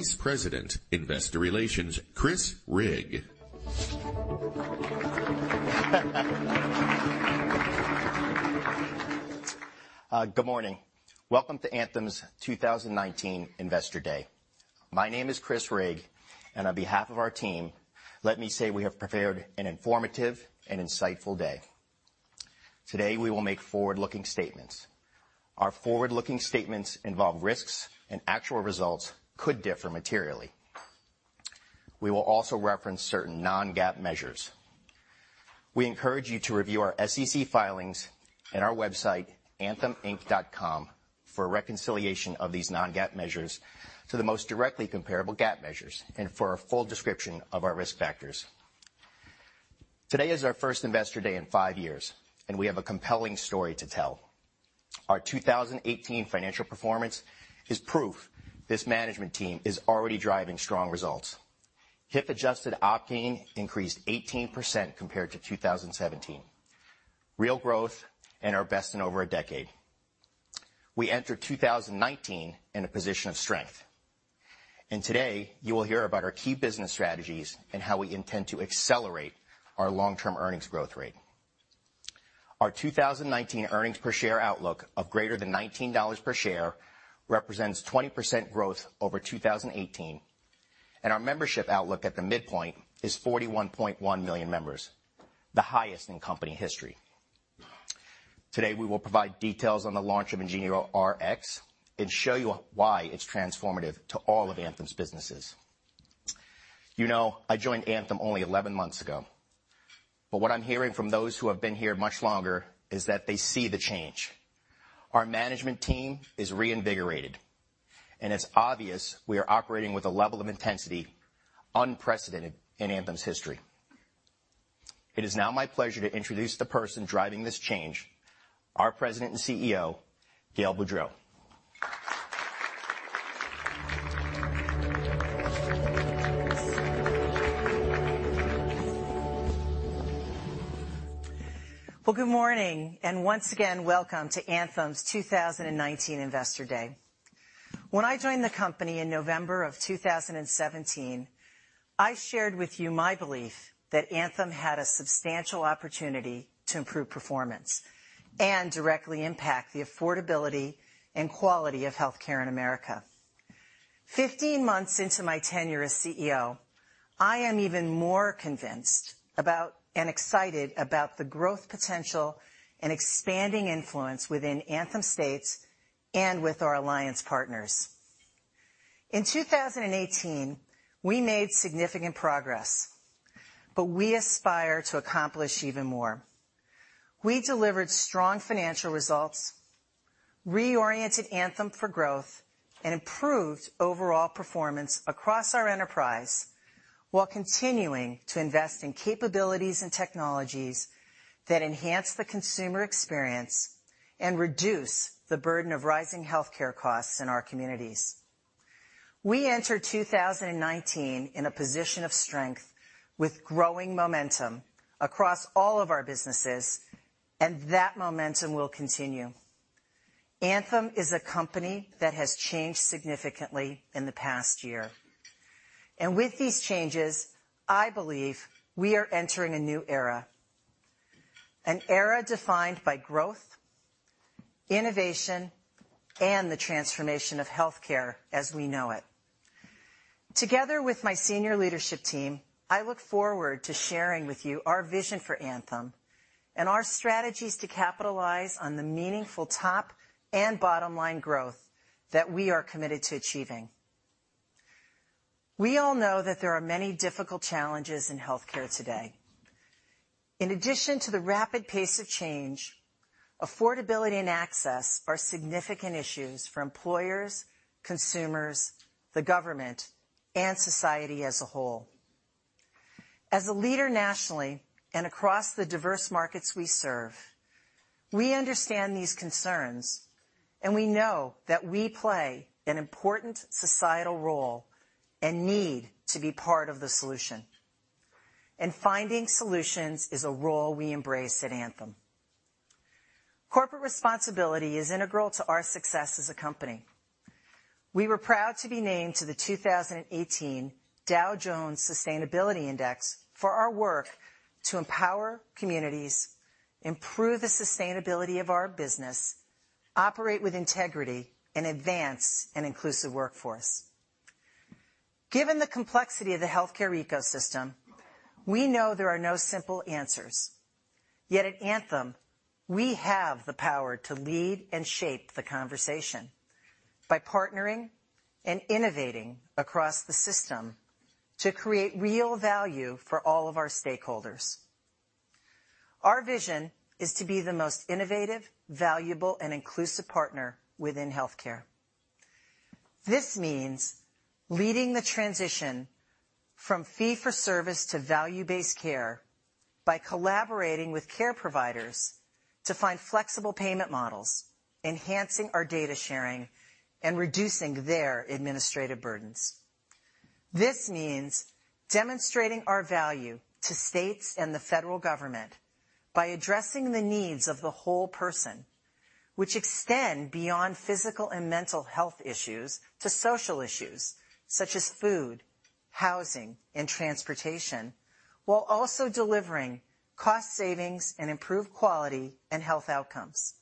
Vice President, Investor Relations, Chris Rigg. Good morning. Welcome to Anthem's 2019 Investor Day. My name is Chris Rigg, and on behalf of our team, let me say we have prepared an informative and insightful day. Today, we will make forward-looking statements. Our forward-looking statements involve risks, and actual results could differ materially. We will also reference certain non-GAAP measures. We encourage you to review our SEC filings and our website antheminc.com for a reconciliation of these non-GAAP measures to the most directly comparable GAAP measures and for a full description of our risk factors. Today is our first Investor Day in five years, and we have a compelling story to tell. Our 2018 financial performance is proof this management team is already driving strong results. HIF-adjusted op inc increased 18% compared to 2017. Real growth and our best in over a decade. We enter 2019 in a position of strength, and today you will hear about our key business strategies and how we intend to accelerate our long-term earnings growth rate. Our 2019 earnings per share outlook of greater than $19 per share represents 20% growth over 2018, and our membership outlook at the midpoint is 41.1 million members, the highest in company history. Today, we will provide details on the launch of IngenioRx and show you why it's transformative to all of Anthem's businesses. You know, I joined Anthem only 11 months ago, but what I'm hearing from those who have been here much longer is that they see the change. Our management team is reinvigorated, and it's obvious we are operating with a level of intensity unprecedented in Anthem's history. It is now my pleasure to introduce the person driving this change, our President and CEO, Gail Boudreaux. Well, good morning, and once again, welcome to Anthem's 2019 Investor Day. When I joined the company in November of 2017, I shared with you my belief that Anthem had a substantial opportunity to improve performance and directly impact the affordability and quality of healthcare in America. 15 months into my tenure as CEO, I am even more convinced about and excited about the growth potential and expanding influence within Anthem States and with our alliance partners. In 2018, we made significant progress, but we aspire to accomplish even more. We delivered strong financial results, reoriented Anthem for growth, and improved overall performance across our enterprise while continuing to invest in capabilities and technologies that enhance the consumer experience and reduce the burden of rising healthcare costs in our communities. We enter 2019 in a position of strength with growing momentum across all of our businesses. That momentum will continue. Anthem is a company that has changed significantly in the past year. With these changes, I believe we are entering a new era, an era defined by growth, innovation, and the transformation of healthcare as we know it. Together with my senior leadership team, I look forward to sharing with you our vision for Anthem and our strategies to capitalize on the meaningful top and bottom-line growth that we are committed to achieving. We all know that there are many difficult challenges in healthcare today. In addition to the rapid pace of change, affordability and access are significant issues for employers, consumers, the government, and society as a whole. As a leader nationally and across the diverse markets we serve, we understand these concerns. We know that we play an important societal role and need to be part of the solution. Finding solutions is a role we embrace at Anthem. Corporate responsibility is integral to our success as a company. We were proud to be named to the 2018 Dow Jones Sustainability Index for our work to empower communities, improve the sustainability of our business, operate with integrity, and advance an inclusive workforce. Given the complexity of the healthcare ecosystem, we know there are no simple answers. Yet at Anthem, we have the power to lead and shape the conversation by partnering and innovating across the system to create real value for all of our stakeholders. Our vision is to be the most innovative, valuable, and inclusive partner within healthcare. This means leading the transition from fee-for-service to value-based care by collaborating with care providers to find flexible payment models, enhancing our data sharing, and reducing their administrative burdens. This means demonstrating our value to states and the federal government by addressing the needs of the whole person, which extend beyond physical and mental health issues to social issues, such as food, housing, and transportation, while also delivering cost savings and improved quality and health outcomes.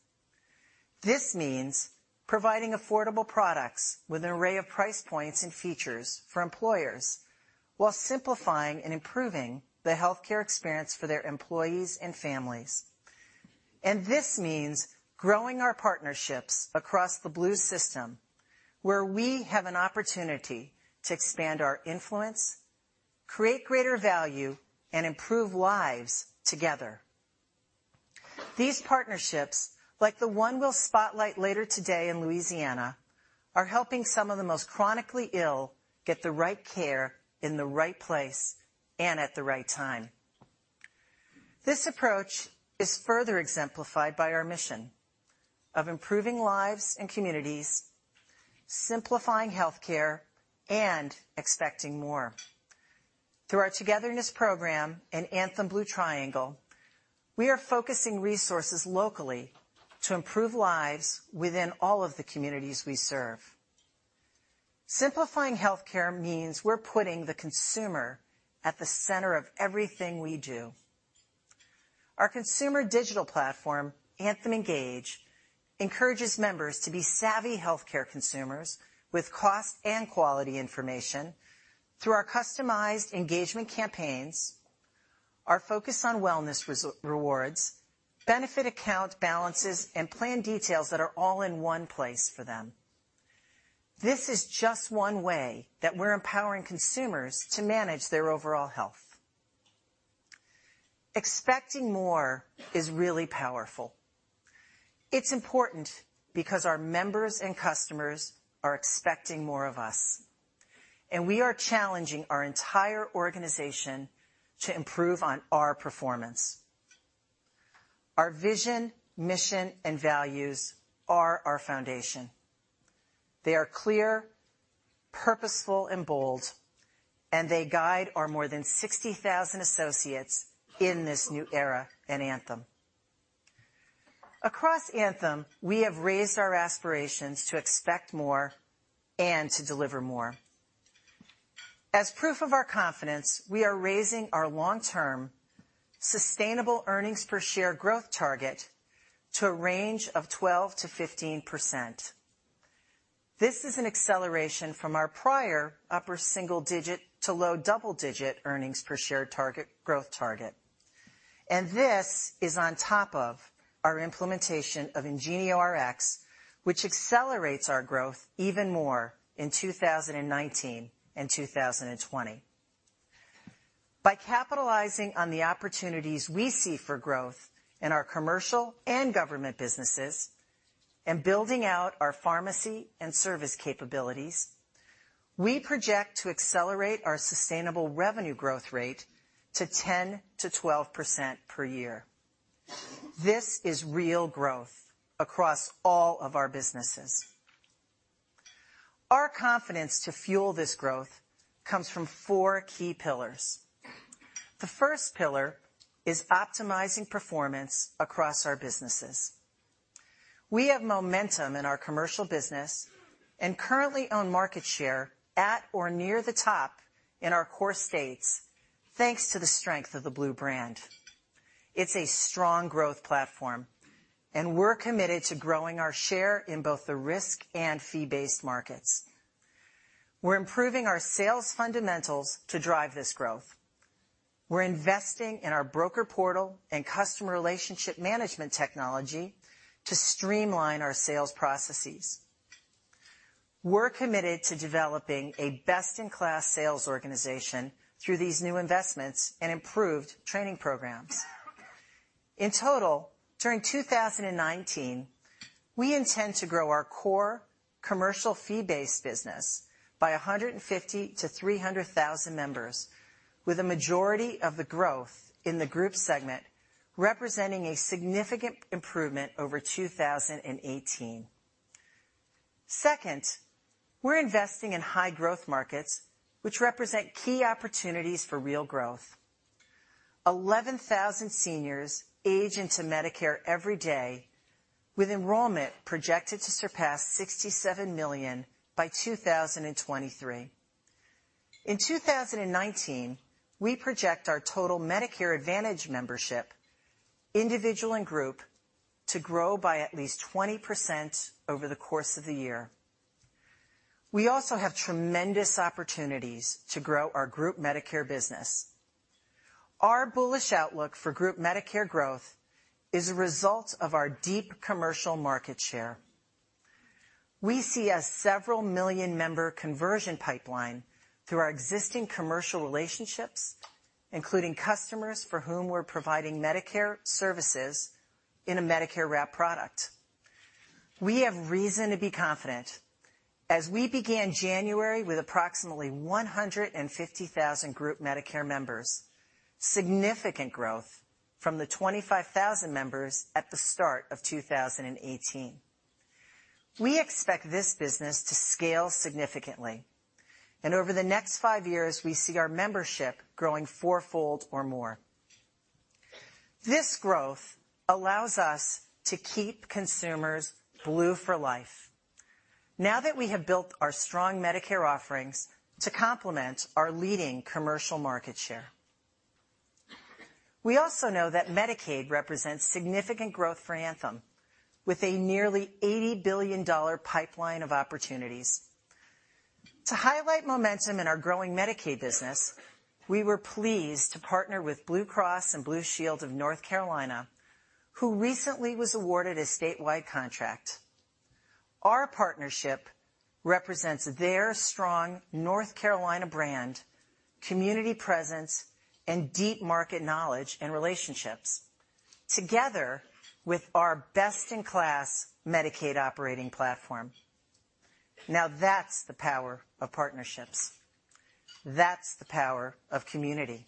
This means providing affordable products with an array of price points and features for employers while simplifying and improving the healthcare experience for their employees and families. This means growing our partnerships across the Blue system, where we have an opportunity to expand our influence, create greater value, and improve lives together. These partnerships, like the one we'll spotlight later today in Louisiana, are helping some of the most chronically ill get the right care in the right place and at the right time. This approach is further exemplified by our mission of improving lives and communities, simplifying healthcare, and expecting more. Through our Togetherness program and Anthem Blue Triangle, we are focusing resources locally to improve lives within all of the communities we serve. Simplifying healthcare means we're putting the consumer at the center of everything we do. Our consumer digital platform, Anthem Engage, encourages members to be savvy healthcare consumers with cost and quality information through our customized engagement campaigns, our focus on wellness rewards, benefit account balances, and plan details that are all in one place for them. This is just one way that we're empowering consumers to manage their overall health. Expecting more is really powerful. It's important because our members and customers are expecting more of us. We are challenging our entire organization to improve on our performance. Our vision, mission, and values are our foundation. They are clear, purposeful, and bold, and they guide our more than 60,000 associates in this new era at Anthem. Across Anthem, we have raised our aspirations to expect more and to deliver more. As proof of our confidence, we are raising our long-term sustainable earnings per share growth target to a range of 12%-15%. This is an acceleration from our prior upper single digit to low double digit earnings per share growth target. This is on top of our implementation of IngenioRx, which accelerates our growth even more in 2019 and 2020. By capitalizing on the opportunities we see for growth in our commercial and government businesses and building out our pharmacy and service capabilities, we project to accelerate our sustainable revenue growth rate to 10%-12% per year. This is real growth across all of our businesses. Our confidence to fuel this growth comes from four key pillars. The first pillar is optimizing performance across our businesses. We have momentum in our commercial business and currently own market share at or near the top in our core states, thanks to the strength of the Blue brand. It's a strong growth platform, and we're committed to growing our share in both the risk and fee-based markets. We're improving our sales fundamentals to drive this growth. We're investing in our broker portal and customer relationship management technology to streamline our sales processes. We're committed to developing a best-in-class sales organization through these new investments and improved training programs. In total, during 2019, we intend to grow our core commercial fee-based business by 150,000-300,000 members, with a majority of the growth in the group segment representing a significant improvement over 2018. Second, we're investing in high-growth markets, which represent key opportunities for real growth. 11,000 seniors age into Medicare every day, with enrollment projected to surpass 67 million by 2023. In 2019, we project our total Medicare Advantage membership, individual and group, to grow by at least 20% over the course of the year. We also have tremendous opportunities to grow our group Medicare business. Our bullish outlook for group Medicare growth is a result of our deep commercial market share. We see a several million member conversion pipeline through our existing commercial relationships, including customers for whom we're providing Medicare services in a Medicare wrap product. We have reason to be confident as we began January with approximately 150,000 group Medicare members, significant growth from the 25,000 members at the start of 2018. We expect this business to scale significantly. Over the next five years, we see our membership growing fourfold or more. This growth allows us to keep consumers Blue for life now that we have built our strong Medicare offerings to complement our leading commercial market share. We also know that Medicaid represents significant growth for Anthem, with a nearly $80 billion pipeline of opportunities. To highlight momentum in our growing Medicaid business, we were pleased to partner with Blue Cross and Blue Shield of North Carolina, who recently was awarded a statewide contract. Our partnership represents their strong North Carolina brand, community presence, and deep market knowledge and relationships, together with our best-in-class Medicaid operating platform. That's the power of partnerships. That's the power of community.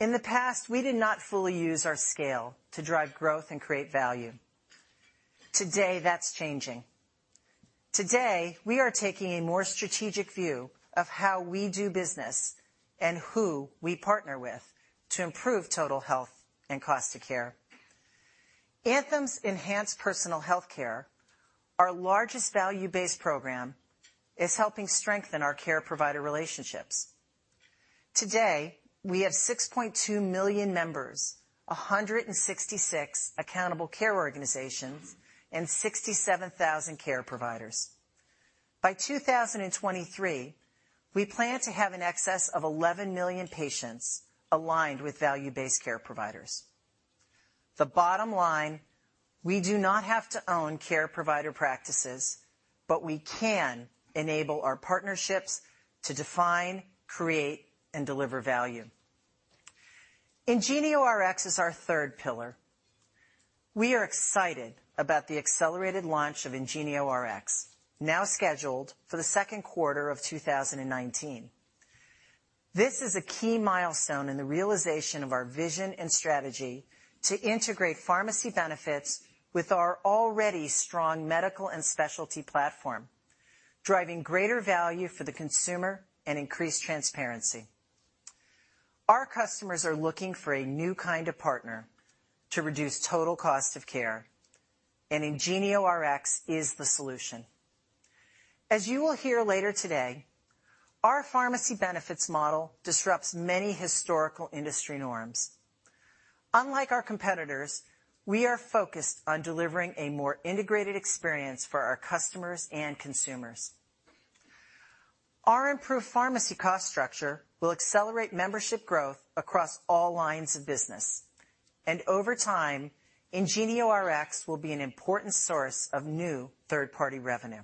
In the past, we did not fully use our scale to drive growth and create value. Today, that's changing. We are taking a more strategic view of how we do business and who we partner with to improve total health and cost of care. Anthem's Enhanced Personal Health Care, our largest value-based program, is helping strengthen our care provider relationships. Today, we have 6.2 million members, 166 accountable care organizations, and 67,000 care providers. By 2023, we plan to have in excess of 11 million patients aligned with value-based care providers. The bottom line, we do not have to own care provider practices, but we can enable our partnerships to define, create, and deliver value. IngenioRx is our third pillar. We are excited about the accelerated launch of IngenioRx, now scheduled for the second quarter of 2019. This is a key milestone in the realization of our vision and strategy to integrate pharmacy benefits with our already strong medical and specialty platform, driving greater value for the consumer and increased transparency. Our customers are looking for a new kind of partner to reduce total cost of care, and IngenioRx is the solution. As you will hear later today, our pharmacy benefits model disrupts many historical industry norms. Unlike our competitors, we are focused on delivering a more integrated experience for our customers and consumers. Our improved pharmacy cost structure will accelerate membership growth across all lines of business. Over time, IngenioRx will be an important source of new third-party revenue.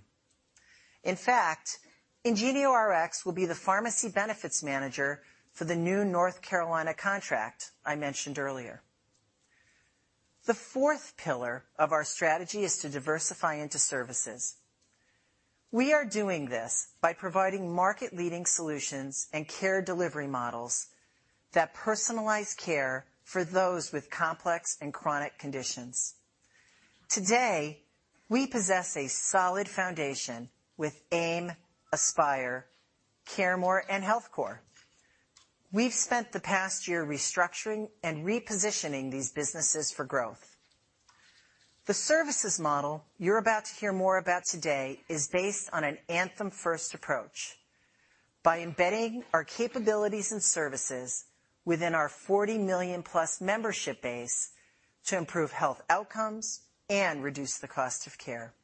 In fact, IngenioRx will be the pharmacy benefits manager for the new North Carolina contract I mentioned earlier. The fourth pillar of our strategy is to diversify into services. We are doing this by providing market leading solutions and care delivery models that personalize care for those with complex and chronic conditions. Today, we possess a solid foundation with AIM, Aspire, CareMore, and HealthCore. We've spent the past year restructuring and repositioning these businesses for growth. The services model you're about to hear more about today is based on an Anthem first approach by embedding our capabilities and services within our 40 million+ membership base to improve health outcomes and reduce the cost of care.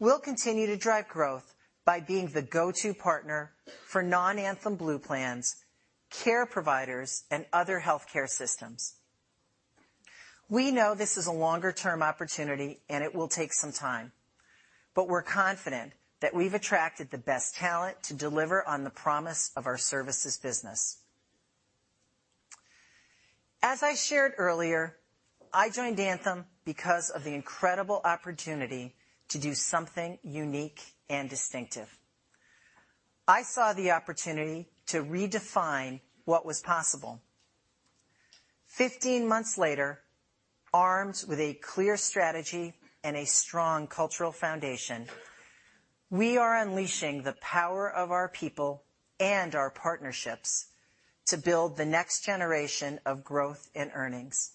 We'll continue to drive growth by being the go-to partner for non-Anthem Blue plans, care providers, and other healthcare systems. We know this is a longer-term opportunity, and it will take some time, but we're confident that we've attracted the best talent to deliver on the promise of our services business. As I shared earlier, I joined Anthem because of the incredible opportunity to do something unique and distinctive. I saw the opportunity to redefine what was possible. 15 months later, armed with a clear strategy and a strong cultural foundation, we are unleashing the power of our people and our partnerships to build the next generation of growth and earnings.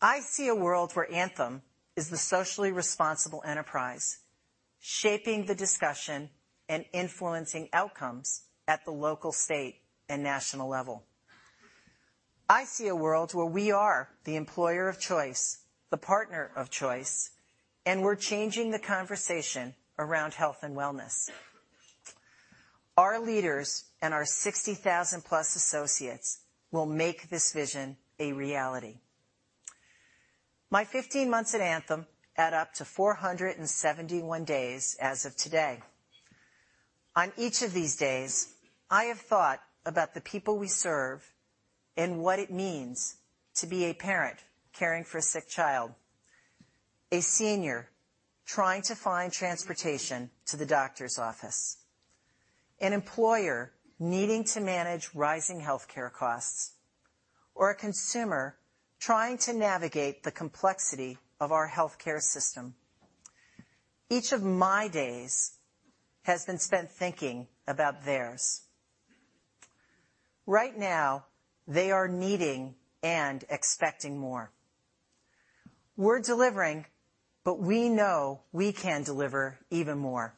I see a world where Anthem is the socially responsible enterprise, shaping the discussion and influencing outcomes at the local, state, and national level. I see a world where we are the employer of choice, the partner of choice, and we're changing the conversation around health and wellness. Our leaders and our 60,000-plus associates will make this vision a reality. My 15 months at Anthem add up to 471 days as of today. On each of these days, I have thought about the people we serve and what it means to be a parent caring for a sick child, a senior trying to find transportation to the doctor's office, an employer needing to manage rising healthcare costs or a consumer trying to navigate the complexity of our healthcare system. Each of my days has been spent thinking about theirs. Right now, they are needing and expecting more. We're delivering, but we know we can deliver even more.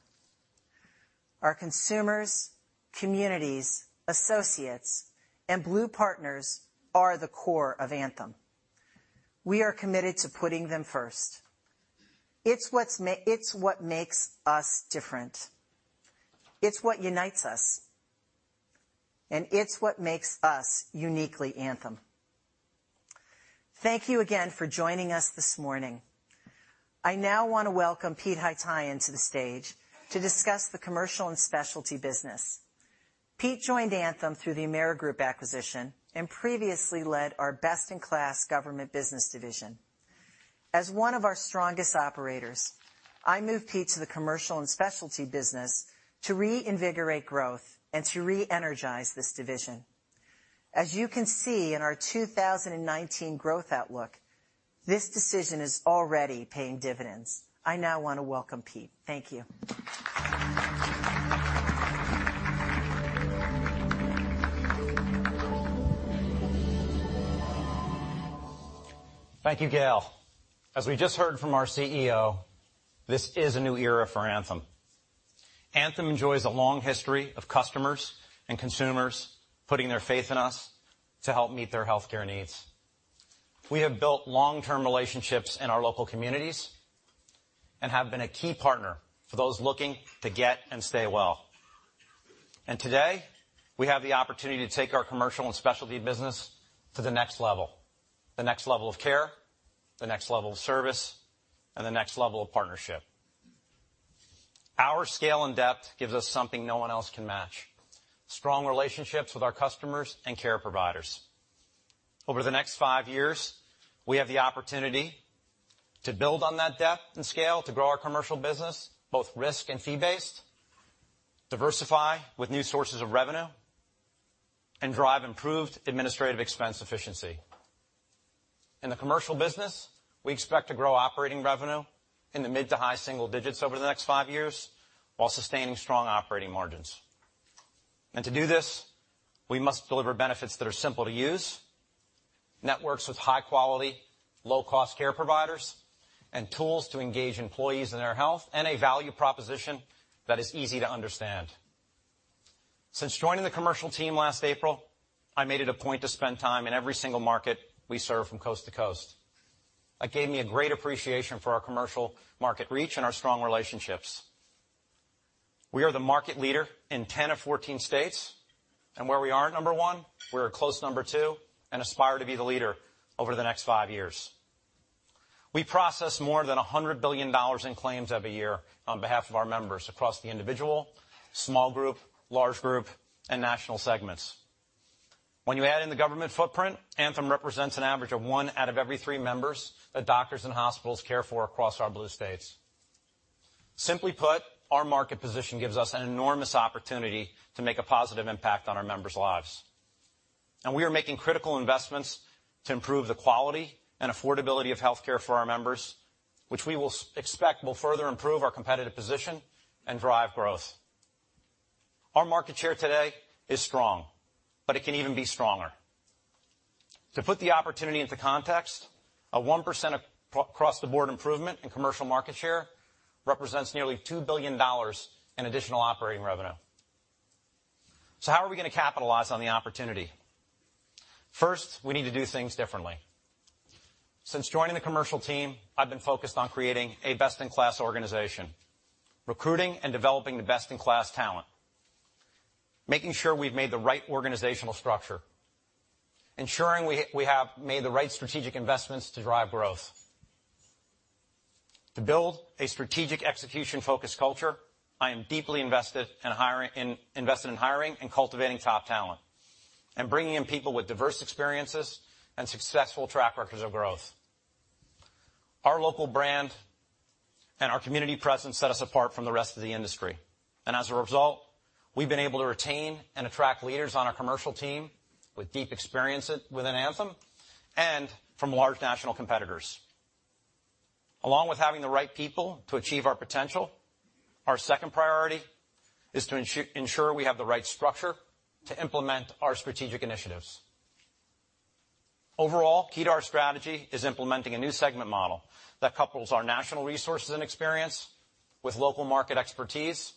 Our consumers, communities, associates, and Blue partners are the core of Anthem. We are committed to putting them first. It's what makes us different. It's what unites us, and it's what makes us uniquely Anthem. Thank you again for joining us this morning. I now want to welcome Pete Haytaian to the stage to discuss the commercial and specialty business. Pete joined Anthem through the Amerigroup acquisition and previously led our best-in-class government business division. As one of our strongest operators, I moved Pete to the commercial and specialty business to reinvigorate growth and to re-energize this division. As you can see in our 2019 growth outlook, this decision is already paying dividends. I now want to welcome Pete. Thank you. Thank you, Gail. As we just heard from our CEO, this is a new era for Anthem. Anthem enjoys a long history of customers and consumers putting their faith in us to help meet their healthcare needs. We have built long-term relationships in our local communities and have been a key partner for those looking to get and stay well. Today, we have the opportunity to take our commercial and specialty business to the next level, the next level of care, the next level of service, and the next level of partnership. Our scale and depth gives us something no one else can match. Strong relationships with our customers and care providers. Over the next five years, we have the opportunity to build on that depth and scale to grow our commercial business, both risk and fee-based, diversify with new sources of revenue, and drive improved administrative expense efficiency. In the commercial business, we expect to grow operating revenue in the mid to high single digits over the next five years while sustaining strong operating margins. To do this, we must deliver benefits that are simple to use, networks with high-quality, low-cost care providers, and tools to engage employees in their health, and a value proposition that is easy to understand. Since joining the commercial team last April, I made it a point to spend time in every single market we serve from coast to coast. That gave me a great appreciation for our commercial market reach and our strong relationships. We are the market leader in 10 of 14 states, and where we aren't number 1, we're a close number 2 and aspire to be the leader over the next five years. We process more than $100 billion in claims every year on behalf of our members across the individual, small group, large group, and national segments. When you add in the government footprint, Anthem represents an average of one out of every three members that doctors and hospitals care for across our Blue states. Simply put, our market position gives us an enormous opportunity to make a positive impact on our members' lives. We are making critical investments to improve the quality and affordability of healthcare for our members, which we will expect will further improve our competitive position and drive growth. Our market share today is strong, it can even be stronger. To put the opportunity into context, a 1% across the board improvement in commercial market share represents nearly $2 billion in additional operating revenue. How are we going to capitalize on the opportunity? First, we need to do things differently. Since joining the commercial team, I've been focused on creating a best-in-class organization, recruiting and developing the best-in-class talent, making sure we've made the right organizational structure, ensuring we have made the right strategic investments to drive growth. To build a strategic execution-focused culture, I am deeply invested in hiring and cultivating top talent and bringing in people with diverse experiences and successful track records of growth. Our local brand and our community presence set us apart from the rest of the industry. As a result, we've been able to retain and attract leaders on our commercial team with deep experience within Anthem and from large national competitors. Along with having the right people to achieve our potential, our second priority is to ensure we have the right structure to implement our strategic initiatives. Overall, key to our strategy is implementing a new segment model that couples our national resources and experience with local market expertise,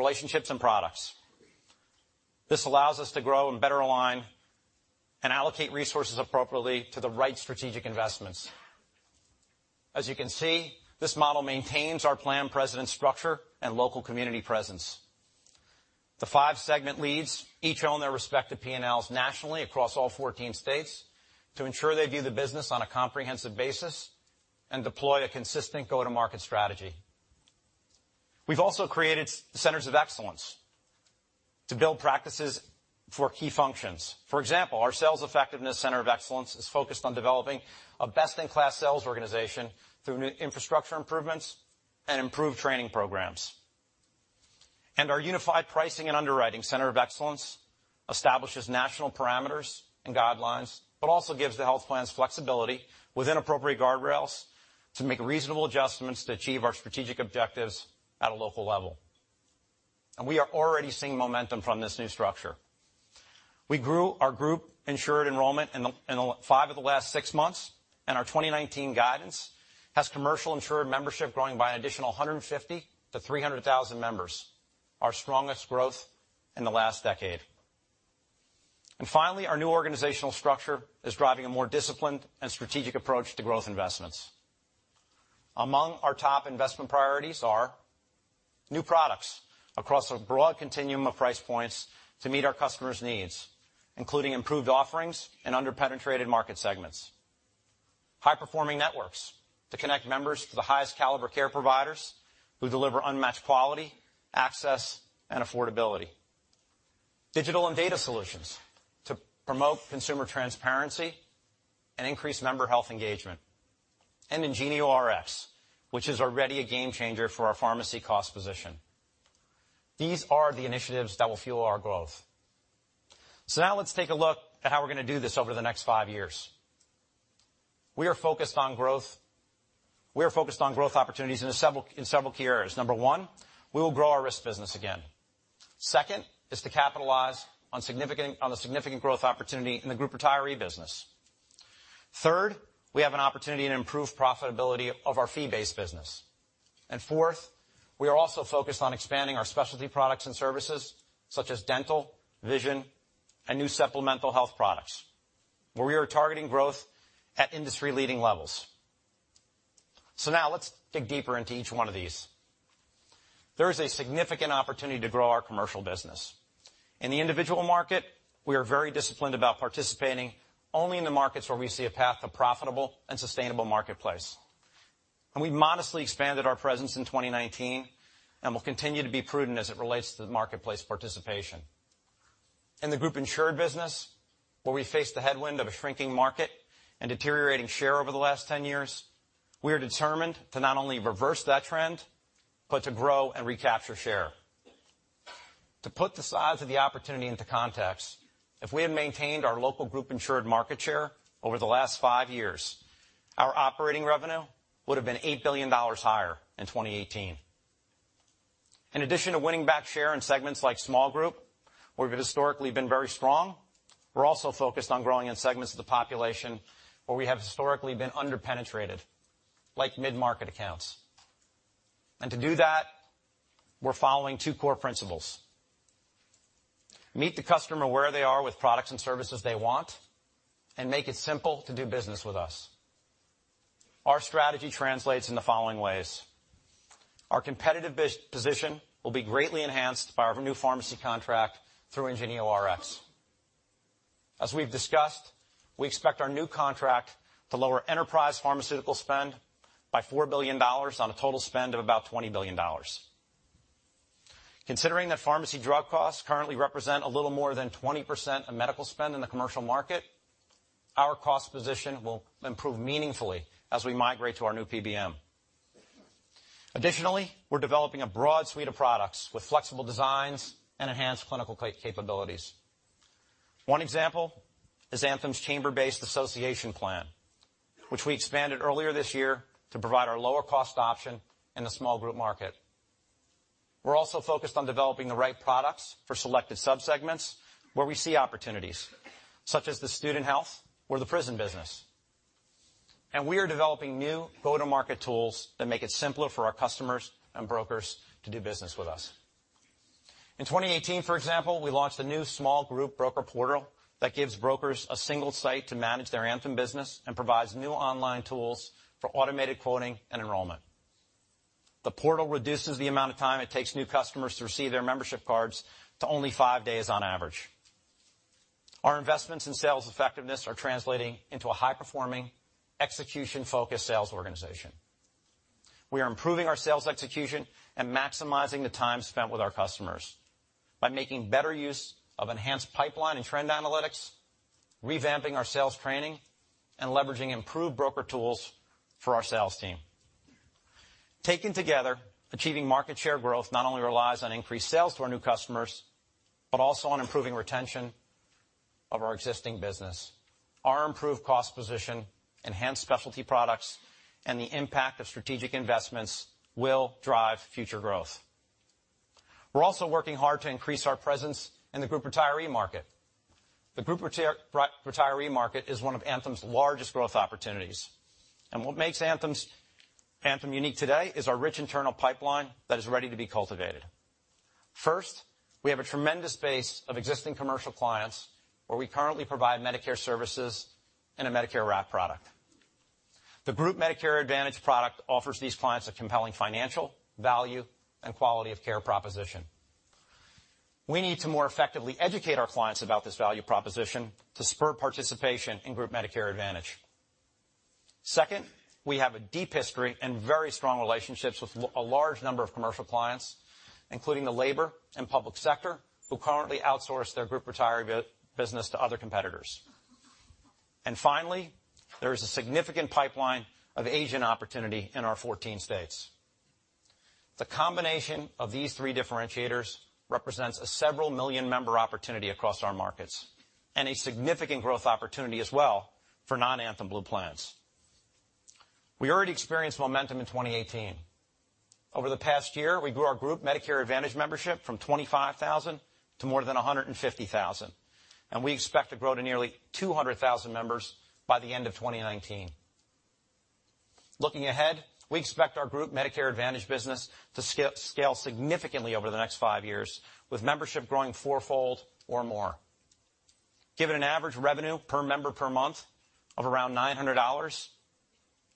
relationships, and products. This allows us to grow and better align and allocate resources appropriately to the right strategic investments. As you can see, this model maintains our plan president structure and local community presence. The 5 segment leads each own their respective P&Ls nationally across all 14 states to ensure they view the business on a comprehensive basis and deploy a consistent go-to-market strategy. We've also created centers of excellence to build practices for key functions. For example, our sales effectiveness center of excellence is focused on developing a best-in-class sales organization through new infrastructure improvements and improved training programs. Our unified pricing and underwriting center of excellence establishes national parameters and guidelines, also gives the health plans flexibility within appropriate guardrails to make reasonable adjustments to achieve our strategic objectives at a local level. We are already seeing momentum from this new structure. We grew our group-insured enrollment in the five of the last six months, and our 2019 guidance has commercial insured membership growing by an additional 150,000-300,000 members, our strongest growth in the last decade. Finally, our new organizational structure is driving a more disciplined and strategic approach to growth investments. Among our top investment priorities are new products across a broad continuum of price points to meet our customers' needs, including improved offerings and under-penetrated market segments. High-performing networks to connect members to the highest caliber care providers who deliver unmatched quality, access, and affordability. Digital and data solutions to promote consumer transparency and increase member health engagement. IngenioRx, which is already a game changer for our pharmacy cost position. These are the initiatives that will fuel our growth. Now let's take a look at how we're going to do this over the next five years. We are focused on growth opportunities in several key areas. Number 1, we will grow our risk business again. Second is to capitalize on the significant growth opportunity in the group retiree business. Third, we have an opportunity to improve profitability of our fee-based business. Fourth, we are also focused on expanding our specialty products and services such as dental, vision, and new supplemental health products, where we are targeting growth at industry-leading levels. Now let's dig deeper into each one of these. There is a significant opportunity to grow our commercial business. In the individual market, we are very disciplined about participating only in the markets where we see a path to profitable and sustainable marketplace. We modestly expanded our presence in 2019 and will continue to be prudent as it relates to the marketplace participation. In the group insured business, where we face the headwind of a shrinking market and deteriorating share over the last 10 years, we are determined to not only reverse that trend, but to grow and recapture share. To put the size of the opportunity into context, if we had maintained our local group insured market share over the last five years, our operating revenue would have been $8 billion higher in 2018. In addition to winning back share in segments like small group, where we've historically been very strong, we're also focused on growing in segments of the population where we have historically been under-penetrated, like mid-market accounts. To do that, we're following two core principles: meet the customer where they are with products and services they want, and make it simple to do business with us. Our strategy translates in the following ways. Our competitive position will be greatly enhanced by our new pharmacy contract through IngenioRx. As we've discussed, we expect our new contract to lower enterprise pharmaceutical spend by $4 billion on a total spend of about $20 billion. Considering that pharmacy drug costs currently represent a little more than 20% of medical spend in the commercial market, our cost position will improve meaningfully as we migrate to our new PBM. Additionally, we're developing a broad suite of products with flexible designs and enhanced clinical capabilities. One example is Anthem's Chamber-based Association plan, which we expanded earlier this year to provide our lower cost option in the small group market. We're also focused on developing the right products for selected subsegments where we see opportunities, such as the student health or the prison business. We are developing new go-to-market tools that make it simpler for our customers and brokers to do business with us. In 2018, for example, we launched a new small group broker portal that gives brokers a single site to manage their Anthem business and provides new online tools for automated quoting and enrollment. The portal reduces the amount of time it takes new customers to receive their membership cards to only five days on average. Our investments in sales effectiveness are translating into a high performing execution focused sales organization. We are improving our sales execution and maximizing the time spent with our customers by making better use of enhanced pipeline and trend analytics, revamping our sales training, and leveraging improved broker tools for our sales team. Taken together, achieving market share growth not only relies on increased sales to our new customers, but also on improving retention of our existing business. Our improved cost position, enhanced specialty products, and the impact of strategic investments will drive future growth. We're also working hard to increase our presence in the group retiree market. The group retiree market is one of Anthem's largest growth opportunities, and what makes Anthem unique today is our rich internal pipeline that is ready to be cultivated. First, we have a tremendous base of existing commercial clients, where we currently provide Medicare services and a Medicare wrap product. The Group Medicare Advantage product offers these clients a compelling financial value and quality of care proposition. We need to more effectively educate our clients about this value proposition to spur participation in Group Medicare Advantage. Second, we have a deep history and very strong relationships with a large number of commercial clients, including the labor and public sector, who currently outsource their group retiree business to other competitors. Finally, there is a significant pipeline of agent opportunity in our 14 states. The combination of these three differentiators represents a several million member opportunity across our markets and a significant growth opportunity as well for non-Anthem Blue plans. We already experienced momentum in 2018. Over the past year, we grew our group Medicare Advantage membership from 25,000 to more than 150,000, and we expect to grow to nearly 200,000 members by the end of 2019. Looking ahead, we expect our group Medicare Advantage business to scale significantly over the next five years with membership growing fourfold or more. Given an average revenue per member per month of around $900,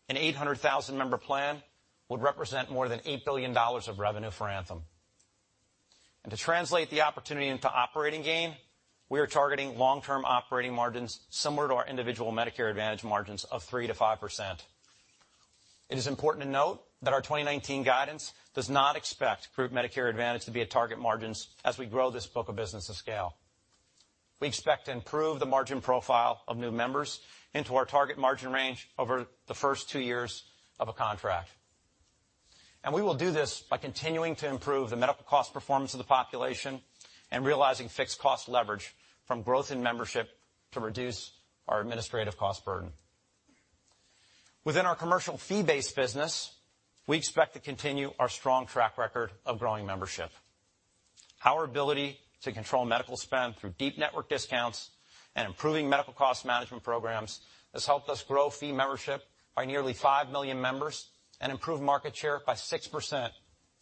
an 800,000-member plan would represent more than $8 billion of revenue for Anthem. To translate the opportunity into operating gain, we are targeting long-term operating margins similar to our individual Medicare Advantage margins of 3%-5%. It is important to note that our 2019 guidance does not expect group Medicare Advantage to be at target margins as we grow this book of business to scale. We expect to improve the margin profile of new members into our target margin range over the first two years of a contract. We will do this by continuing to improve the medical cost performance of the population and realizing fixed cost leverage from growth in membership to reduce our administrative cost burden. Within our commercial fee-based business, we expect to continue our strong track record of growing membership. Our ability to control medical spend through deep network discounts and improving medical cost management programs has helped us grow fee membership by nearly 5 million members and improve market share by 6%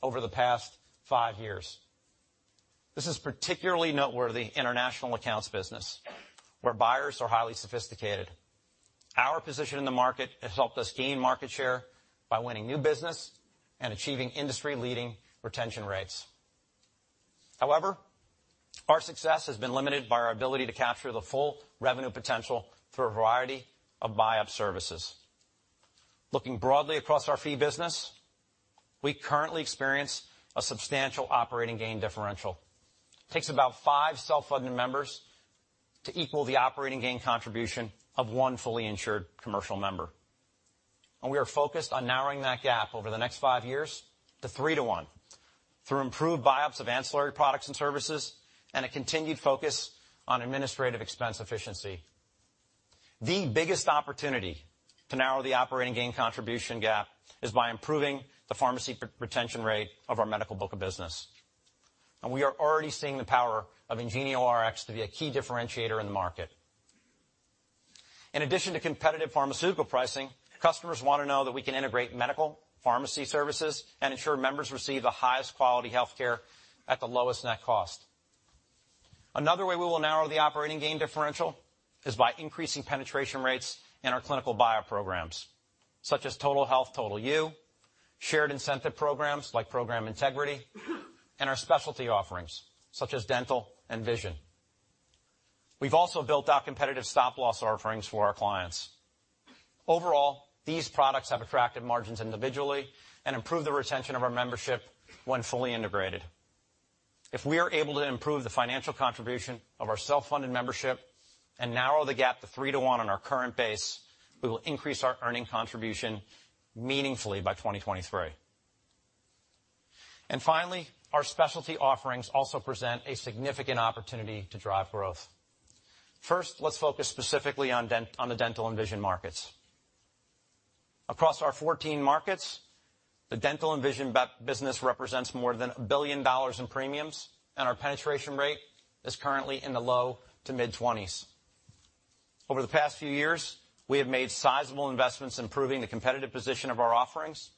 over the past five years. This is particularly noteworthy in our national accounts business, where buyers are highly sophisticated. Our position in the market has helped us gain market share by winning new business and achieving industry-leading retention rates. However, our success has been limited by our ability to capture the full revenue potential through a variety of buy-up services. Looking broadly across our fee business, we currently experience a substantial operating gain differential. It takes about five self-funded members to equal the operating gain contribution of one fully insured commercial member. We are focused on narrowing that gap over the next five years to 3 to 1 through improved buy-ups of ancillary products and services and a continued focus on administrative expense efficiency. The biggest opportunity to narrow the operating gain contribution gap is by improving the pharmacy retention rate of our medical book of business. We are already seeing the power of IngenioRx to be a key differentiator in the market. In addition to competitive pharmaceutical pricing, customers want to know that we can integrate medical pharmacy services and ensure members receive the highest quality healthcare at the lowest net cost. Another way we will narrow the operating gain differential is by increasing penetration rates in our clinical buyer programs, such as Total Health Total You, shared incentive programs like Program Integrity, and our specialty offerings, such as dental and vision. We've also built out competitive stop-loss offerings for our clients. Overall, these products have attractive margins individually and improve the retention of our membership when fully integrated. If we are able to improve the financial contribution of our self-funded membership and narrow the gap to 3 to 1 on our current base, we will increase our earning contribution meaningfully by 2023. Finally, our specialty offerings also present a significant opportunity to drive growth. First, let's focus specifically on the dental and vision markets. Across our 14 markets, the dental and vision business represents more than $1 billion in premiums, and our penetration rate is currently in the low to mid-20s. Over the past few years, we have made sizable investments improving the competitive position of our offerings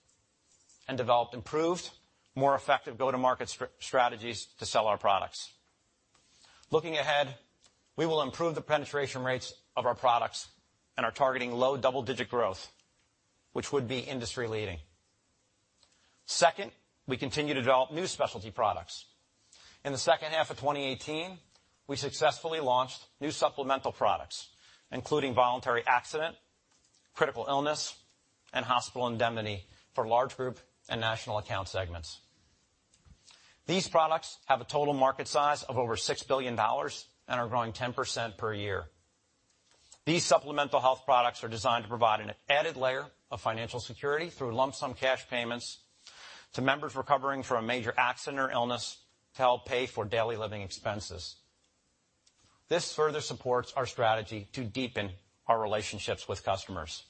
and developed improved, more effective go-to-market strategies to sell our products. Looking ahead, we will improve the penetration rates of our products and are targeting low double-digit growth, which would be industry-leading. Second, we continue to develop new specialty products. In the second half of 2018, we successfully launched new supplemental products, including voluntary accident, critical illness, and hospital indemnity for large group and national account segments. These products have a total market size of over $6 billion and are growing 10% per year. These supplemental health products are designed to provide an added layer of financial security through lump sum cash payments to members recovering from a major accident or illness to help pay for daily living expenses. This further supports our strategy to deepen our relationships with customers.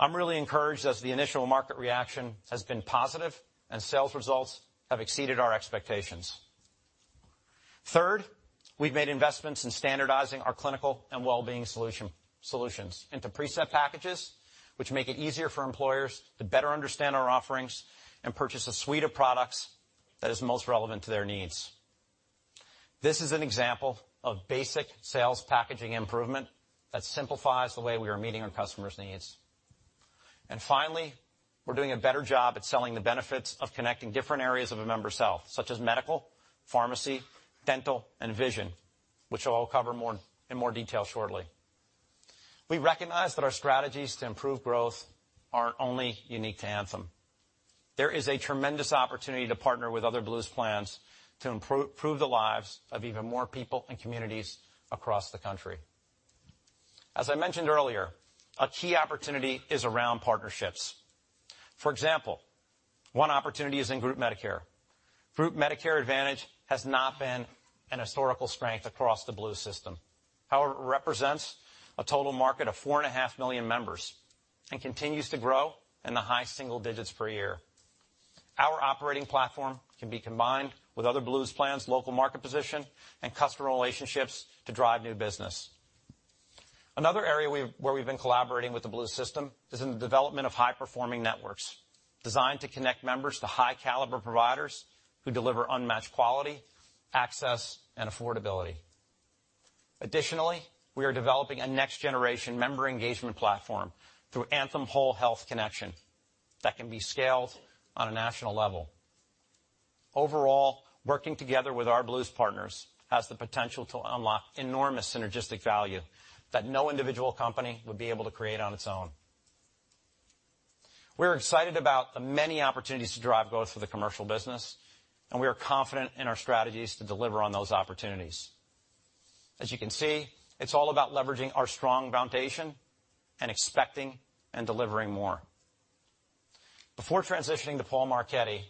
I'm really encouraged as the initial market reaction has been positive and sales results have exceeded our expectations. Third, we've made investments in standardizing our clinical and wellbeing solutions into preset packages, which make it easier for employers to better understand our offerings and purchase a suite of products that is most relevant to their needs. This is an example of basic sales packaging improvement that simplifies the way we are meeting our customers' needs. Finally, we're doing a better job at selling the benefits of connecting different areas of a member's health, such as medical, pharmacy, dental, and vision, which I'll cover in more detail shortly. We recognize that our strategies to improve growth aren't only unique to Anthem. There is a tremendous opportunity to partner with other Blues plans to improve the lives of even more people and communities across the country. As I mentioned earlier, a key opportunity is around partnerships. For example, one opportunity is in group Medicare. Group Medicare Advantage has not been an historical strength across the Blue system. However, it represents a total market of 4.5 million members and continues to grow in the high single digits per year. Our operating platform can be combined with other Blues plans' local market position and customer relationships to drive new business. Another area where we've been collaborating with the Blue system is in the development of high-performing networks designed to connect members to high-caliber providers who deliver unmatched quality, access, and affordability. Additionally, we are developing a next-generation member engagement platform through Anthem Whole Health Connection that can be scaled on a national level. Overall, working together with our Blues partners has the potential to unlock enormous synergistic value that no individual company would be able to create on its own. We're excited about the many opportunities to drive growth for the commercial business, and we are confident in our strategies to deliver on those opportunities. As you can see, it's all about leveraging our strong foundation and expecting and delivering more. Before transitioning to Paul Marchetti,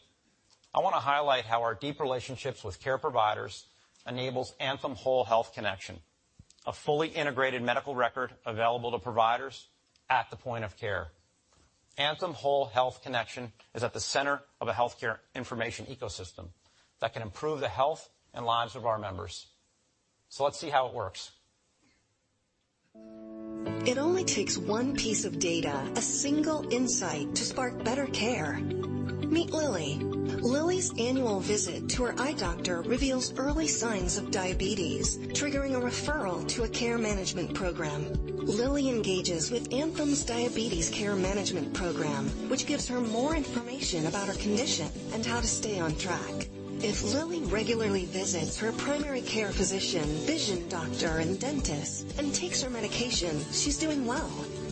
I want to highlight how our deep relationships with care providers enables Anthem Whole Health Connection, a fully integrated medical record available to providers at the point of care. Anthem Whole Health Connection is at the center of a healthcare information ecosystem that can improve the health and lives of our members. Let's see how it works. It only takes one piece of data, a single insight to spark better care. Meet Lily. Lily's annual visit to her eye doctor reveals early signs of diabetes, triggering a referral to a care management program. Lily engages with Anthem's Diabetes Care Management Program, which gives her more information about her condition and how to stay on track. If Lily regularly visits her primary care physician, vision doctor, and dentist and takes her medication, she's doing well.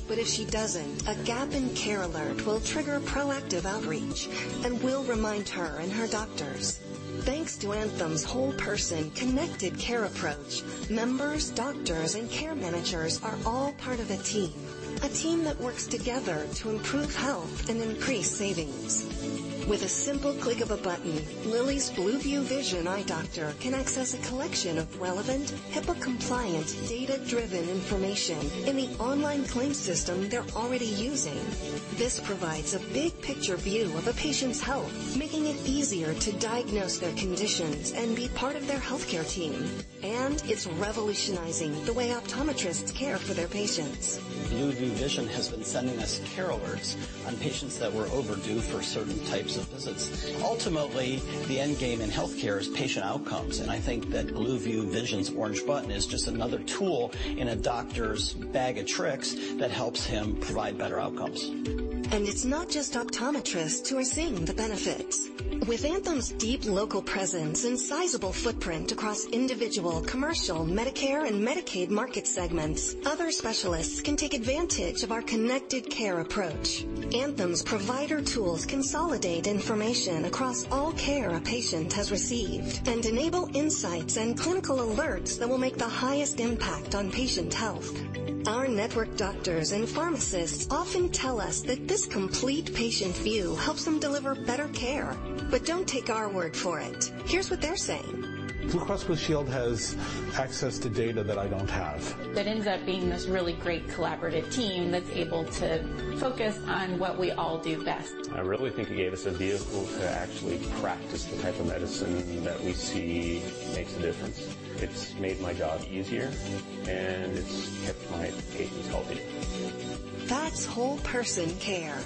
If she doesn't, a gap in care alert will trigger proactive outreach and will remind her and her doctors. Thanks to Anthem's whole-person connected care approach, members, doctors, and care managers are all part of a team, a team that works together to improve health and increase savings. With a simple click of a button, Lily's Blue View Vision eye doctor can access a collection of relevant, HIPAA-compliant, data-driven information in the online claim system they're already using. This provides a big-picture view of a patient's health, making it easier to diagnose their conditions and be part of their healthcare team. It's revolutionizing the way optometrists care for their patients. Blue View Vision has been sending us care alerts on patients that were overdue for certain types of visits. Ultimately, the end game in healthcare is patient outcomes. I think that Blue View Vision's Orange Button is just another tool in a doctor's bag of tricks that helps him provide better outcomes. It's not just optometrists who are seeing the benefits. With Anthem's deep local presence and sizable footprint across individual, commercial, Medicare, and Medicaid market segments, other specialists can take advantage of our connected care approach. Anthem's provider tools consolidate information across all care a patient has received and enable insights and clinical alerts that will make the highest impact on patient health. Our network doctors and pharmacists often tell us that this complete patient view helps them deliver better care. Don't take our word for it. Here's what they're saying. Blue Cross Blue Shield has access to data that I don't have. It ends up being this really great collaborative team that's able to focus on what we all do best. I really think it gave us a vehicle to actually practice the type of medicine that we see makes a difference. It's made my job easier, and it's kept my patients healthy. That's whole-person care.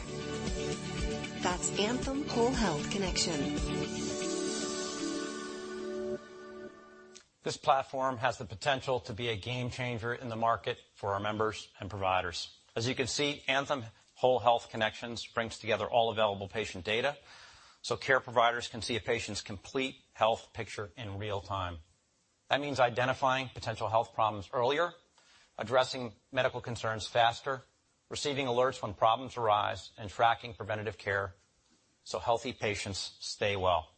That's Anthem Whole Health Connection. This platform has the potential to be a game changer in the market for our members and providers. You can see, Anthem Whole Health Connection brings together all available patient data so care providers can see a patient's complete health picture in real time. That means identifying potential health problems earlier, addressing medical concerns faster, receiving alerts when problems arise, and tracking preventative care so healthy patients stay well.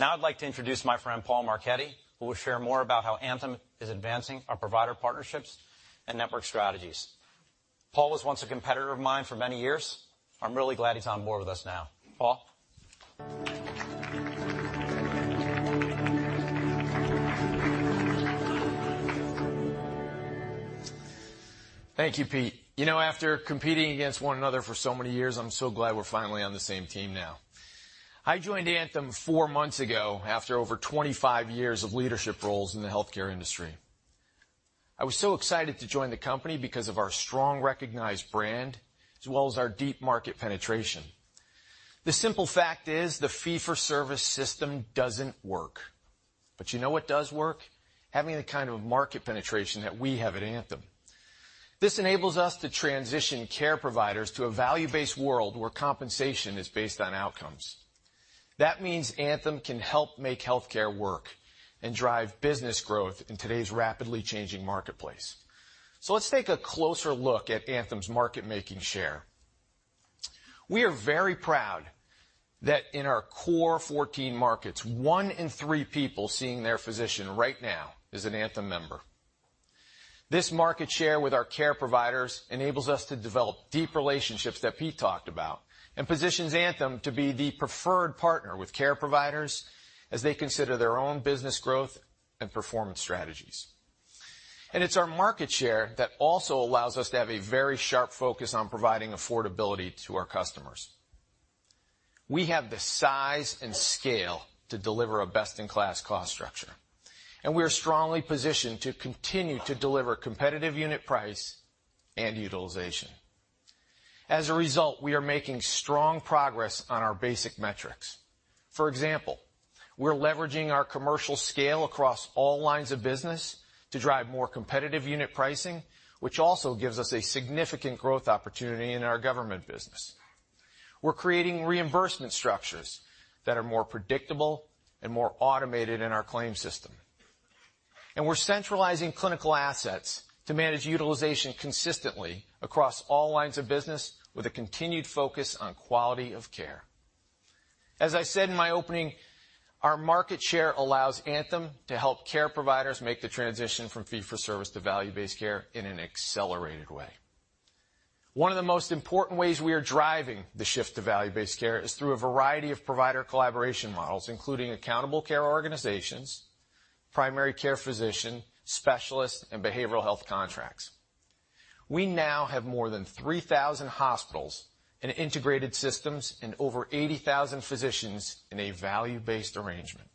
I'd like to introduce my friend Paul Marchetti, who will share more about how Anthem is advancing our provider partnerships and network strategies. Paul was once a competitor of mine for many years. I'm really glad he's on board with us now. Paul. Thank you, Pete. You know, after competing against one another for so many years, I'm so glad we're finally on the same team now. I joined Anthem four months ago after over 25 years of leadership roles in the healthcare industry. I was so excited to join the company because of our strong recognized brand as well as our deep market penetration. The simple fact is the fee-for-service system doesn't work. You know what does work? Having the kind of market penetration that we have at Anthem. This enables us to transition care providers to a value-based world where compensation is based on outcomes. That means Anthem can help make healthcare work and drive business growth in today's rapidly changing marketplace. Let's take a closer look at Anthem's market-making share. We are very proud that in our core 14 markets, one in three people seeing their physician right now is an Anthem member. This market share with our care providers enables us to develop deep relationships that Pete talked about and positions Anthem to be the preferred partner with care providers as they consider their own business growth and performance strategies. It's our market share that also allows us to have a very sharp focus on providing affordability to our customers. We have the size and scale to deliver a best-in-class cost structure, and we are strongly positioned to continue to deliver competitive unit price and utilization. A result, we are making strong progress on our basic metrics. Example, we're leveraging our commercial scale across all lines of business to drive more competitive unit pricing, which also gives us a significant growth opportunity in our government business. We're creating reimbursement structures that are more predictable and more automated in our claim system. We're centralizing clinical assets to manage utilization consistently across all lines of business with a continued focus on quality of care. I said in my opening, our market share allows Anthem to help care providers make the transition from fee-for-service to value-based care in an accelerated way. One of the most important ways we are driving the shift to value-based care is through a variety of provider collaboration models, including accountable care organizations, primary care physician, specialists, and behavioral health contracts. We now have more than 3,000 hospitals and integrated systems and over 80,000 physicians in a value-based arrangement,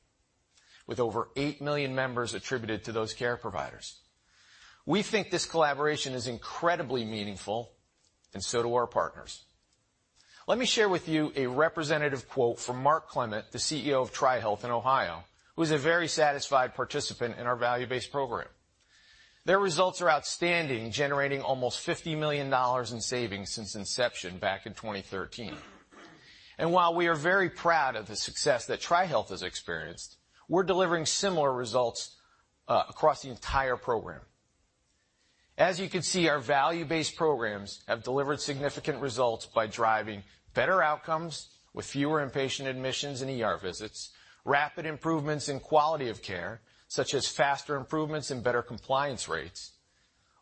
with over 8 million members attributed to those care providers. We think this collaboration is incredibly meaningful and so do our partners. Let me share with you a representative quote from Mark Clement, the CEO of TriHealth in Ohio, who's a very satisfied participant in our value-based program. Their results are outstanding, generating almost $50 million in savings since inception back in 2013. While we are very proud of the success that TriHealth has experienced, we're delivering similar results across the entire program. You can see, our value-based programs have delivered significant results by driving better outcomes with fewer inpatient admissions and ER visits, rapid improvements in quality of care, such as faster improvements and better compliance rates,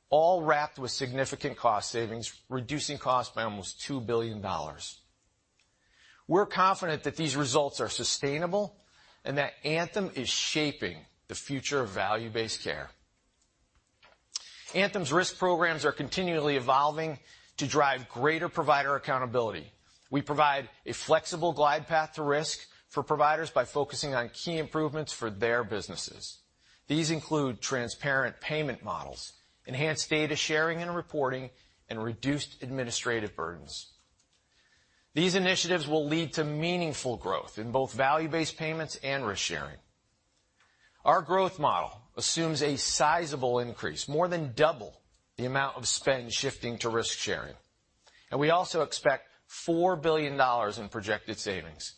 all wrapped with significant cost savings, reducing costs by almost $2 billion. We're confident that these results are sustainable and that Anthem is shaping the future of value-based care. Anthem's risk programs are continually evolving to drive greater provider accountability. We provide a flexible glide path to risk for providers by focusing on key improvements for their businesses. These include transparent payment models, enhanced data sharing and reporting, and reduced administrative burdens. These initiatives will lead to meaningful growth in both value-based payments and risk-sharing. Our growth model assumes a sizable increase, more than double the amount of spend shifting to risk-sharing. We also expect $4 billion in projected savings.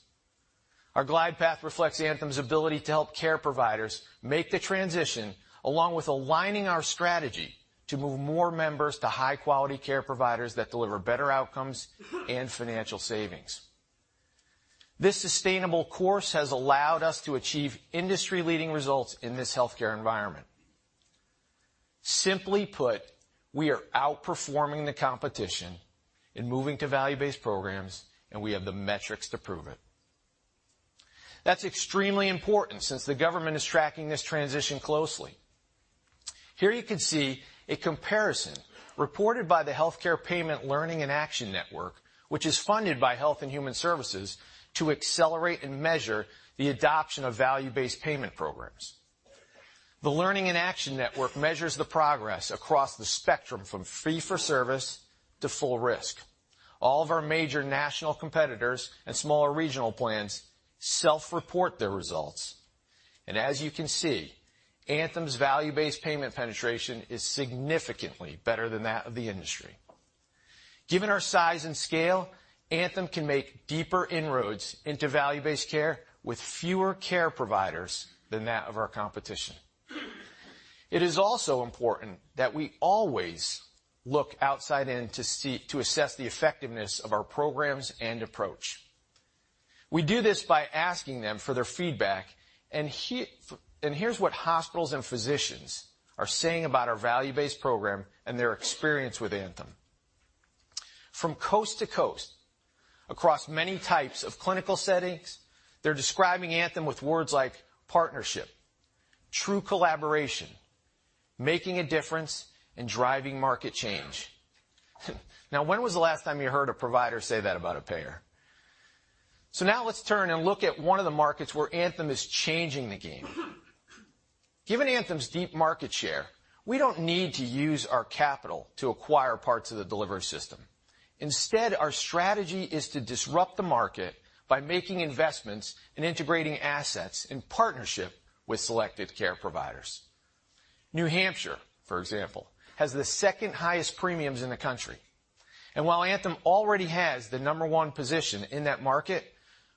Our glide path reflects Anthem's ability to help care providers make the transition along with aligning our strategy to move more members to high-quality care providers that deliver better outcomes and financial savings. This sustainable course has allowed us to achieve industry-leading results in this healthcare environment. Simply put, we are outperforming the competition in moving to value-based programs, and we have the metrics to prove it. That's extremely important since the government is tracking this transition closely. Here you can see a comparison reported by the Health Care Payment Learning and Action Network, which is funded by Health and Human Services to accelerate and measure the adoption of value-based payment programs. The Learning & Action Network measures the progress across the spectrum from fee-for-service to full risk. All of our major national competitors and smaller regional plans self-report their results. As you can see, Anthem's value-based payment penetration is significantly better than that of the industry. Given our size and scale, Anthem can make deeper inroads into value-based care with fewer care providers than that of our competition. It is also important that we always look outside in to assess the effectiveness of our programs and approach. We do this by asking them for their feedback. Here's what hospitals and physicians are saying about our value-based program and their experience with Anthem. From coast to coast, across many types of clinical settings, they're describing Anthem with words like partnership, true collaboration, making a difference, and driving market change. When was the last time you heard a provider say that about a payer? Let's turn and look at one of the markets where Anthem is changing the game. Given Anthem's deep market share, we don't need to use our capital to acquire parts of the delivery system. Instead, our strategy is to disrupt the market by making investments and integrating assets in partnership with selected care providers. New Hampshire, for example, has the second highest premiums in the country. While Anthem already has the number 1 position in that market,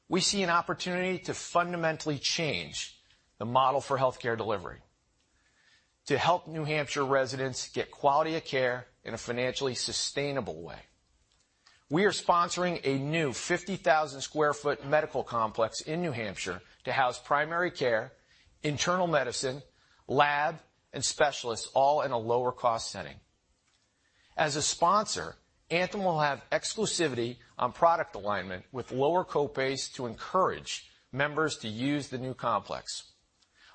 we see an opportunity to fundamentally change the model for healthcare delivery to help New Hampshire residents get quality of care in a financially sustainable way. We are sponsoring a new 50,000 sq ft medical complex in New Hampshire to house primary care, internal medicine, lab, and specialists, all in a lower cost setting. As a sponsor, Anthem will have exclusivity on product alignment with lower copays to encourage members to use the new complex.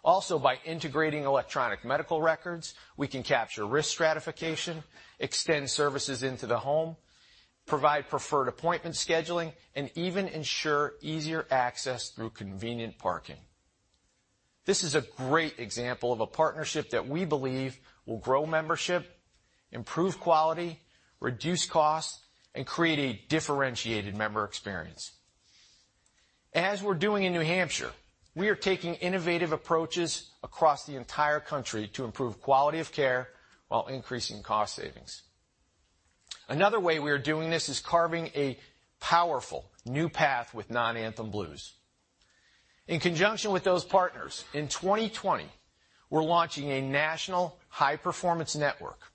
By integrating electronic medical records, we can capture risk stratification, extend services into the home, provide preferred appointment scheduling, and even ensure easier access through convenient parking. This is a great example of a partnership that we believe will grow membership, improve quality, reduce costs, and create a differentiated member experience. As we're doing in New Hampshire, we are taking innovative approaches across the entire country to improve quality of care while increasing cost savings. Another way we are doing this is carving a powerful new path with non-Anthem Blues. In conjunction with those partners, in 2020, we are launching a national high performance network.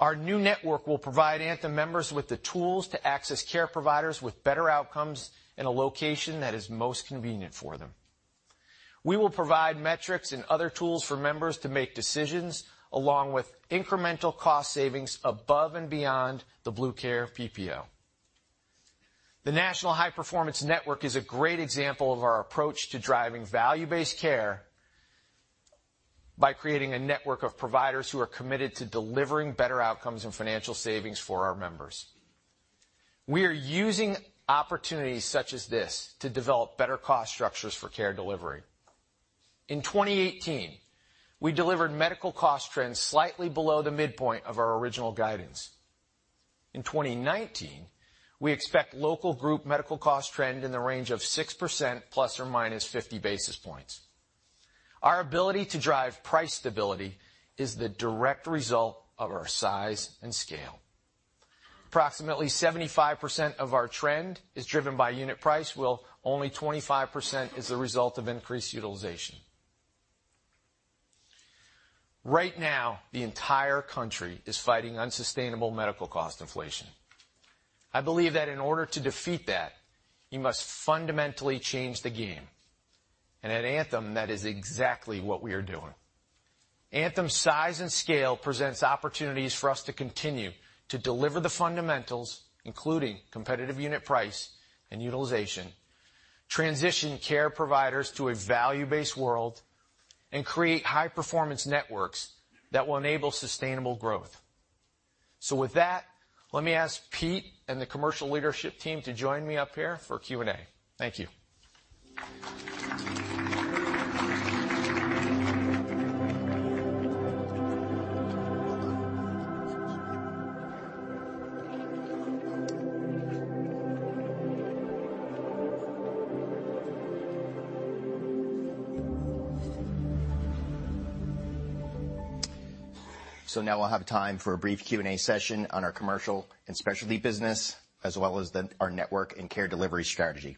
Our new network will provide Anthem members with the tools to access care providers with better outcomes in a location that is most convenient for them. We will provide metrics and other tools for members to make decisions along with incremental cost savings above and beyond the BlueCard PPO. The National High Performance Network is a great example of our approach to driving value-based care by creating a network of providers who are committed to delivering better outcomes and financial savings for our members. We are using opportunities such as this to develop better cost structures for care delivery. In 2018, we delivered medical cost trends slightly below the midpoint of our original guidance. In 2019, we expect local group medical cost trend in the range of 6% plus or minus 50 basis points. Our ability to drive price stability is the direct result of our size and scale. Approximately 75% of our trend is driven by unit price, while only 25% is the result of increased utilization. Right now, the entire country is fighting unsustainable medical cost inflation. I believe that in order to defeat that, you must fundamentally change the game, and at Anthem, that is exactly what we are doing. Anthem's size and scale presents opportunities for us to continue to deliver the fundamentals, including competitive unit price and utilization, transition care providers to a value-based world, and create high performance networks that will enable sustainable growth. With that, let me ask Pete and the commercial leadership team to join me up here for Q&A. Thank you. Now we will have time for a brief Q&A session on our commercial and specialty business, as well as our network and care delivery strategy.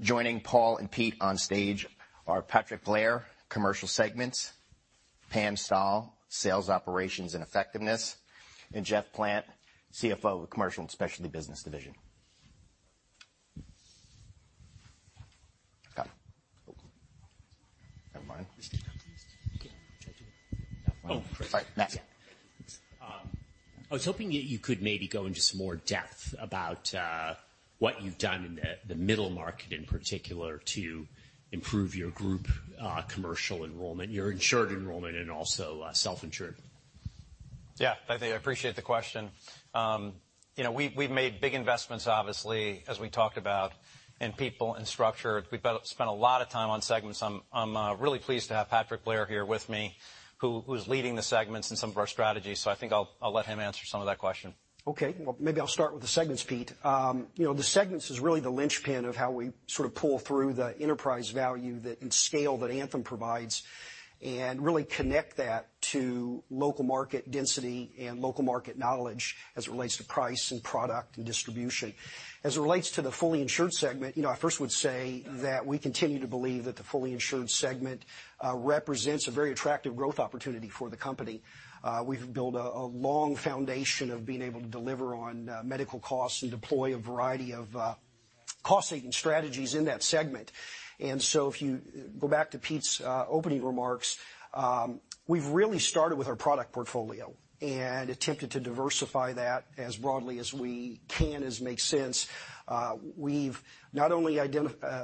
Joining Paul and Pete on stage are Patrick Blair, Commercial Segments, Pam Stahl, Sales Operations and Effectiveness, and John Gallina, CFO of Commercial and Specialty Business Division. Got it. Oh. Never mind. Just take that, please. Okay. Try again. That one. Sorry. Next. Thank you. I was hoping you could maybe go into some more depth about what you've done in the middle market in particular to improve your group commercial enrollment, your insured enrollment, and also self-insured. Yeah, I appreciate the question. We've made big investments, obviously, as we talked about in people and structure. We've spent a lot of time on segments. I'm really pleased to have Patrick Blair here with me, who's leading the segments in some of our strategies, so I think I'll let him answer some of that question. Okay. Well, maybe I'll start with the segments, Pete. The segments is really the linchpin of how we sort of pull through the enterprise value and scale that Anthem provides and really connect that to local market density and local market knowledge as it relates to price and product and distribution. As it relates to the fully insured segment, I first would say that we continue to believe that the fully insured segment represents a very attractive growth opportunity for the company. We've built a long foundation of being able to deliver on medical costs and deploy a variety of cost-saving strategies in that segment. If you go back to Pete's opening remarks, we've really started with our product portfolio and attempted to diversify that as broadly as we can, as makes sense. We've not only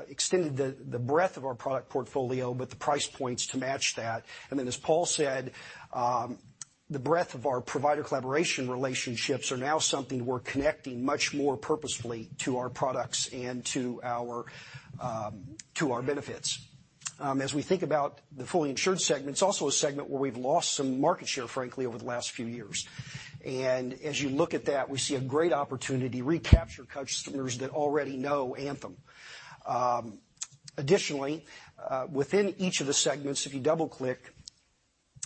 extended the breadth of our product portfolio, but the price points to match that. As Paul said, The breadth of our provider collaboration relationships are now something we're connecting much more purposefully to our products and to our benefits. As we think about the fully insured segment, it's also a segment where we've lost some market share, frankly, over the last few years. As you look at that, we see a great opportunity to recapture customers that already know Anthem. Additionally, within each of the segments, if you double-click,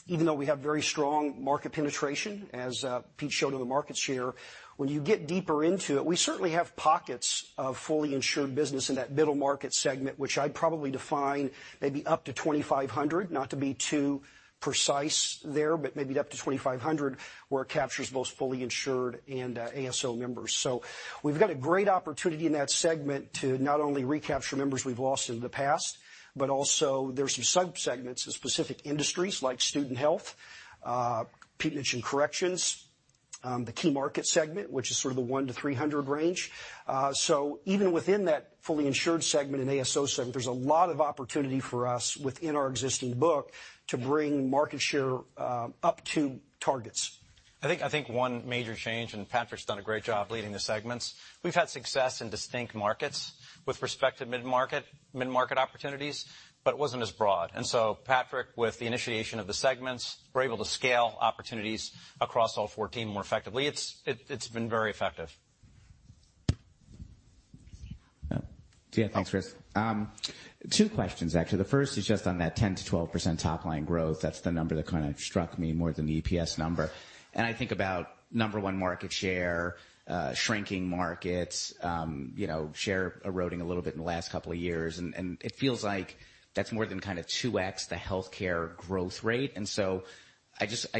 even though we have very strong market penetration, as Pete showed in the market share, when you get deeper into it, we certainly have pockets of fully insured business in that middle market segment, which I'd probably define maybe up to 2,500. Not to be too precise there, but maybe up to 2,500, where it captures most fully insured and ASO members. We've got a great opportunity in that segment to not only recapture members we've lost in the past, but also there's some sub-segments of specific industries like student health, Pete mentioned corrections, the key market segment, which is sort of the one to 300 range. Even within that fully insured segment and ASO segment, there's a lot of opportunity for us within our existing book to bring market share up to targets. Patrick's done a great job leading the segments. We've had success in distinct markets with respect to mid-market opportunities, it wasn't as broad. Patrick, with the initiation of the segments, we're able to scale opportunities across all 14 more effectively. It's been very effective. Yeah. Thanks, Chris. Two questions, actually. The first is just on that 10%-12% top-line growth. That's the number that kind of struck me more than the EPS number. I think about number one market share, shrinking markets, share eroding a little bit in the last couple of years, and it feels like that's more than kind of 2x the healthcare growth rate. I just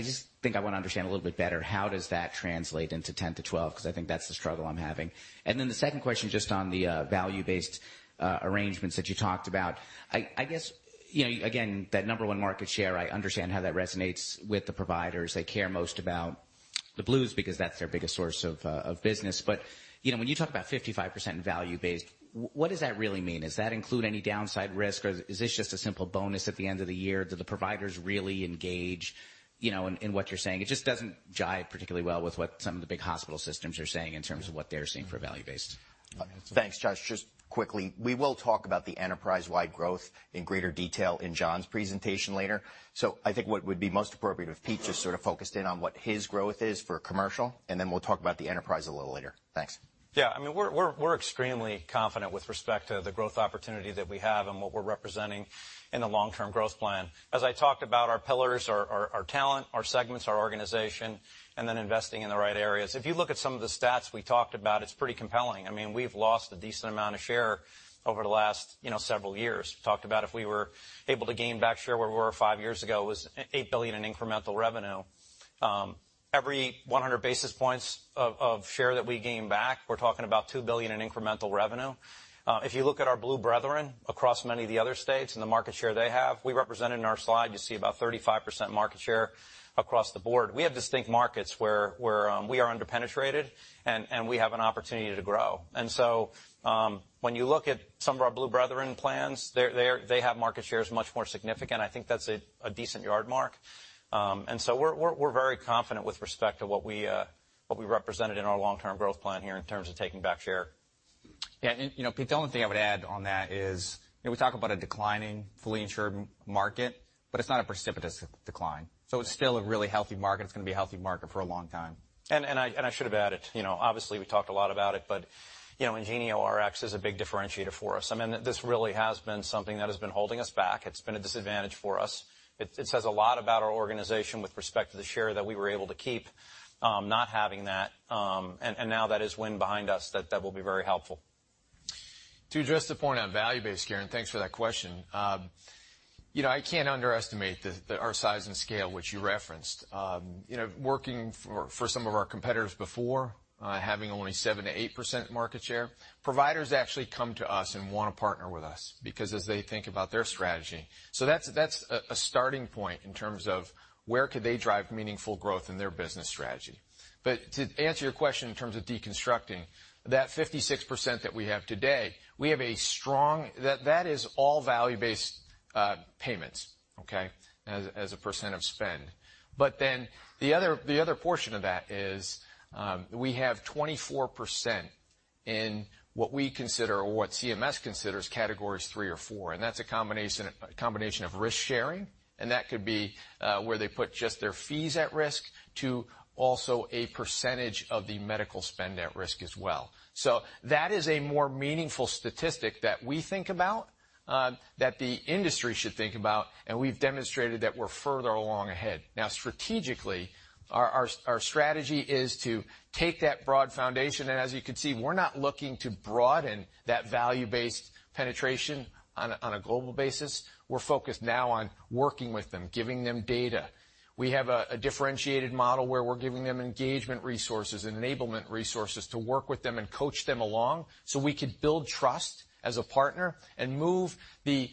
think I want to understand a little bit better how does that translate into 10-12, because I think that's the struggle I'm having. The second question, just on the value-based arrangements that you talked about. I guess, again, that number one market share, I understand how that resonates with the providers. They care most about the Blues because that's their biggest source of business. When you talk about 55% value-based, what does that really mean? Does that include any downside risk, or is this just a simple bonus at the end of the year? Do the providers really engage in what you're saying? It just doesn't jibe particularly well with what some of the big hospital systems are saying in terms of what they're seeing for value-based. Thanks, Josh. Just quickly, we will talk about the enterprise-wide growth in greater detail in John's presentation later. I think what would be most appropriate if Pete just sort of focused in on what his growth is for commercial, and then we'll talk about the enterprise a little later. Thanks. Yeah, we're extremely confident with respect to the growth opportunity that we have and what we're representing in the long-term growth plan. As I talked about our pillars, our talent, our segments, our organization, and then investing in the right areas. If you look at some of the stats we talked about, it's pretty compelling. We've lost a decent amount of share over the last several years. Talked about if we were able to gain back share where we were 5 years ago, it was $8 billion in incremental revenue. Every 100 basis points of share that we gain back, we're talking about $2 billion in incremental revenue. If you look at our Blue brethren across many of the other states and the market share they have, we represented in our slide, you see about 35% market share across the board. We have distinct markets where we are under-penetrated, and we have an opportunity to grow. When you look at some of our Blue brethren plans, they have market shares much more significant. I think that's a decent yardstick. We're very confident with respect to what we represented in our long-term growth plan here in terms of taking back share. Yeah. Pete, the only thing I would add on that is we talk about a declining fully insured market, it's not a precipitous decline. It's still a really healthy market. It's going to be a healthy market for a long time. I should have added, obviously we talked a lot about it, IngenioRx is a big differentiator for us. This really has been something that has been holding us back. It's been a disadvantage for us. It says a lot about our organization with respect to the share that we were able to keep, not having that. Now that is wind behind us, that will be very helpful. To address the point on value-based, Karen, thanks for that question. I cannot underestimate our size and scale, which you referenced. Working for some of our competitors before, having only 7%-8% market share. Providers actually come to us and want to partner with us because as they think about their strategy. That's a starting point in terms of where could they drive meaningful growth in their business strategy. To answer your question in terms of deconstructing, that 56% that we have today, that is all value-based payments as a percent of spend. The other portion of that is we have 24% in what we consider or what CMS considers categories 3 or 4, and that's a combination of risk sharing, and that could be where they put just their fees at risk to also a percentage of the medical spend at risk as well. That is a more meaningful statistic that we think about, that the industry should think about, and we've demonstrated that we're further along ahead. Strategically, our strategy is to take that broad foundation, and as you can see, we're not looking to broaden that value-based penetration on a global basis. We're focused now on working with them, giving them data. We have a differentiated model where we're giving them engagement resources, enablement resources to work with them and coach them along so we could build trust as a partner and move the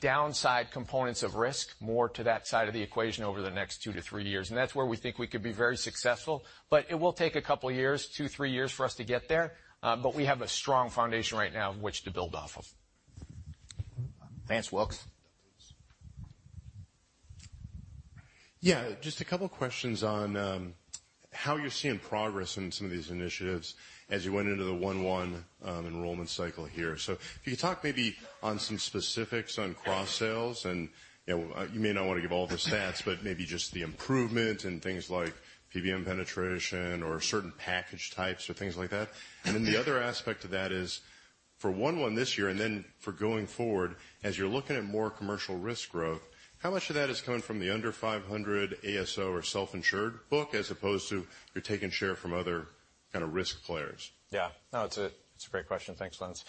downside components of risk more to that side of the equation over the next 2-3 years. That's where we think we could be very successful. It will take a couple of years, 2, 3 years for us to get there. We have a strong foundation right now which to build off of. Lance Wilkes. Yeah, just a couple questions on how you're seeing progress in some of these initiatives as you went into the 1-1 enrollment cycle here. If you could talk maybe on some specifics on cross-sales, and you may not want to give all the stats, but maybe just the improvement in things like PBM penetration or certain package types or things like that. The other aspect of that is for 1-1 this year and then for going forward, as you're looking at more commercial risk growth, how much of that is coming from the under 500 ASO or self-insured book, as opposed to you're taking share from other kind of risk players? Yeah, no, it's a great question. Thanks, Lance.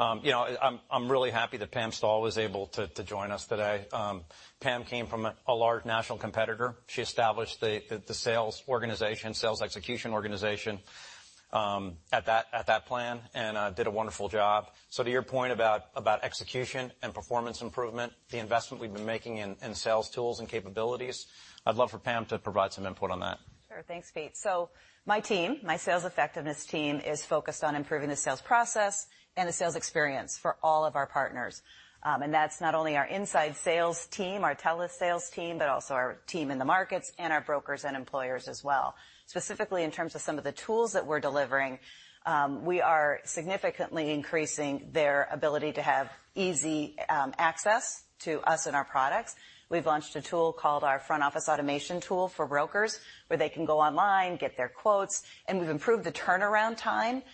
I'm really happy that Pam Stahl was able to join us today. Pam came from a large national competitor. She established the sales execution organization at that plan and did a wonderful job. To your point about execution and performance improvement, the investment we've been making in sales tools and capabilities, I'd love for Pam to provide some input on that. Sure. Thanks, Pete. My team, my sales effectiveness team, is focused on improving the sales process and the sales experience for all of our partners. That's not only our inside sales team, our telesales team, but also our team in the markets and our brokers and employers as well. Specifically, in terms of some of the tools that we're delivering, we are significantly increasing their ability to have easy access to us and our products. We've launched a tool called our Front Office Automation tool for brokers, where they can go online, get their quotes, and we've improved the turnaround time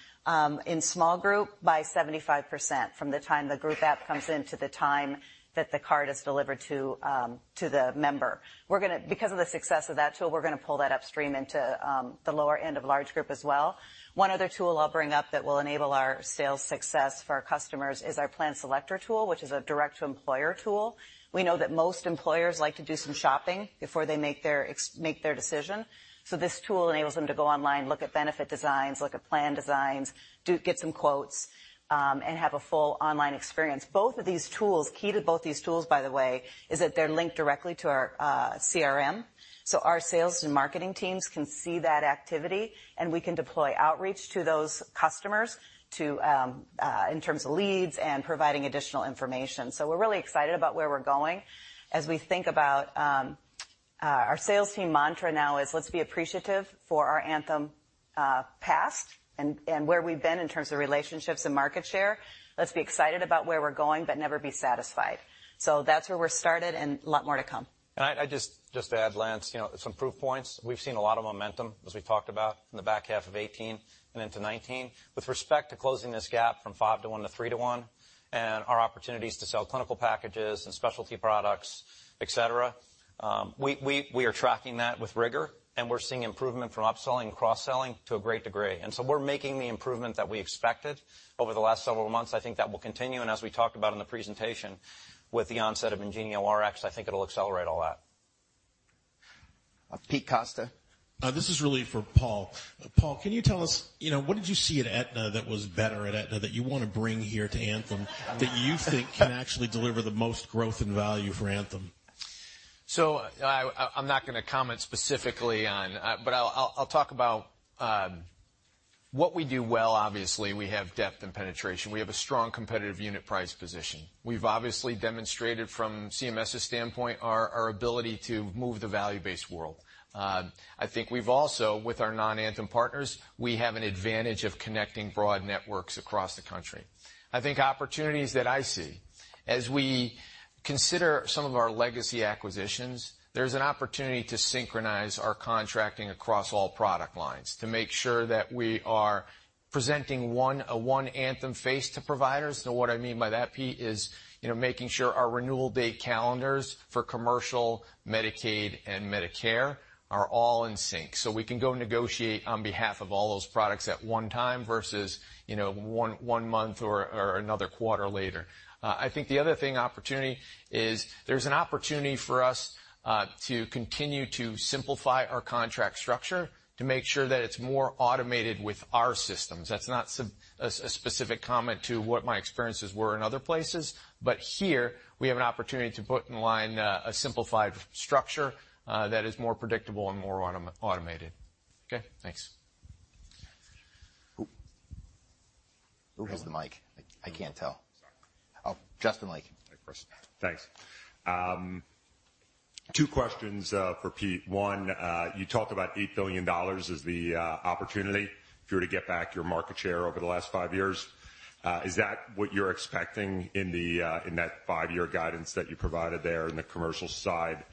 in small group by 75% from the time the group app comes in to the time that the card is delivered to the member. Because of the success of that tool, we're going to pull that upstream into the lower end of large group as well. One other tool I'll bring up that will enable our sales success for our customers is our Plan Selector tool, which is a direct-to-employer tool. We know that most employers like to do some shopping before they make their decision. This tool enables them to go online, look at benefit designs, look at plan designs, get some quotes, and have a full online experience. Key to both these tools, by the way, is that they're linked directly to our CRM. Our sales and marketing teams can see that activity, and we can deploy outreach to those customers in terms of leads and providing additional information. We're really excited about where we're going as we think about our sales team mantra now is let's be appreciative for our Anthem past and where we've been in terms of relationships and market share. Let's be excited about where we're going, but never be satisfied. That's where we're started and a lot more to come. Just to add, Lance, some proof points. We've seen a lot of momentum as we talked about in the back half of 2018 and into 2019. With respect to closing this gap from five to one to three to one and our opportunities to sell clinical packages and specialty products, et cetera, we are tracking that with rigor, and we're seeing improvement from upselling and cross-selling to a great degree. We're making the improvement that we expected over the last several months. I think that will continue. As we talked about in the presentation with the onset of IngenioRx, I think it'll accelerate all that. Peter Costa. This is really for Paul. Paul, can you tell us, what did you see at Aetna that was better at Aetna that you want to bring here to Anthem that you think can actually deliver the most growth and value for Anthem? I'm not going to comment specifically on. But I'll talk about what we do well. Obviously, we have depth and penetration. We have a strong competitive unit price position. We've obviously demonstrated from CMS's standpoint our ability to move the value-based world. I think we've also, with our non-Anthem partners, we have an advantage of connecting broad networks across the country. I think opportunities that I see as we consider some of our legacy acquisitions, there's an opportunity to synchronize our contracting across all product lines to make sure that we are presenting a one Anthem face to providers. What I mean by that, Pete, is making sure our renewal date calendars for commercial, Medicaid, and Medicare are all in sync so we can go negotiate on behalf of all those products at one time versus one month or another quarter later. I think the other thing opportunity is there's an opportunity for us to continue to simplify our contract structure to make sure that it's more automated with our systems. That's not a specific comment to what my experiences were in other places, but here we have an opportunity to put in line a simplified structure that is more predictable and more automated. Okay, thanks. Who has the mic? I can't tell. Sorry. Oh, Justin Lake. Hi, Chris. Thanks. Two questions for Pete. One, you talked about $8 billion as the opportunity if you were to get back your market share over the last five years. Is that what you're expecting in that five-year guidance that you provided there in the commercial side?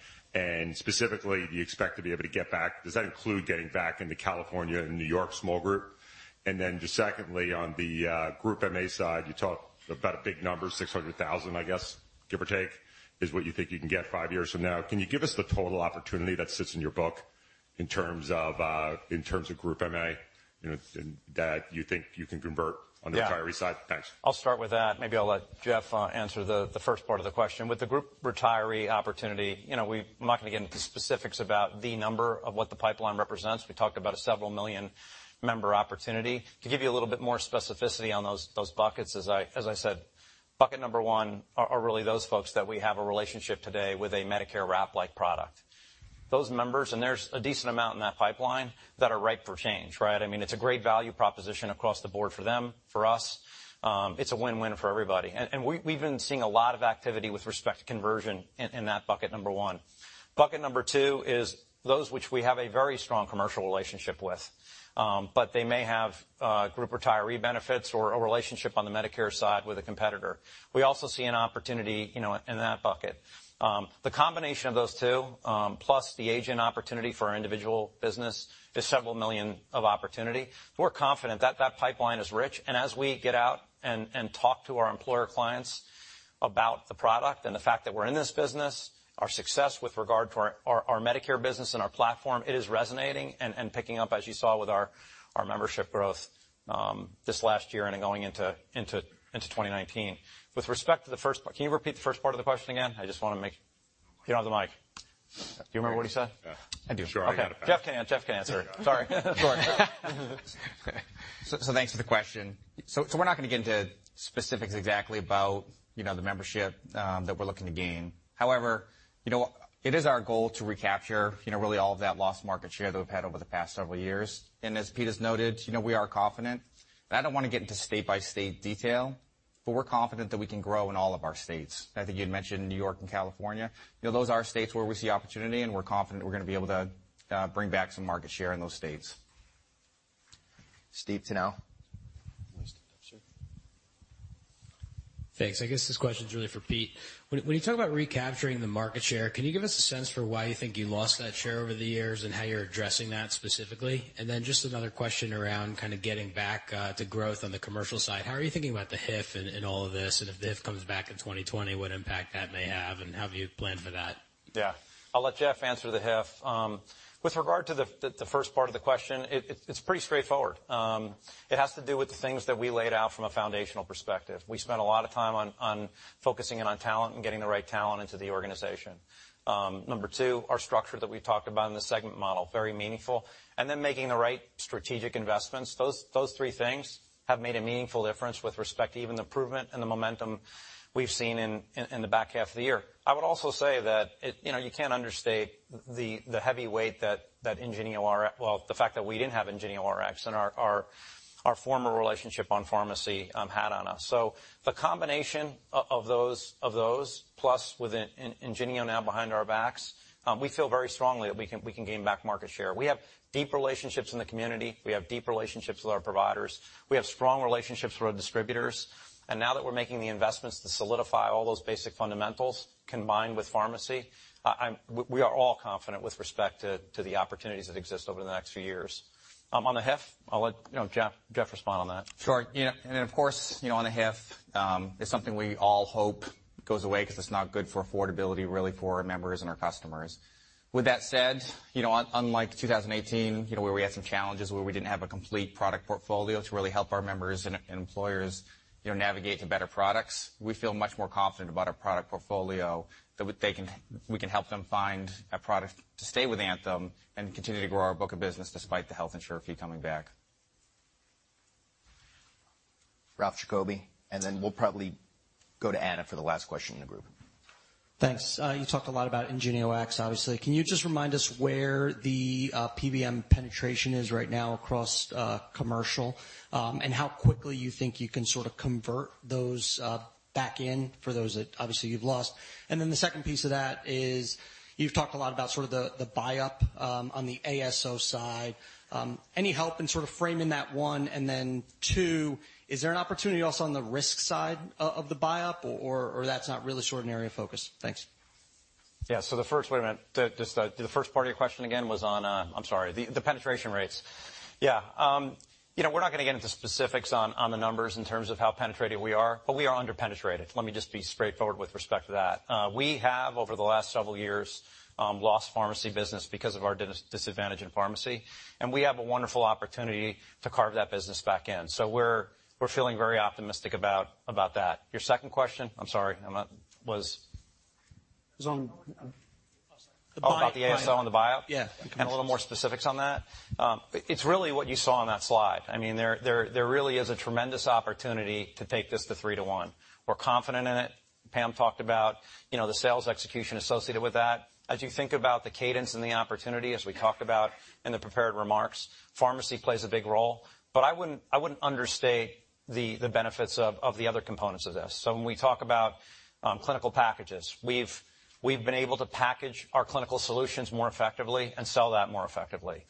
Specifically, do you expect to be able to get back, does that include getting back into California and N.Y. small group? Secondly, on the group MA side, you talked about a big number, 600,000, I guess, give or take, is what you think you can get five years from now. Can you give us the total opportunity that sits in your book in terms of group MA that you think you can convert on the retiree side? Thanks. I'll start with that. Maybe I'll let Jeff answer the first part of the question. With the group retiree opportunity, I'm not going to get into specifics about the number of what the pipeline represents. We talked about a several million member opportunity. To give you a little bit more specificity on those buckets, as I said, bucket number 1 are really those folks that we have a relationship today with a Medicare wrap-like product. Those members, there's a decent amount in that pipeline that are ripe for change, right? I mean, it's a great value proposition across the board for them, for us. It's a win-win for everybody. We've been seeing a lot of activity with respect to conversion in that bucket number 1. Bucket number 2 is those which we have a very strong commercial relationship with, but they may have group retiree benefits or a relationship on the Medicare side with a competitor. We also see an opportunity in that bucket. The combination of those two, plus the agent opportunity for our individual business, is several million of opportunity. We're confident that pipeline is rich. As we get out and talk to our employer clients about the product and the fact that we're in this business, our success with regard to our Medicare business and our platform, it is resonating and picking up, as you saw with our membership growth this last year and then going into 2019. With respect to the first part, can you repeat the first part of the question again? I just want to make You don't have the mic. Do you remember what he said? Yeah. I do. Sure. I had a pen. Jeff can answer. Sorry. Sure. Thanks for the question. We're not going to get into specifics exactly about the membership that we're looking to gain. However, it is our goal to recapture really all of that lost market share that we've had over the past several years. As Pete has noted, we are confident. I don't want to get into state-by-state detail, but we're confident that we can grow in all of our states. I think you had mentioned New York and California. Those are states where we see opportunity, and we're confident we're going to be able to bring back some market share in those states. Stephen Tanal. Thanks. I guess this question's really for Pete. When you talk about recapturing the market share, can you give us a sense for why you think you lost that share over the years and how you're addressing that specifically? Then just another question around getting back to growth on the commercial side. How are you thinking about the HIF in all of this, and if HIF comes back in 2020, what impact that may have, and have you planned for that? I'll let Jeff answer the HIF. With regard to the first part of the question, it's pretty straightforward. It has to do with the things that we laid out from a foundational perspective. We spent a lot of time on focusing in on talent and getting the right talent into the organization. Number 2, our structure that we talked about in the segment model, very meaningful. Then making the right strategic investments. Those three things have made a meaningful difference with respect to even the improvement and the momentum we've seen in the back half of the year. I would also say that you can't understate the heavy weight that the fact that we didn't have IngenioRx and our former relationship on pharmacy had on us. The combination of those, plus with IngenioRx now behind our backs, we feel very strongly that we can gain back market share. We have deep relationships in the community. We have deep relationships with our providers. We have strong relationships with our distributors, and now that we're making the investments to solidify all those basic fundamentals combined with pharmacy, we are all confident with respect to the opportunities that exist over the next few years. On the HIF, I'll let Jeff respond on that. Sure. Of course, on the HIF, it's something we all hope goes away because it's not good for affordability, really, for our members and our customers. With that said, unlike 2018, where we had some challenges where we didn't have a complete product portfolio to really help our members and employers navigate to better products, we feel much more confident about our product portfolio that we can help them find a product to stay with Anthem and continue to grow our book of business despite the Health Insurer Fee coming back. Ralph Giacobbe, then we'll probably go to Anagha for the last question in the group. Thanks. You talked a lot about IngenioRx, obviously. Can you just remind us where the PBM penetration is right now across commercial and how quickly you think you can sort of convert those back in for those that obviously you've lost? The second piece of that is you've talked a lot about the buyup on the ASO side. Any help in sort of framing that, one? Two, is there an opportunity also on the risk side of the buyup, or that's not really sort an area of focus? Thanks. Yeah. The first part of your question again was on, I'm sorry, the penetration rates. Yeah. We're not going to get into specifics on the numbers in terms of how penetrated we are, but we are under-penetrated. Let me just be straightforward with respect to that. We have, over the last several years, lost pharmacy business because of our disadvantage in pharmacy, and we have a wonderful opportunity to carve that business back in. We're feeling very optimistic about that. Your second question, I'm sorry, was It was on the buyup. Oh, about the ASO and the buyup? Yeah. A little more specifics on that? It's really what you saw on that slide. There really is a tremendous opportunity to take this to three to one. We're confident in it. Pam talked about the sales execution associated with that. As you think about the cadence and the opportunity, as we talked about in the prepared remarks, pharmacy plays a big role. I wouldn't understate the benefits of the other components of this. When we talk about clinical packages, we've been able to package our clinical solutions more effectively and sell that more effectively.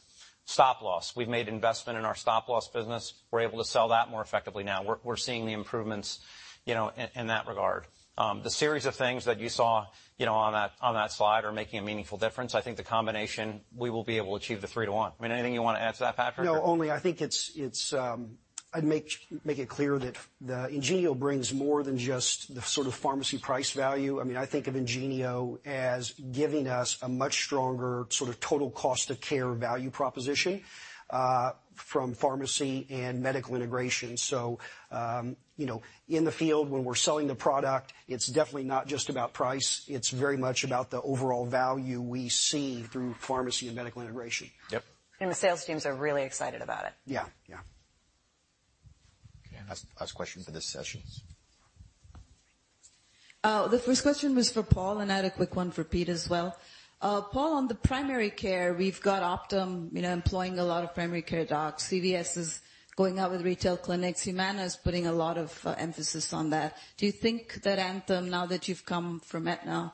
Stop-loss, we've made investment in our stop-loss business. We're able to sell that more effectively now. We're seeing the improvements in that regard. The series of things that you saw on that slide are making a meaningful difference. I think the combination, we will be able to achieve the three to one. Anything you want to add to that, Patrick? No, only I'd make it clear that IngenioRx brings more than just the sort of pharmacy price value. I think of IngenioRx as giving us a much stronger sort of total cost of care value proposition from pharmacy and medical integration. In the field when we're selling the product, it's definitely not just about price. It's very much about the overall value we see through pharmacy and medical integration. Yep. The sales teams are really excited about it. Yeah. Ask questions for this session. The first question was for Paul. I had a quick one for Pete as well. Paul, on the primary care, we've got Optum employing a lot of primary care docs. CVS is going out with retail clinics. Humana is putting a lot of emphasis on that. Do you think that Anthem, now that you've come from Aetna,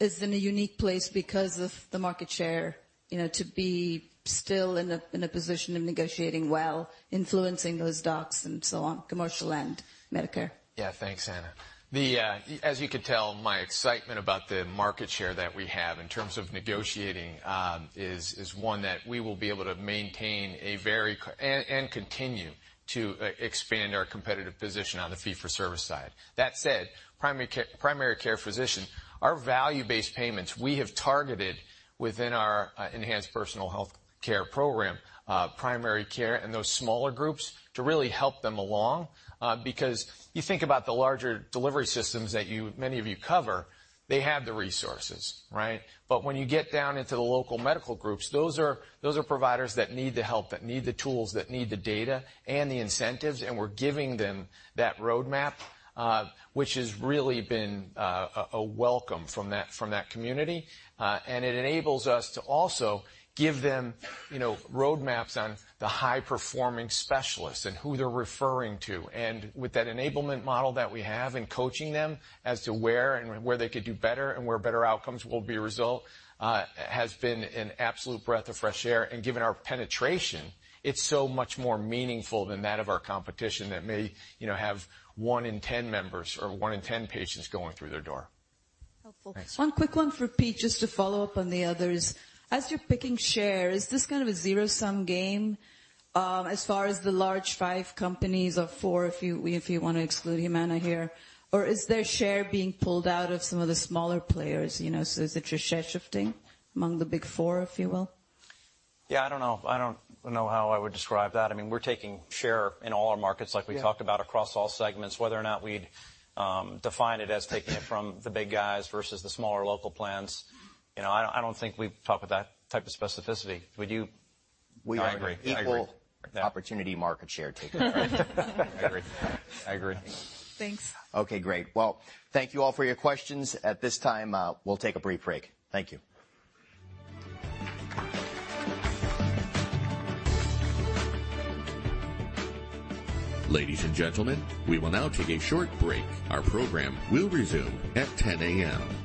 is in a unique place because of the market share to be still in a position of negotiating well, influencing those docs and so on, commercial and Medicare? Yeah, thanks, Anagha. As you could tell, my excitement about the market share that we have in terms of negotiating is one that we will be able to maintain and continue to expand our competitive position on the fee-for-service side. That said, primary care physicians are value-based payments we have targeted within our Enhanced Personal Health Care program, primary care, and those smaller groups to really help them along. You think about the larger delivery systems that many of you cover, they have the resources, right? When you get down into the local medical groups, those are providers that need the help, that need the tools, that need the data and the incentives. We're giving them that roadmap, which has really been a welcome from that community. It enables us to also give them roadmaps on the high-performing specialists and who they're referring to. With that enablement model that we have in coaching them as to where they could do better and where better outcomes will be a result has been an absolute breath of fresh air. Given our penetration, it's so much more meaningful than that of our competition that may have 1 in 10 members or 1 in 10 patients going through their door. Helpful. Thanks. One quick one for Pete, just to follow up on the others. As you're picking shares, is this kind of a zero-sum game as far as the large five companies or four, if you want to exclude Humana here? Is their share being pulled out of some of the smaller players? Is it just share shifting among the big four, if you will? Yeah, I don't know. I don't know how I would describe that. We're taking share in all our markets like we talked about across all segments. Whether or not we'd define it as taking it from the big guys versus the smaller local plans, I don't think we've talked with that type of specificity. Would you? I agree. We are equal opportunity market share takers. I agree. Thanks. Okay, great. Thank you all for your questions. At this time, we'll take a brief break. Thank you. Ladies and gentlemen, we will now take a short break. Our program will resume at 10:00 A.M. Our program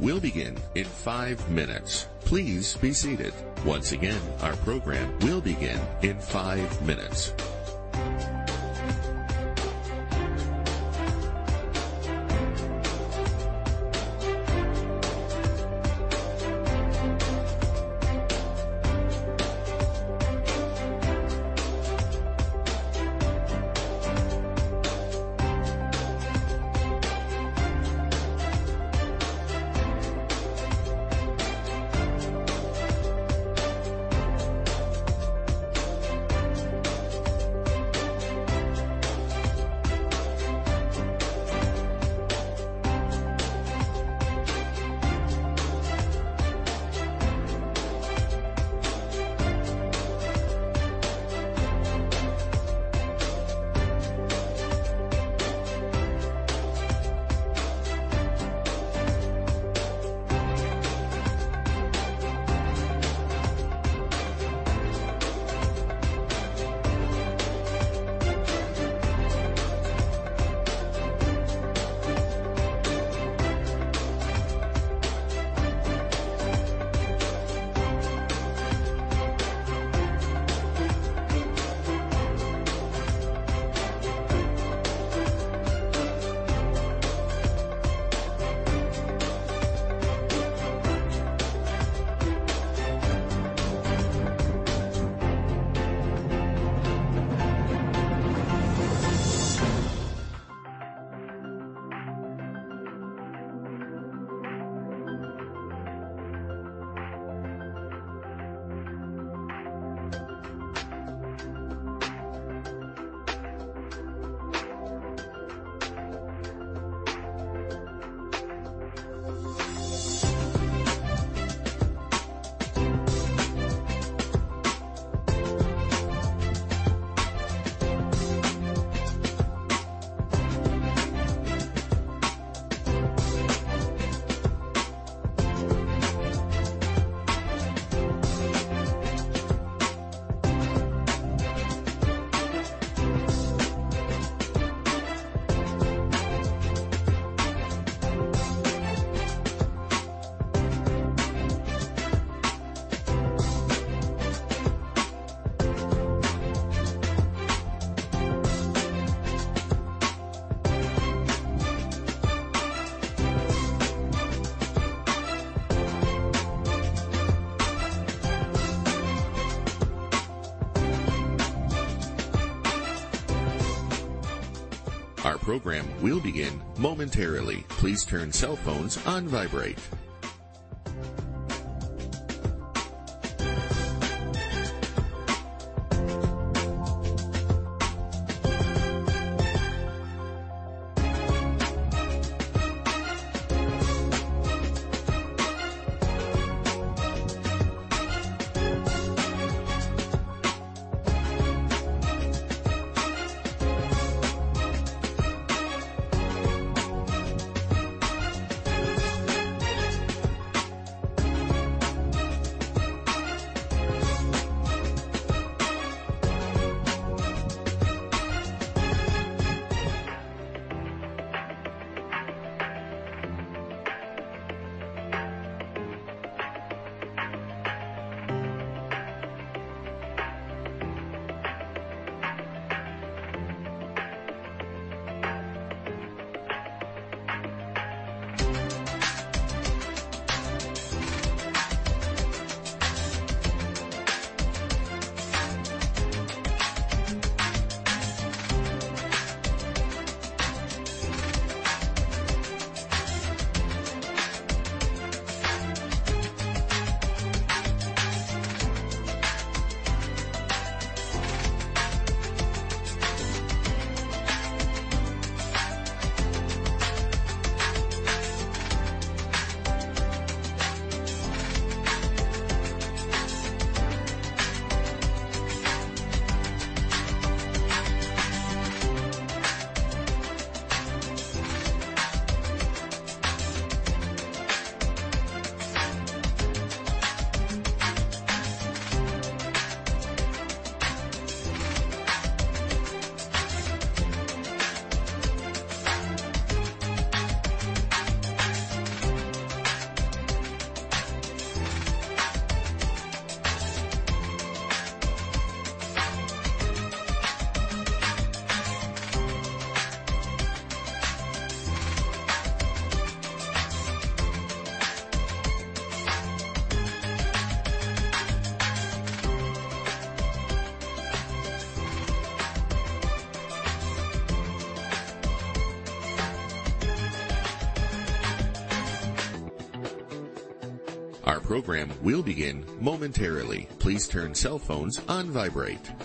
will begin in five minutes. Please be seated. Once again, our program will begin in five minutes. Our program will begin momentarily. Please turn cell phones on vibrate. Our program will begin momentarily. Please turn cell phones on vibrate. Please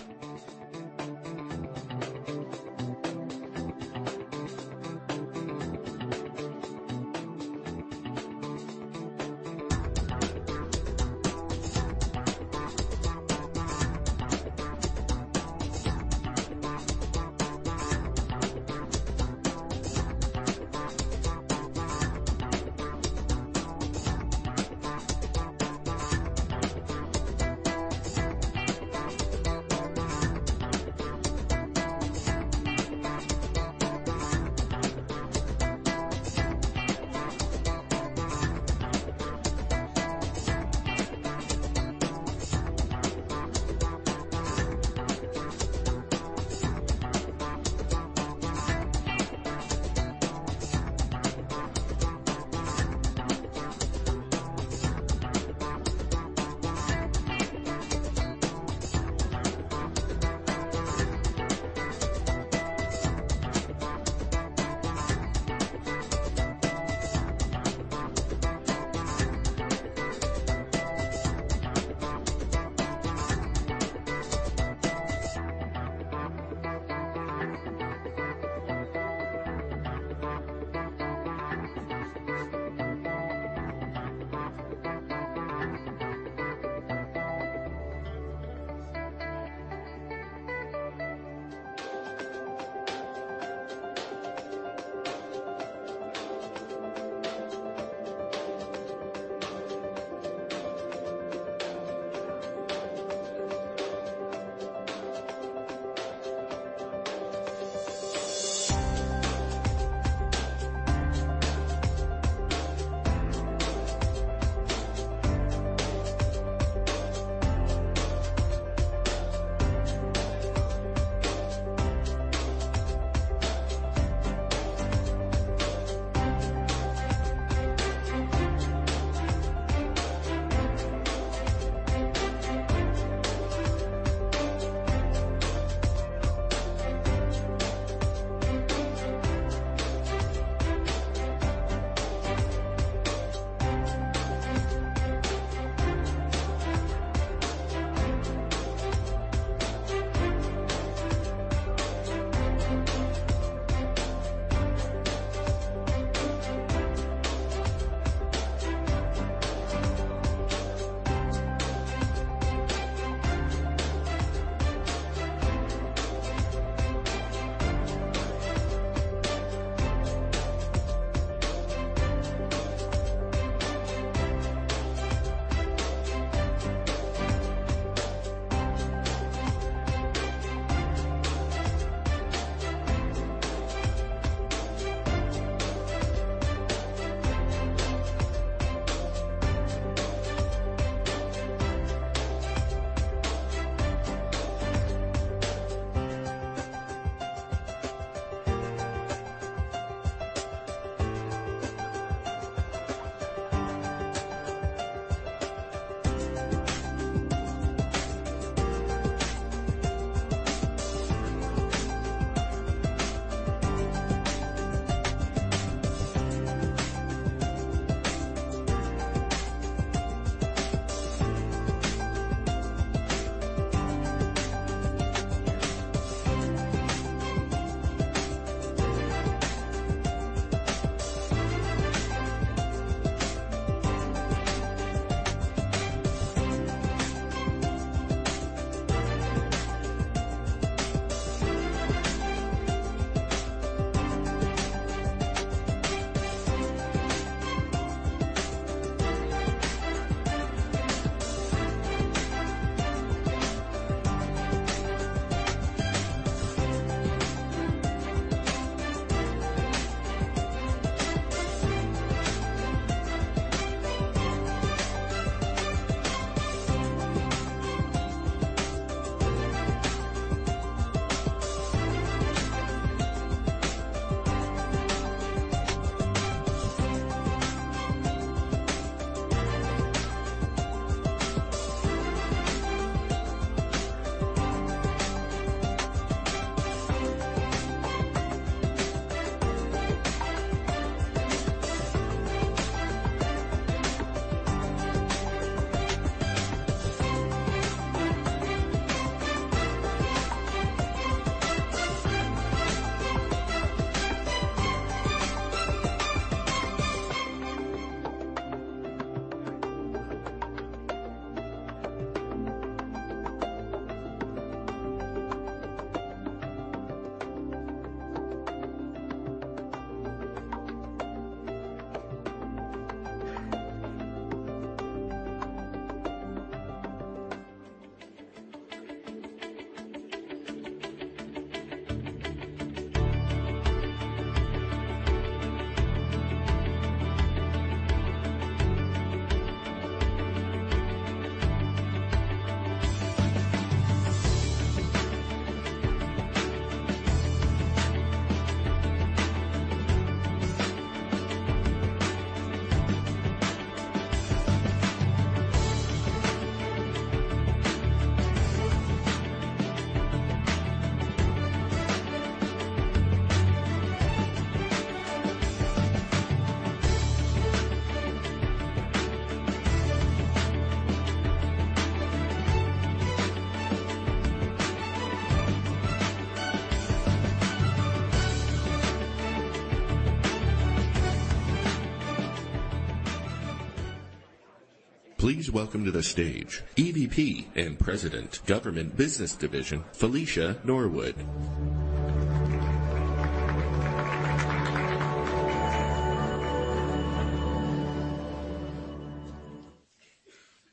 welcome to the stage EVP and President, Government Business Division, Felicia Norwood.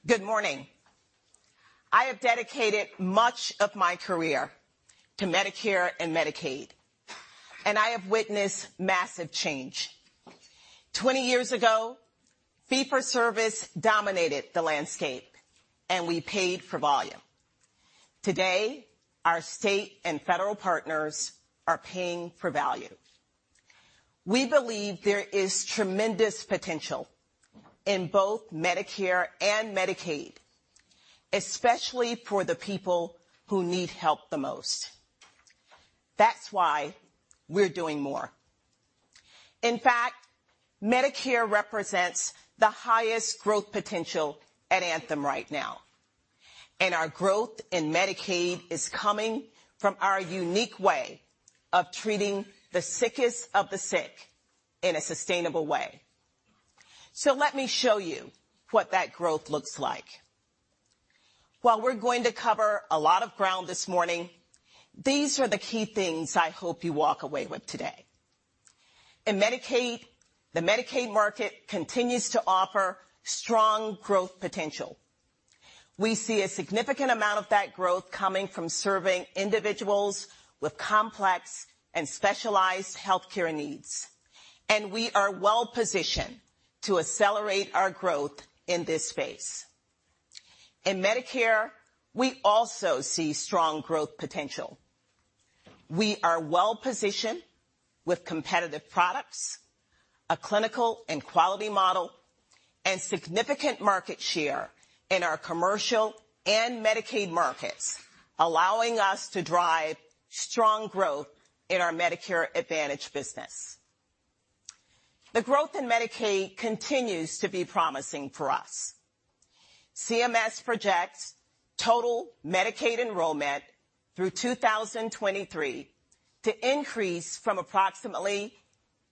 Good morning. I have dedicated much of my career to Medicare and Medicaid. I have witnessed massive change. 20 years ago, fee-for-service dominated the landscape. We paid for volume. Today, our state and federal partners are paying for value. We believe there is tremendous potential in both Medicare and Medicaid, especially for the people who need help the most. That's why we're doing more. In fact, Medicare represents the highest growth potential at Anthem right now. Our growth in Medicaid is coming from our unique way of treating the sickest of the sick in a sustainable way. Let me show you what that growth looks like. While we're going to cover a lot of ground this morning, these are the key things I hope you walk away with today. In Medicaid, the Medicaid market continues to offer strong growth potential. We see a significant amount of that growth coming from serving individuals with complex and specialized healthcare needs. We are well-positioned to accelerate our growth in this space. In Medicare, we also see strong growth potential. We are well-positioned with competitive products, a clinical and quality model, significant market share in our commercial and Medicaid markets, allowing us to drive strong growth in our Medicare Advantage business. The growth in Medicaid continues to be promising for us. CMS projects total Medicaid enrollment through 2023 to increase from approximately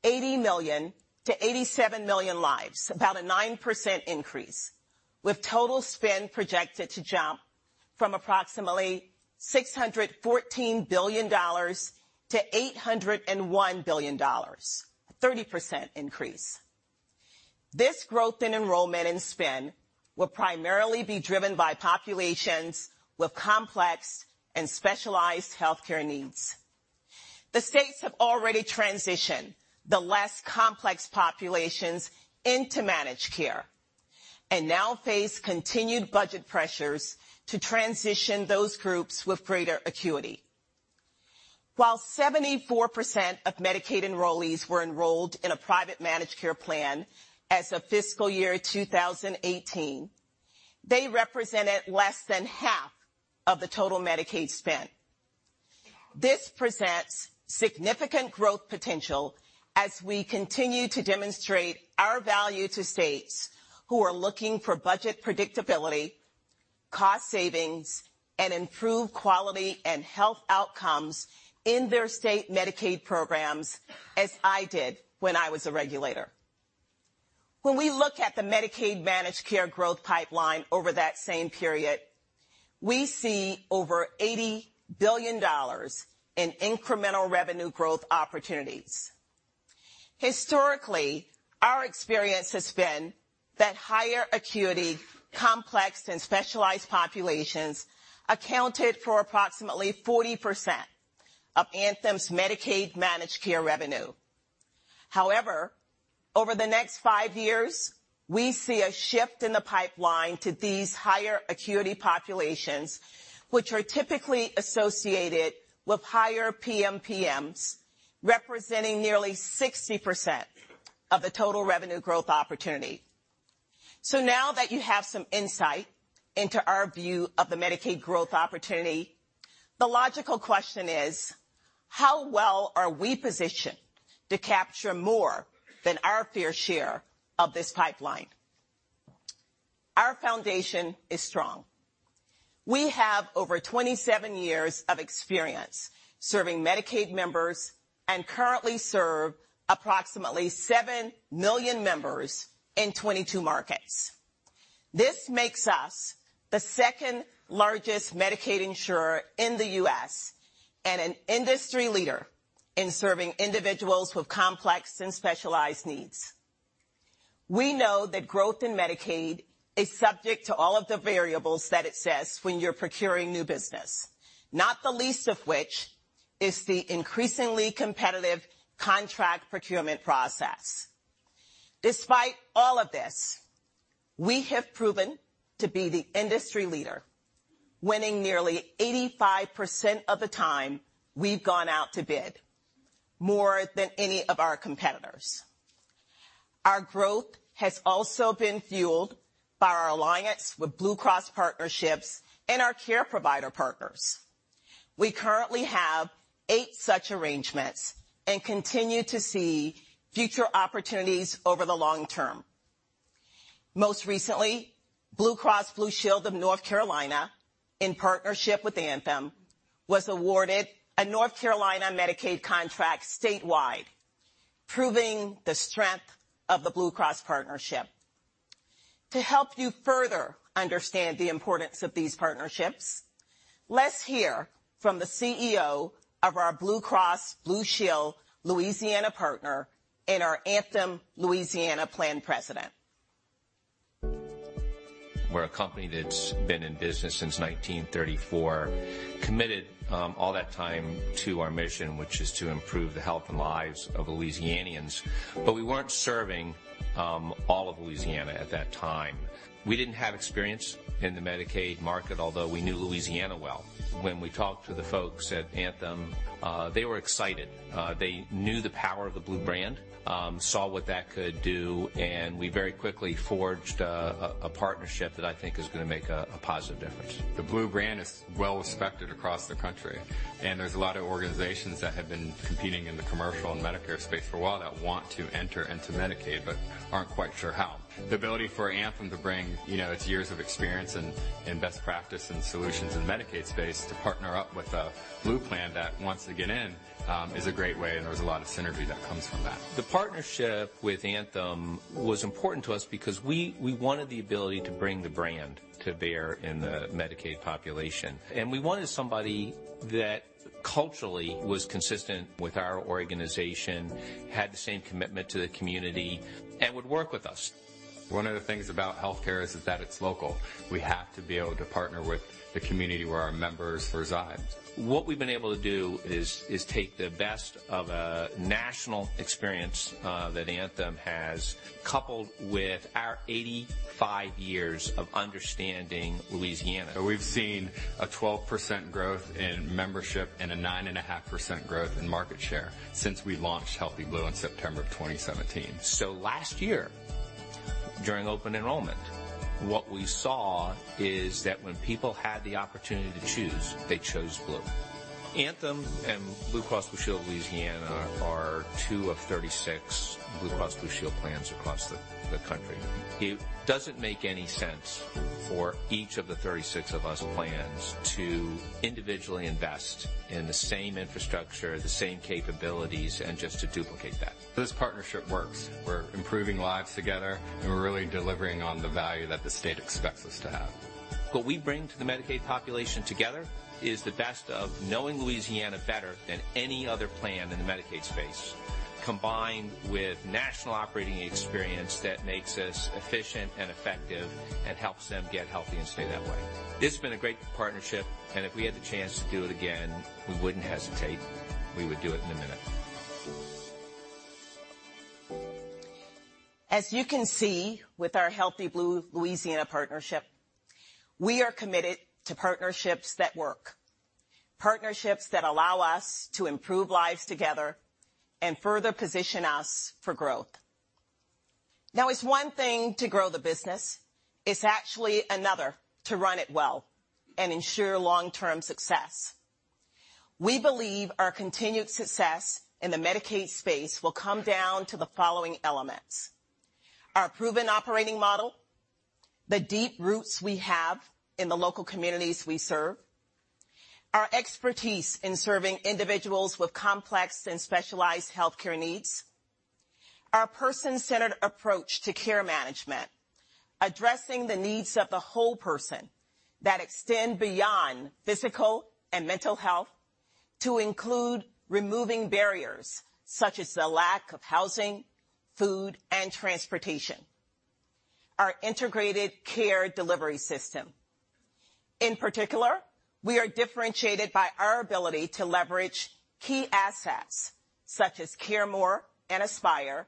80 million to 87 million lives, about a 9% increase, with total spend projected to jump from approximately $614 billion to $801 billion, a 30% increase. This growth in enrollment and spend will primarily be driven by populations with complex and specialized healthcare needs. The states have already transitioned the less complex populations into managed care and now face continued budget pressures to transition those groups with greater acuity. While 74% of Medicaid enrollees were enrolled in a private managed care plan as of fiscal year 2018, they represented less than half of the total Medicaid spend. This presents significant growth potential as we continue to demonstrate our value to states who are looking for budget predictability, cost savings, and improved quality and health outcomes in their state Medicaid programs, as I did when I was a regulator. When we look at the Medicaid managed care growth pipeline over that same period, we see over $80 billion in incremental revenue growth opportunities. Historically, our experience has been that higher acuity, complex, and specialized populations accounted for approximately 40% of Anthem's Medicaid managed care revenue. Over the next 5 years, we see a shift in the pipeline to these higher acuity populations, which are typically associated with higher PMPMs, representing nearly 60% of the total revenue growth opportunity. Now that you have some insight into our view of the Medicaid growth opportunity, the logical question is: how well are we positioned to capture more than our fair share of this pipeline? Our foundation is strong. We have over 27 years of experience serving Medicaid members and currently serve approximately 7 million members in 22 markets. This makes us the second-largest Medicaid insurer in the U.S. and an industry leader in serving individuals with complex and specialized needs. We know that growth in Medicaid is subject to all of the variables that it says when you're procuring new business, not the least of which is the increasingly competitive contract procurement process. Despite all of this, we have proven to be the industry leader, winning nearly 85% of the time we've gone out to bid, more than any of our competitors. Our growth has also been fueled by our alliance with Blue Cross partnerships and our care provider partners. We currently have eight such arrangements and continue to see future opportunities over the long term. Most recently, Blue Cross Blue Shield of North Carolina, in partnership with Anthem, was awarded a North Carolina Medicaid contract statewide, proving the strength of the Blue Cross partnership. To help you further understand the importance of these partnerships, let's hear from the CEO of our Blue Cross Blue Shield Louisiana partner and our Anthem Louisiana Plan president. We're a company that's been in business since 1934, committed all that time to our mission, which is to improve the health and lives of Louisianians. We weren't serving all of Louisiana at that time. We didn't have experience in the Medicaid market, although we knew Louisiana well. When we talked to the folks at Anthem, they were excited. They knew the power of the Blue brand, saw what that could do, we very quickly forged a partnership that I think is going to make a positive difference. The Blue brand is well respected across the country. There's a lot of organizations that have been competing in the commercial and Medicare space for a while that want to enter into Medicaid but aren't quite sure how. The ability for Anthem to bring its years of experience and best practice and solutions in the Medicaid space to partner up with a Blue plan that wants to get in is a great way. There's a lot of synergy that comes from that. The partnership with Anthem was important to us because we wanted the ability to bring the brand to bear in the Medicaid population. We wanted somebody that culturally was consistent with our organization, had the same commitment to the community, and would work with us. One of the things about healthcare is that it's local. We have to be able to partner with the community where our members reside. What we've been able to do is take the best of a national experience that Anthem has, coupled with our 85 years of understanding Louisiana. We've seen a 12% growth in membership and a 9.5% growth in market share since we launched Healthy Blue in September of 2017. Last year during open enrollment, what we saw is that when people had the opportunity to choose, they chose Blue. Anthem and Blue Cross Blue Shield of Louisiana are two of 36 Blue Cross Blue Shield plans across the country. It doesn't make any sense for each of the 36 of us plans to individually invest in the same infrastructure, the same capabilities, and just to duplicate that. This partnership works. We're improving lives together, and we're really delivering on the value that the state expects us to have. What we bring to the Medicaid population together is the best of knowing Louisiana better than any other plan in the Medicaid space, combined with national operating experience that makes us efficient and effective and helps them get healthy and stay that way. It's been a great partnership, and if we had the chance to do it again, we wouldn't hesitate. We would do it in a minute. As you can see with our Healthy Blue Louisiana partnership, we are committed to partnerships that work, partnerships that allow us to improve lives together and further position us for growth. It's one thing to grow the business. It's actually another to run it well and ensure long-term success. We believe our continued success in the Medicaid space will come down to the following elements. Our proven operating model, the deep roots we have in the local communities we serve, our expertise in serving individuals with complex and specialized healthcare needs, our person-centered approach to care management, addressing the needs of the whole person that extend beyond physical and mental health to include removing barriers such as the lack of housing, food, and transportation, our integrated care delivery system. In particular, we are differentiated by our ability to leverage key assets such as CareMore, Aspire,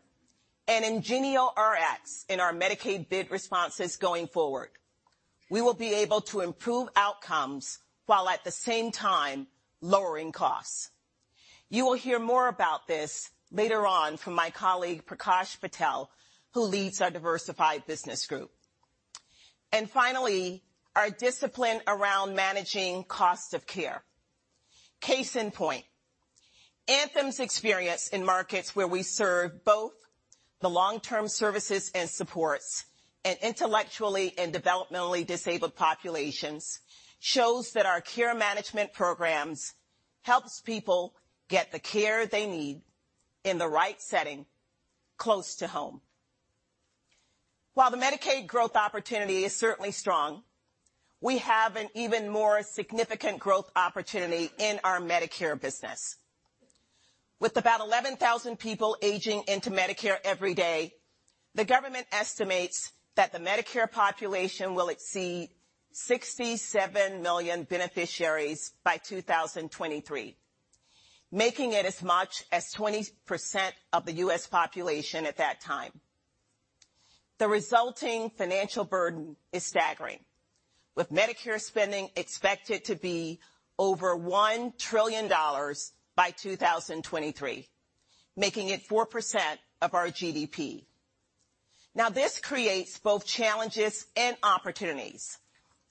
and IngenioRx in our Medicaid bid responses going forward. We will be able to improve outcomes while at the same time lowering costs. You will hear more about this later on from my colleague, Prakash Patel, who leads our Diversified Business Group. Finally, our discipline around managing cost of care. Case in point, Anthem's experience in markets where we serve both the Long-Term Services and Supports and intellectually and developmentally disabled populations shows that our care management programs helps people get the care they need in the right setting close to home. While the Medicaid growth opportunity is certainly strong, we have an even more significant growth opportunity in our Medicare business. With about 11,000 people aging into Medicare every day, the government estimates that the Medicare population will exceed 67 million beneficiaries by 2023, making it as much as 20% of the U.S. population at that time. The resulting financial burden is staggering. With Medicare spending expected to be over $1 trillion by 2023, making it 4% of our GDP. This creates both challenges and opportunities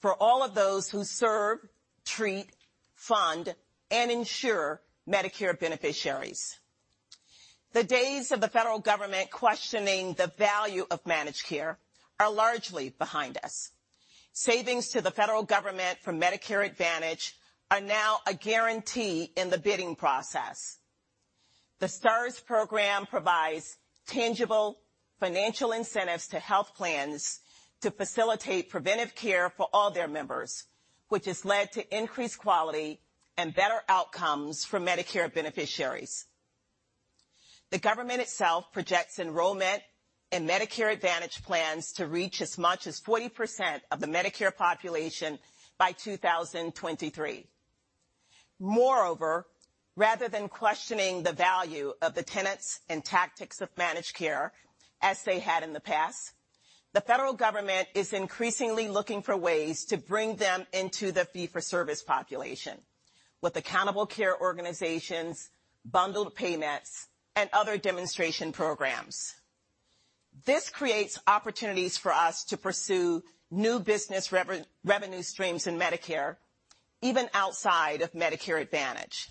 for all of those who serve, treat, fund, and insure Medicare beneficiaries. The days of the federal government questioning the value of managed care are largely behind us. Savings to the federal government from Medicare Advantage are now a guarantee in the bidding process. The Stars program provides tangible financial incentives to health plans to facilitate preventive care for all their members, which has led to increased quality and better outcomes for Medicare beneficiaries. The government itself projects enrollment in Medicare Advantage plans to reach as much as 40% of the Medicare population by 2023. Rather than questioning the value of the tenets and tactics of managed care as they had in the past, the federal government is increasingly looking for ways to bring them into the fee-for-service population with accountable care organizations, bundled payments, and other demonstration programs. This creates opportunities for us to pursue new business revenue streams in Medicare, even outside of Medicare Advantage.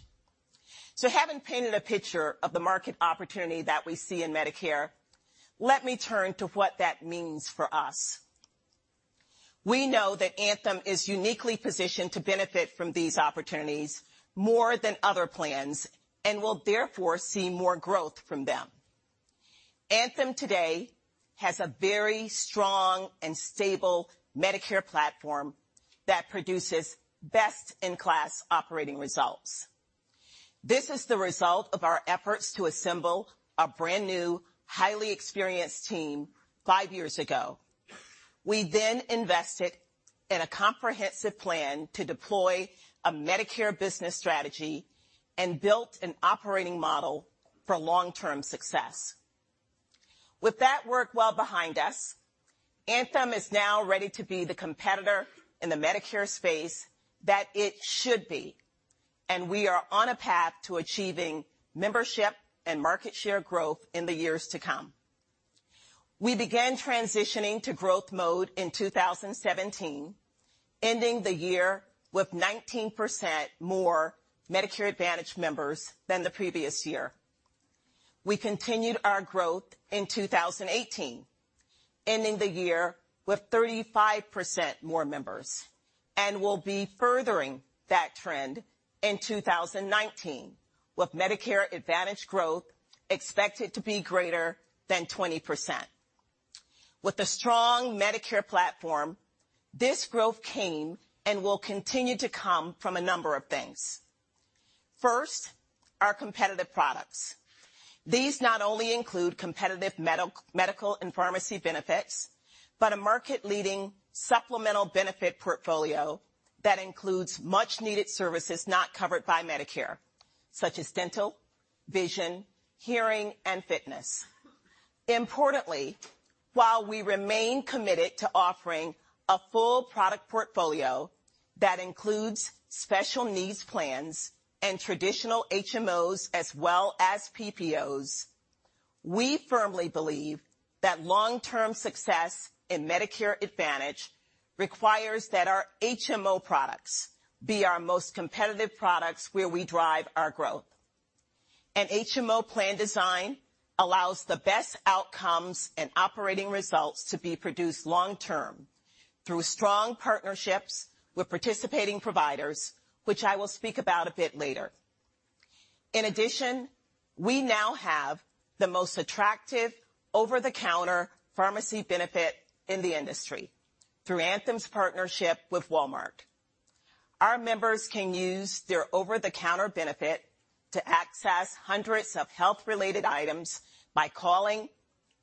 Having painted a picture of the market opportunity that we see in Medicare, let me turn to what that means for us. We know that Anthem is uniquely positioned to benefit from these opportunities more than other plans and will therefore see more growth from them. Anthem today has a very strong and stable Medicare platform that produces best-in-class operating results. This is the result of our efforts to assemble a brand new, highly experienced team five years ago. We invested in a comprehensive plan to deploy a Medicare business strategy and built an operating model for long-term success. With that work well behind us, Anthem is now ready to be the competitor in the Medicare space that it should be, and we are on a path to achieving membership and market share growth in the years to come. We began transitioning to growth mode in 2017, ending the year with 19% more Medicare Advantage members than the previous year. We continued our growth in 2018, ending the year with 35% more members, and will be furthering that trend in 2019, with Medicare Advantage growth expected to be greater than 20%. With a strong Medicare platform, this growth came and will continue to come from a number of things. First, our competitive products. These not only include competitive medical and pharmacy benefits, but a market-leading supplemental benefit portfolio that includes much needed services not covered by Medicare, such as dental, vision, hearing, and fitness. Importantly, while we remain committed to offering a full product portfolio that includes special needs plans and traditional HMOs as well as PPOs, we firmly believe that long-term success in Medicare Advantage requires that our HMO products be our most competitive products where we drive our growth. An HMO plan design allows the best outcomes and operating results to be produced long term through strong partnerships with participating providers, which I will speak about a bit later. In addition, we now have the most attractive over-the-counter pharmacy benefit in the industry through Anthem's partnership with Walmart. Our members can use their over-the-counter benefit to access hundreds of health-related items by calling,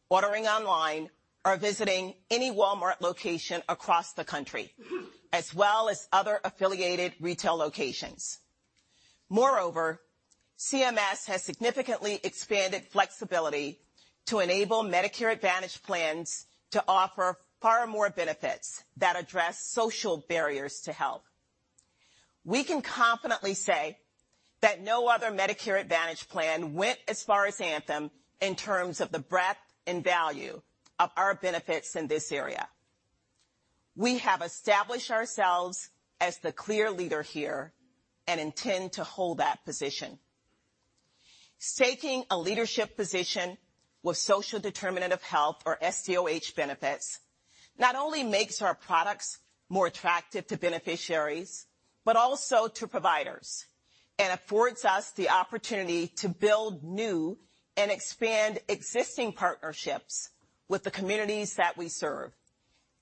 ordering online, or visiting any Walmart location across the country, as well as other affiliated retail locations. CMS has significantly expanded flexibility to enable Medicare Advantage plans to offer far more benefits that address social barriers to health. We can confidently say that no other Medicare Advantage plan went as far as Anthem in terms of the breadth and value of our benefits in this area. We have established ourselves as the clear leader here and intend to hold that position. Staking a leadership position with social determinant of health, or SDOH benefits, not only makes our products more attractive to beneficiaries, but also to providers, and affords us the opportunity to build new and expand existing partnerships with the communities that we serve,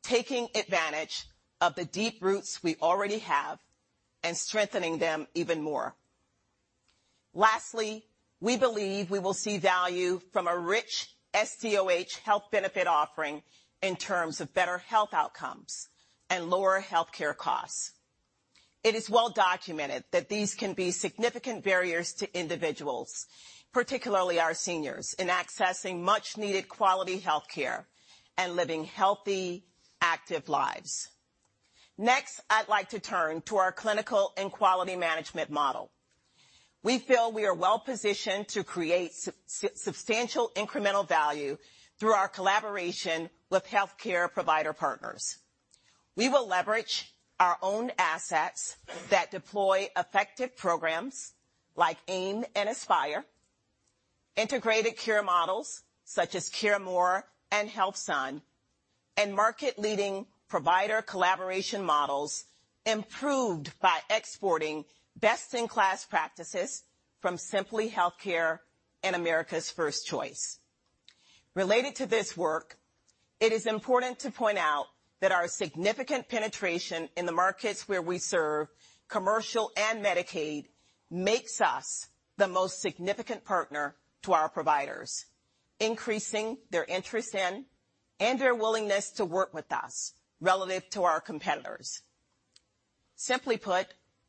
taking advantage of the deep roots we already have and strengthening them even more. We believe we will see value from a rich SDOH health benefit offering in terms of better health outcomes and lower healthcare costs. It is well documented that these can be significant barriers to individuals, particularly our seniors, in accessing much needed quality healthcare and living healthy, active lives. I'd like to turn to our clinical and quality management model. We feel we are well positioned to create substantial incremental value through our collaboration with healthcare provider partners. We will leverage our own assets that deploy effective programs like AIM and Aspire, integrated care models such as CareMore and HealthSun, and market-leading provider collaboration models improved by exporting best-in-class practices from Simply Healthcare and America's 1st Choice. Related to this work, it is important to point out that our significant penetration in the markets where we serve commercial and Medicaid makes us the most significant partner to our providers, increasing their interest in and their willingness to work with us relative to our competitors. Simply put,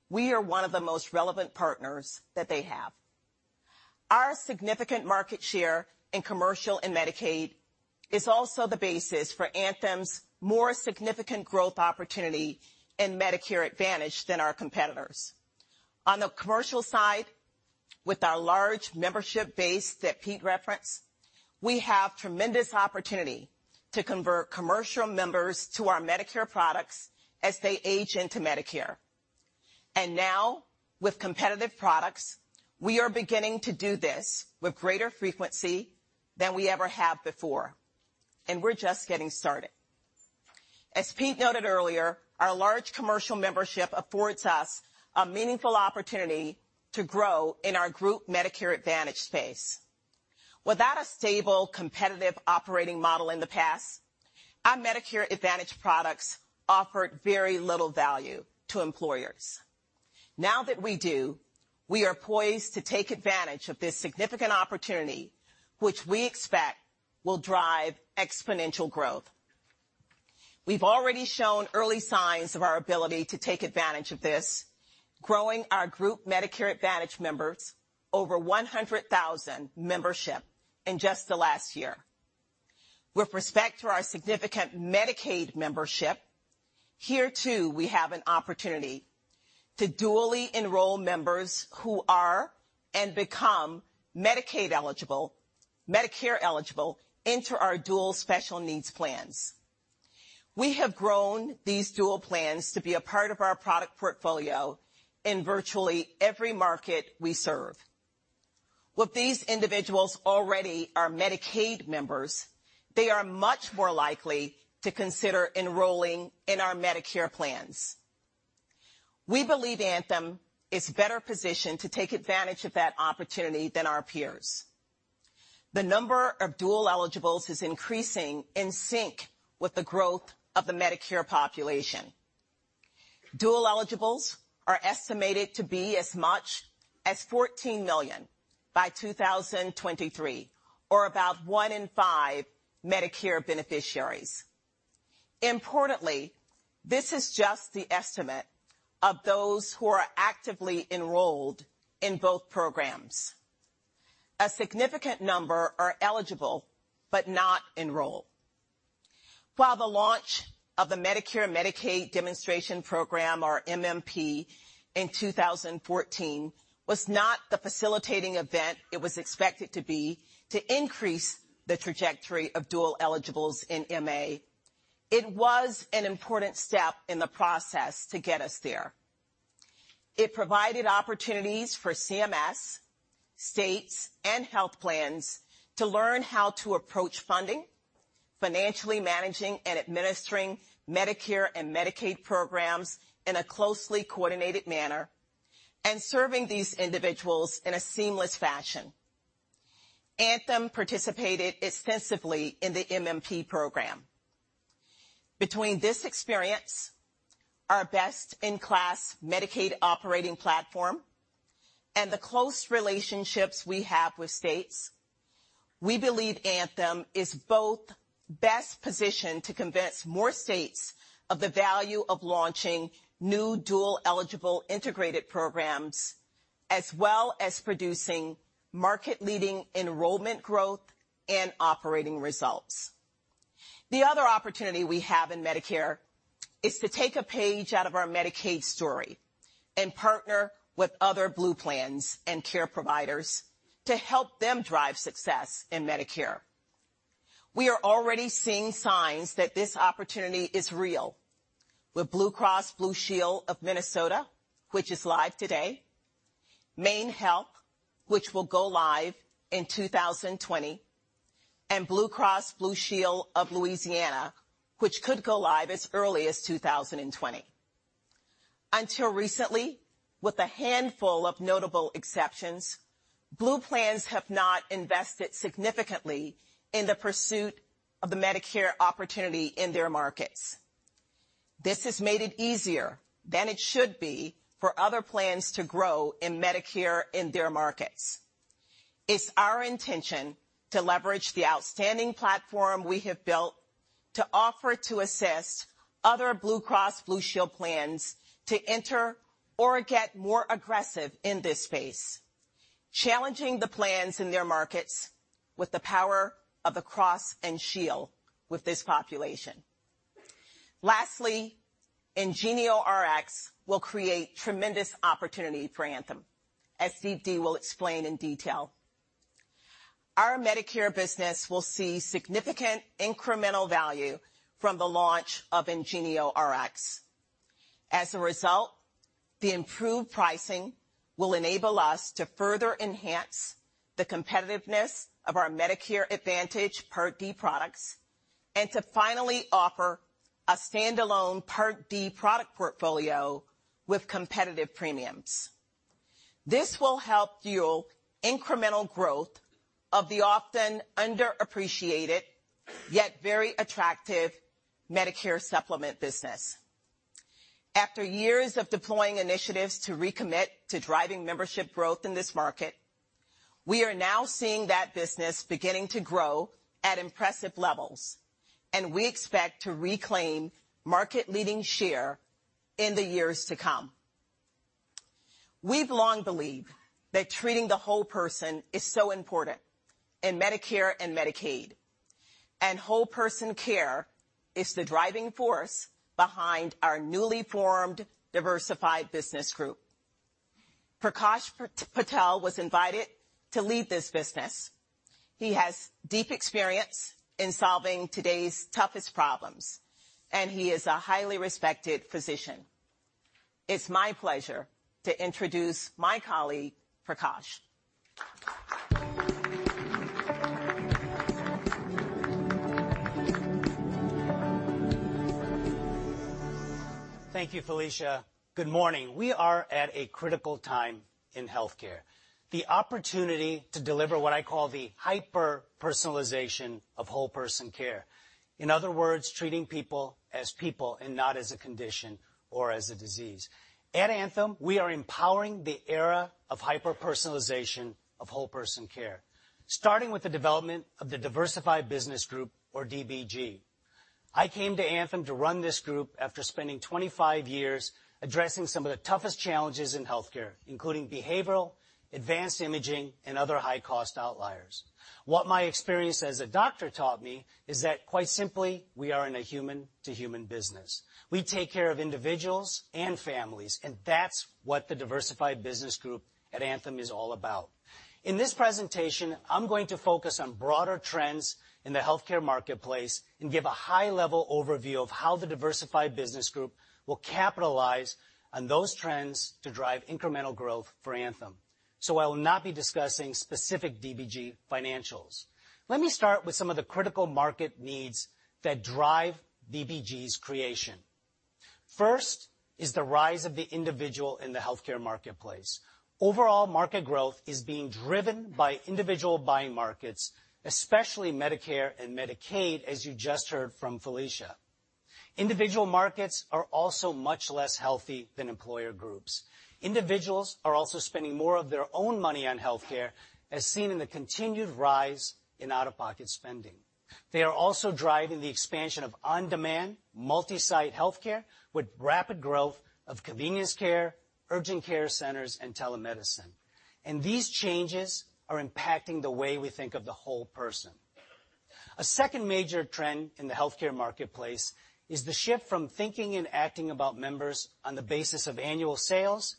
we are one of the most relevant partners that they have. Our significant market share in commercial and Medicaid is also the basis for Anthem's more significant growth opportunity in Medicare Advantage than our competitors. On the commercial side, with our large membership base that Pete referenced, we have tremendous opportunity to convert commercial members to our Medicare products as they age into Medicare. Now, with competitive products, we are beginning to do this with greater frequency than we ever have before, and we're just getting started. As Pete noted earlier, our large commercial membership affords us a meaningful opportunity to grow in our group Medicare Advantage space. Without a stable, competitive operating model in the past, our Medicare Advantage products offered very little value to employers. Now that we do, we are poised to take advantage of this significant opportunity, which we expect will drive exponential growth. We've already shown early signs of our ability to take advantage of this, growing our group Medicare Advantage members over 100,000 membership in just the last year. With respect to our significant Medicaid membership, here, too, we have an opportunity to dually enroll members who are and become Medicare eligible into our Dual Special Needs Plans. We have grown these dual plans to be a part of our product portfolio in virtually every market we serve. With these individuals already our Medicaid members, they are much more likely to consider enrolling in our Medicare plans. We believe Anthem is better positioned to take advantage of that opportunity than our peers. The number of dual eligibles is increasing in sync with the growth of the Medicare population. Dual eligibles are estimated to be as much as 14 million by 2023, or about one in five Medicare beneficiaries. Importantly, this is just the estimate of those who are actively enrolled in both programs. A significant number are eligible but not enrolled. While the launch of the Medicare Medicaid demonstration program, or MMP, in 2014 was not the facilitating event it was expected to be to increase the trajectory of dual eligibles in MA, it was an important step in the process to get us there. It provided opportunities for CMS, states, and health plans to learn how to approach funding, financially managing and administering Medicare and Medicaid programs in a closely coordinated manner, and serving these individuals in a seamless fashion. Anthem participated extensively in the MMP program. Between this experience, our best-in-class Medicaid operating platform, and the close relationships we have with states, we believe Anthem is both best positioned to convince more states of the value of launching new dual-eligible integrated programs, as well as producing market-leading enrollment growth and operating results. The other opportunity we have in Medicare is to take a page out of our Medicaid story and partner with other Blue plans and care providers to help them drive success in Medicare. We are already seeing signs that this opportunity is real with Blue Cross Blue Shield of Minnesota, which is live today, MaineHealth, which will go live in 2020, and Blue Cross Blue Shield of Louisiana, which could go live as early as 2020. Until recently, with a handful of notable exceptions, Blue plans have not invested significantly in the pursuit of the Medicare opportunity in their markets. This has made it easier than it should be for other plans to grow in Medicare in their markets. It's our intention to leverage the outstanding platform we have built to offer to assist other Blue Cross Blue Shield plans to enter or get more aggressive in this space, challenging the plans in their markets with the power of the Cross and Shield with this population. Lastly, IngenioRx will create tremendous opportunity for Anthem, as Dee Dee will explain in detail. Our Medicare business will see significant incremental value from the launch of IngenioRx. As a result, the improved pricing will enable us to further enhance the competitiveness of our Medicare Advantage Part D products and to finally offer a standalone Part D product portfolio with competitive premiums. This will help fuel incremental growth of the often underappreciated, yet very attractive Medicare Supplement business. After years of deploying initiatives to recommit to driving membership growth in this market, we are now seeing that business beginning to grow at impressive levels, and we expect to reclaim market-leading share in the years to come. We've long believed that treating the whole person is so important in Medicare and Medicaid, and whole-person care is the driving force behind our newly formed Diversified Business Group. Prakash Patel was invited to lead this business. He has deep experience in solving today's toughest problems, and he is a highly respected physician. It's my pleasure to introduce my colleague, Prakash. Thank you, Felicia. Good morning. We are at a critical time in healthcare. The opportunity to deliver what I call the hyper-personalization of whole-person care. In other words, treating people as people and not as a condition or as a disease. At Anthem, we are empowering the era of hyper-personalization of whole-person care, starting with the development of the Diversified Business Group, or DBG. I came to Anthem to run this group after spending 25 years addressing some of the toughest challenges in healthcare, including behavioral, advanced imaging, and other high-cost outliers. What my experience as a doctor taught is that quite simply, we are in a human-to-human business. We take care of individuals and families, and that's what the Diversified Business Group at Anthem is all about. In this presentation, I'm going to focus on broader trends in the healthcare marketplace and give a high-level overview of how the Diversified Business Group will capitalize on those trends to drive incremental growth for Anthem. I will not be discussing specific DBG financials. Let me start with some of the critical market needs that drive DBG's creation. First is the rise of the individual in the healthcare marketplace. Overall market growth is being driven by individual buying markets, especially Medicare and Medicaid, as you just heard from Felicia. Individual markets are also much less healthy than employer groups. Individuals are also spending more of their own money on healthcare, as seen in the continued rise in out-of-pocket spending. They are also driving the expansion of on-demand, multi-site healthcare with rapid growth of convenience care, urgent care centers, and telemedicine. These changes are impacting the way we think of the whole person. A second major trend in the healthcare marketplace is the shift from thinking and acting about members on the basis of annual sales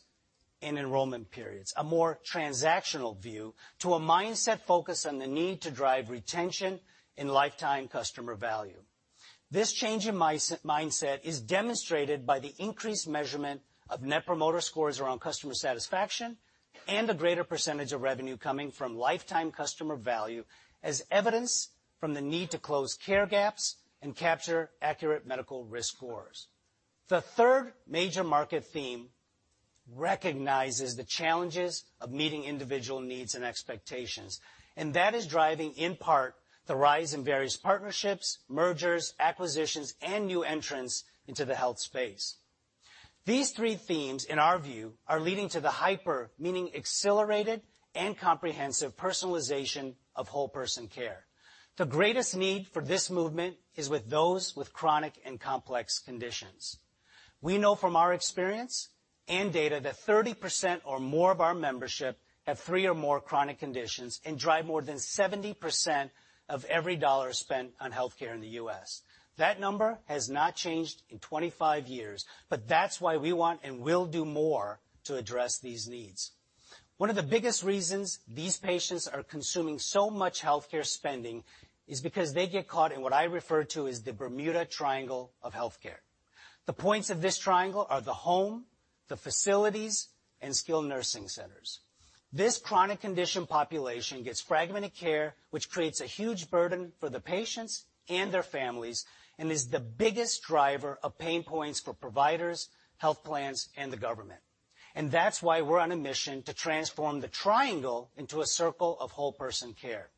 and enrollment periods, a more transactional view, to a mindset focused on the need to drive retention and lifetime customer value. This change in mindset is demonstrated by the increased measurement of Net Promoter Score around customer satisfaction and a greater percentage of revenue coming from lifetime customer value as evidence from the need to close care gaps and capture accurate medical risk scores. That is driving, in part, the rise in various partnerships, mergers, acquisitions, and new entrants into the health space. These three themes, in our view, are leading to the hyper, meaning accelerated and comprehensive personalization of whole-person care. The greatest need for this movement is with those with chronic and complex conditions. We know from our experience and data that 30% or more of our membership have three or more chronic conditions and drive more than 70% of every dollar spent on healthcare in the U.S. That number has not changed in 25 years, that's why we want and will do more to address these needs. One of the biggest reasons these patients are consuming so much healthcare spending is because they get caught in what I refer to as the Bermuda Triangle of Healthcare. The points of this triangle are the home, the facilities, and skilled nursing centers. This chronic condition population gets fragmented care, which creates a huge burden for the patients and their families, is the biggest driver of pain points for providers, health plans, and the government. That's why we're on a mission to transform the triangle into a circle of whole-person care.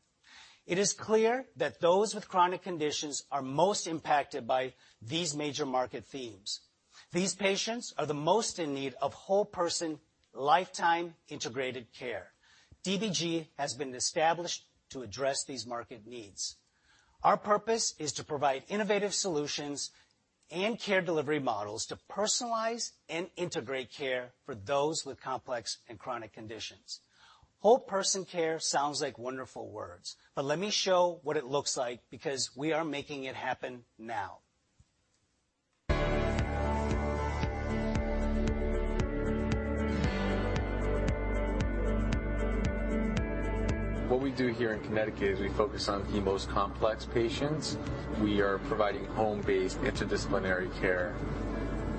It is clear that those with chronic conditions are most impacted by these major market themes. These patients are the most in need of whole-person, lifetime integrated care. DBG has been established to address these market needs. Our purpose is to provide innovative solutions and care delivery models to personalize and integrate care for those with complex and chronic conditions. Whole-person care sounds like wonderful words, let me show what it looks like because we are making it happen now. What we do here in Connecticut is we focus on the most complex patients. We are providing home-based interdisciplinary care.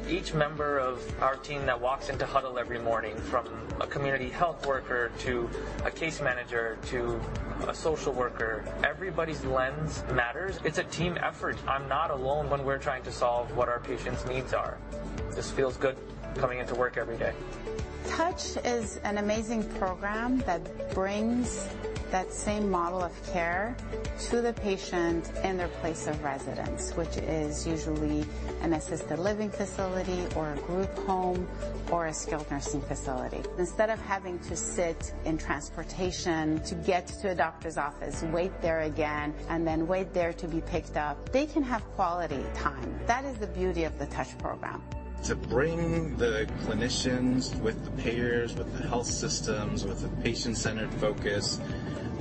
Each member of our team that walks into huddle every morning, from a community health worker to a case manager to a social worker, everybody's lens matters. It's a team effort. I'm not alone when we're trying to solve what our patients' needs are. Just feels good coming into work every day. Touch is an amazing program that brings that same model of care to the patient in their place of residence, which is usually an assisted living facility or a group home or a skilled nursing facility. Instead of having to sit in transportation to get to a doctor's office, wait there again, and then wait there to be picked up, they can have quality time. That is the beauty of the Touch program. To bring the clinicians with the payers, with the health systems, with the patient-centered focus,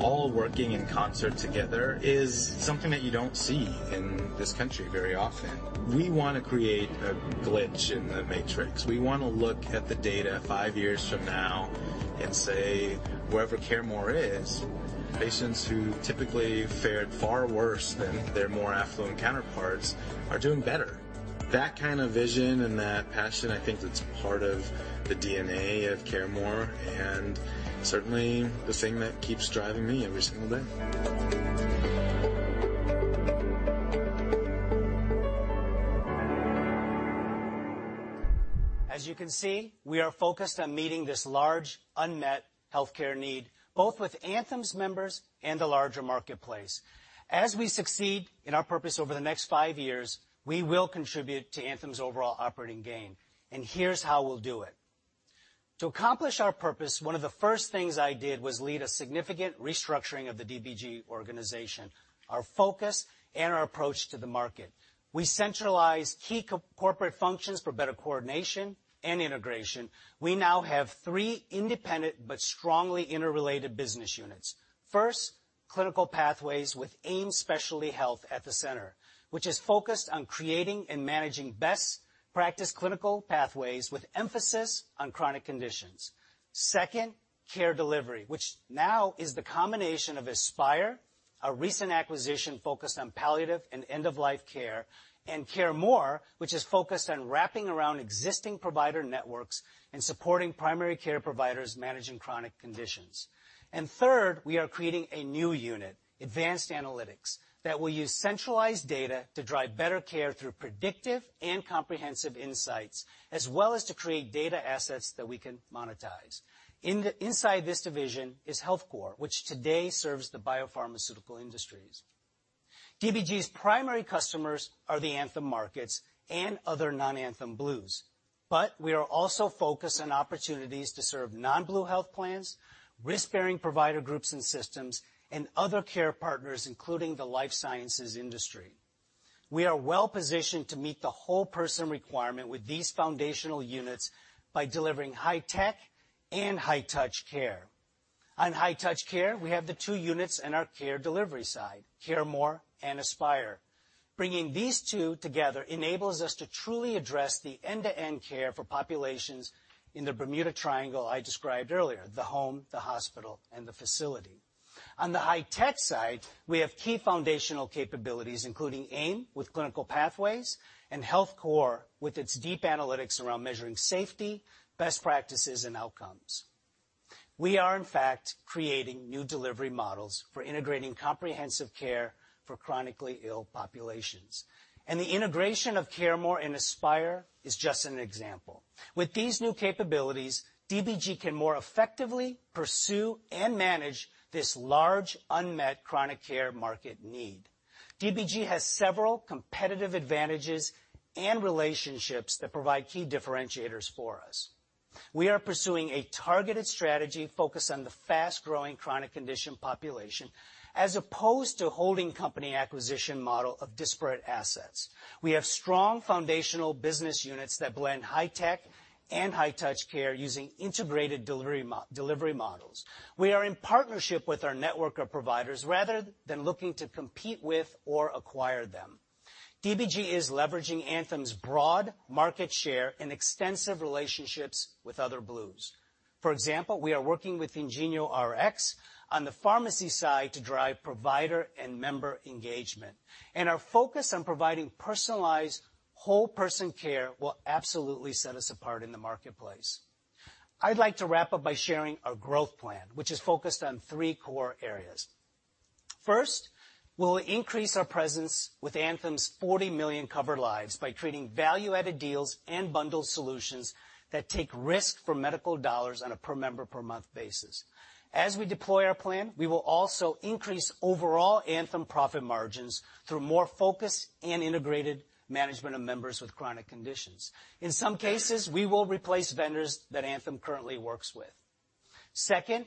all working in concert together is something that you don't see in this country very often. We want to create a glitch in the matrix. We want to look at the data five years from now and say, wherever CareMore is, patients who typically fared far worse than their more affluent counterparts are doing better. That kind of vision and that passion, I think that's part of the DNA of CareMore and certainly the thing that keeps driving me every single day. As you can see, we are focused on meeting this large unmet healthcare need, both with Anthem's members and the larger marketplace. As we succeed in our purpose over the next five years, we will contribute to Anthem's overall operating gain. Here's how we'll do it. To accomplish our purpose, one of the first things I did was lead a significant restructuring of the DBG organization, our focus, and our approach to the market. We centralized key corporate functions for better coordination and integration. We now have three independent but strongly interrelated business units. First, clinical pathways with AIM Specialty Health at the center, which is focused on creating and managing best practice clinical pathways with emphasis on chronic conditions. Second, care delivery, which now is the combination of Aspire, a recent acquisition focused on palliative and end-of-life care, and CareMore, which is focused on wrapping around existing provider networks and supporting primary care providers managing chronic conditions. Third, we are creating a new unit, Advanced Analytics, that will use centralized data to drive better care through predictive and comprehensive insights, as well as to create data assets that we can monetize. Inside this division is HealthCore, which today serves the biopharmaceutical industries. DBG's primary customers are the Anthem markets and other non-Anthem Blues, but we are also focused on opportunities to serve non-Blue health plans, risk-bearing provider groups and systems, and other care partners, including the life sciences industry. We are well-positioned to meet the whole person requirement with these foundational units by delivering high-tech and high-touch care. On high-touch care, we have the two units in our care delivery side, CareMore and Aspire. Bringing these two together enables us to truly address the end-to-end care for populations in the Bermuda Triangle I described earlier, the home, the hospital, and the facility. On the high-tech side, we have key foundational capabilities, including AIM with clinical pathways and HealthCore with its deep analytics around measuring safety, best practices, and outcomes. We are in fact creating new delivery models for integrating comprehensive care for chronically ill populations, and the integration of CareMore and Aspire is just an example. With these new capabilities, DBG can more effectively pursue and manage this large unmet chronic care market need. DBG has several competitive advantages and relationships that provide key differentiators for us. We are pursuing a targeted strategy focused on the fast-growing chronic condition population as opposed to holding company acquisition model of disparate assets. We have strong foundational business units that blend high-tech and high-touch care using integrated delivery models. We are in partnership with our network of providers rather than looking to compete with or acquire them. DBG is leveraging Anthem's broad market share and extensive relationships with other Blues. For example, we are working with IngenioRx on the pharmacy side to drive provider and member engagement, and our focus on providing personalized whole-person care will absolutely set us apart in the marketplace. I'd like to wrap up by sharing our growth plan, which is focused on three core areas. First, we'll increase our presence with Anthem's 40 million covered lives by creating value-added deals and bundled solutions that take risk for medical dollars on a per-member per-month basis. As we deploy our plan, we will also increase overall Anthem profit margins through more focused and integrated management of members with chronic conditions. In some cases, we will replace vendors that Anthem currently works with. Second,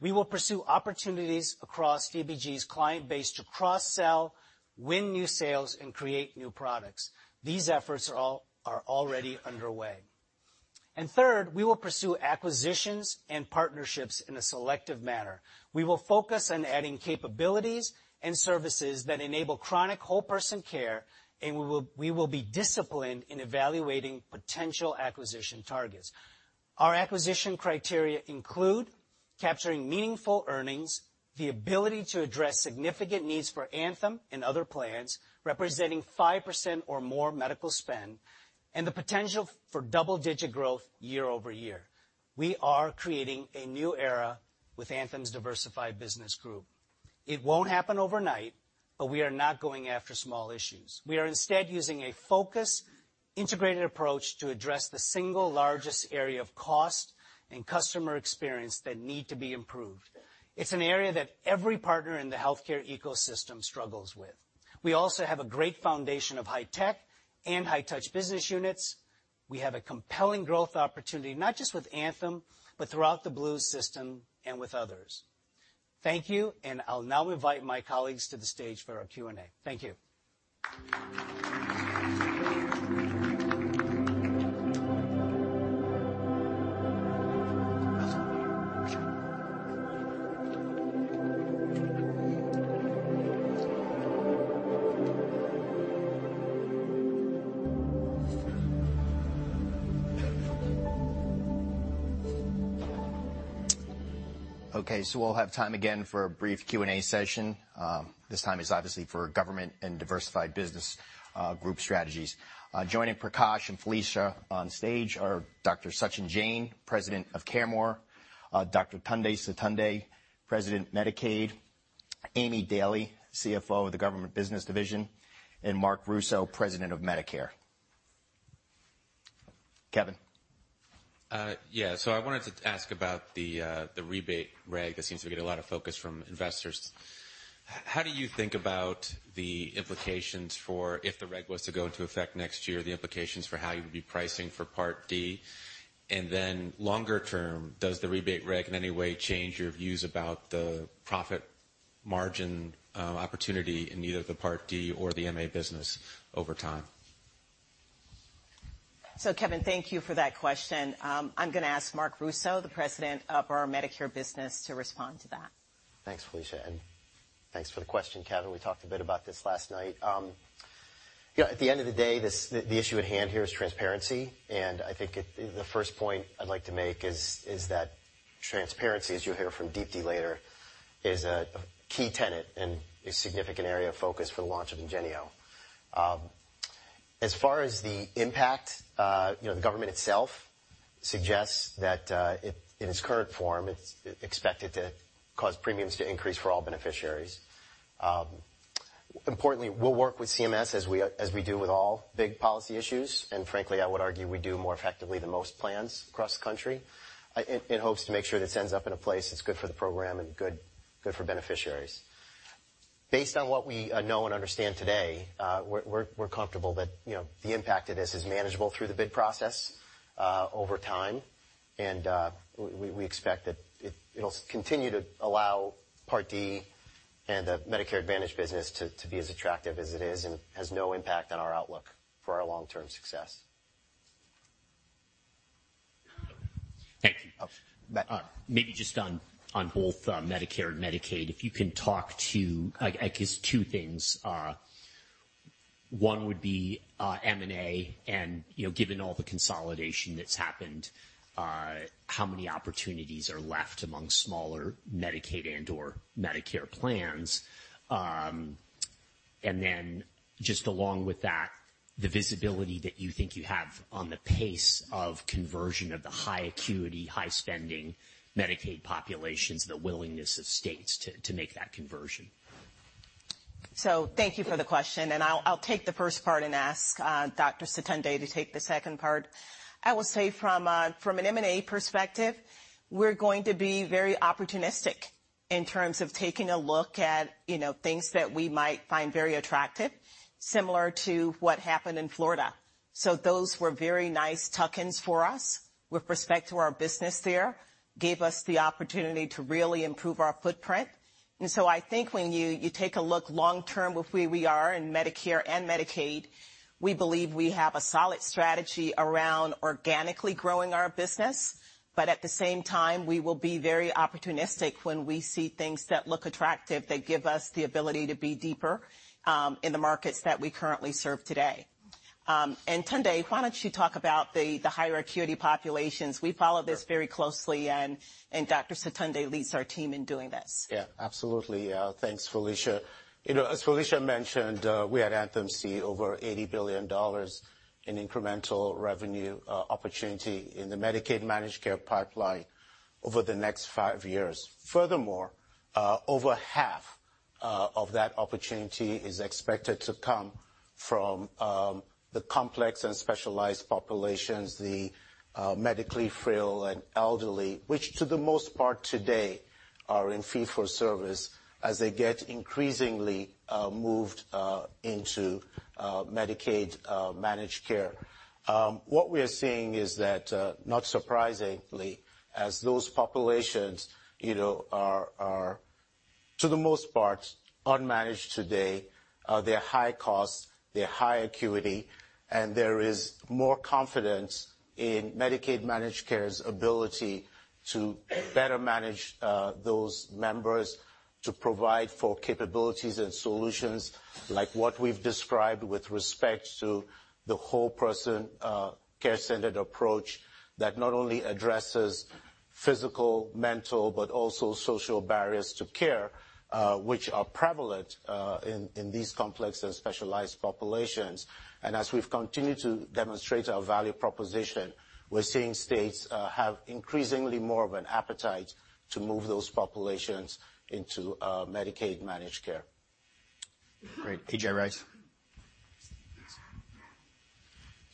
we will pursue opportunities across DBG's client base to cross-sell, win new sales, and create new products. These efforts are already underway. Third, we will pursue acquisitions and partnerships in a selective manner. We will focus on adding capabilities and services that enable chronic whole-person care, and we will be disciplined in evaluating potential acquisition targets. Our acquisition criteria include capturing meaningful earnings, the ability to address significant needs for Anthem and other plans representing 5% or more medical spend, and the potential for double-digit growth year-over-year. We are creating a new era with Anthem's Diversified Business Group. We are not going after small issues. We are instead using a focused, integrated approach to address the single largest area of cost and customer experience that need to be improved. It's an area that every partner in the healthcare ecosystem struggles with. We also have a great foundation of high-tech and high-touch business units. We have a compelling growth opportunity, not just with Anthem, but throughout the Blues system and with others. Thank you, I'll now invite my colleagues to the stage for our Q&A. Thank you. We'll have time again for a brief Q&A session. This time is obviously for government and Diversified Business Group strategies. Joining Prakash and Felicia on stage are Dr. Sachin Jain, President of CareMore; Dr. Tunde Sotunde, President, Medicaid; Aimée Dailey, CFO of the Government Business Division; and Marc Russo, President of Medicare. Kevin? Yeah. I wanted to ask about the rebate reg that seems to get a lot of focus from investors. How do you think about the implications for if the reg was to go into effect next year, the implications for how you would be pricing for Part D? Longer term, does the rebate reg in any way change your views about the profit margin opportunity in either the Part D or the MA business over time? Kevin, thank you for that question. I'm going to ask Marc Russo, the President of our Medicare business, to respond to that. Thanks, Felicia, and thanks for the question, Kevin. We talked a bit about this last night. At the end of the day, the issue at hand here is transparency. I think the first point I'd like to make is that transparency, as you'll hear from Deepti later, is a key tenet and a significant area of focus for the launch of Ingenio. As far as the impact, the government itself suggests that in its current form, it's expected to cause premiums to increase for all beneficiaries. Importantly, we'll work with CMS as we do with all big policy issues, and frankly, I would argue we do more effectively than most plans across the country, in hopes to make sure this ends up in a place that's good for the program and good for beneficiaries. Based on what we know and understand today, we're comfortable that the impact of this is manageable through the bid process over time. We expect that it'll continue to allow Part D and the Medicare Advantage business to be as attractive as it is, and it has no impact on our outlook for our long-term success. Thank you. Matt. Maybe just on both Medicare and Medicaid, if you can talk to, I guess, two things. One would be M&A and, given all the consolidation that's happened, how many opportunities are left among smaller Medicaid and/or Medicare plans. Then just along with that, the visibility that you think you have on the pace of conversion of the high acuity, high spending Medicaid populations, the willingness of states to make that conversion. Thank you for the question, and I'll take the first part and ask Dr. Sotunde to take the second part. I will say from an M&A perspective, we're going to be very opportunistic in terms of taking a look at things that we might find very attractive, similar to what happened in Florida. Those were very nice tuck-ins for us with respect to our business there, gave us the opportunity to really improve our footprint. I think when you take a look long term with where we are in Medicare and Medicaid, we believe we have a solid strategy around organically growing our business. At the same time, we will be very opportunistic when we see things that look attractive, that give us the ability to be deeper in the markets that we currently serve today. Tunde, why don't you talk about the higher acuity populations? We follow this very closely, and Dr. Sotunde leads our team in doing this. Yeah, absolutely. Thanks, Felicia. As Felicia mentioned, we at Anthem see over $80 billion in incremental revenue opportunity in the Medicaid managed care pipeline over the next five years. Furthermore, over half of that opportunity is expected to come from the complex and specialized populations, the medically frail and elderly, which to the most part today are in fee-for-service as they get increasingly moved into Medicaid managed care. What we are seeing is that, not surprisingly, as those populations are to the most part unmanaged today, they're high cost, they're high acuity, and there is more confidence in Medicaid managed care's ability to better manage those members to provide for capabilities and solutions like what we've described with respect to the whole-person care-centered approach that not only addresses physical, mental, but also social barriers to care, which are prevalent in these complex and specialized populations. As we've continued to demonstrate our value proposition, we're seeing states have increasingly more of an appetite to move those populations into Medicaid managed care. Great. A.J. Rice.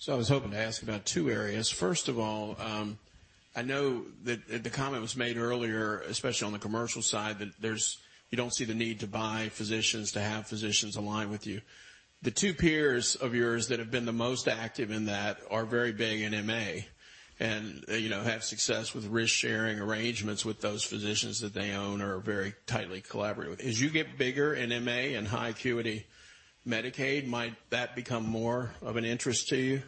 I was hoping to ask about two areas. First of all, I know that the comment was made earlier, especially on the commercial side, that you don't see the need to buy physicians to have physicians align with you. The two peers of yours that have been the most active in that are very big in MA, and have success with risk-sharing arrangements with those physicians that they own or very tightly collaborate with. As you get bigger in MA and high acuity Medicaid, might that become more of an interest to you?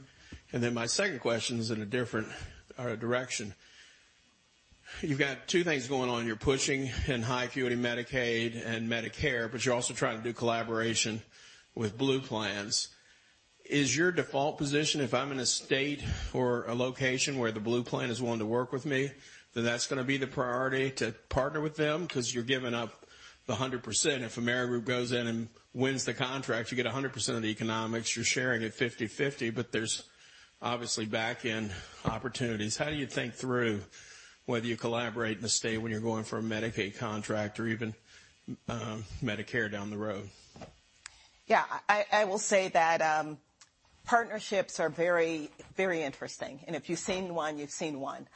My second question is in a different direction. You've got two things going on. You're pushing in high acuity Medicaid and Medicare, but you're also trying to do collaboration with Blue plans? Is your default position if I'm in a state or a location where the Blue plan is willing to work with me, then that's going to be the priority to partner with them? Because you're giving up the 100%. If Amerigroup goes in and wins the contract, you get 100% of the economics. You're sharing it 50/50, but there's obviously back-end opportunities. How do you think through whether you collaborate in a state when you're going for a Medicaid contract or even Medicare down the road? Yeah. I will say that partnerships are very interesting, and if you've seen one, you've seen one.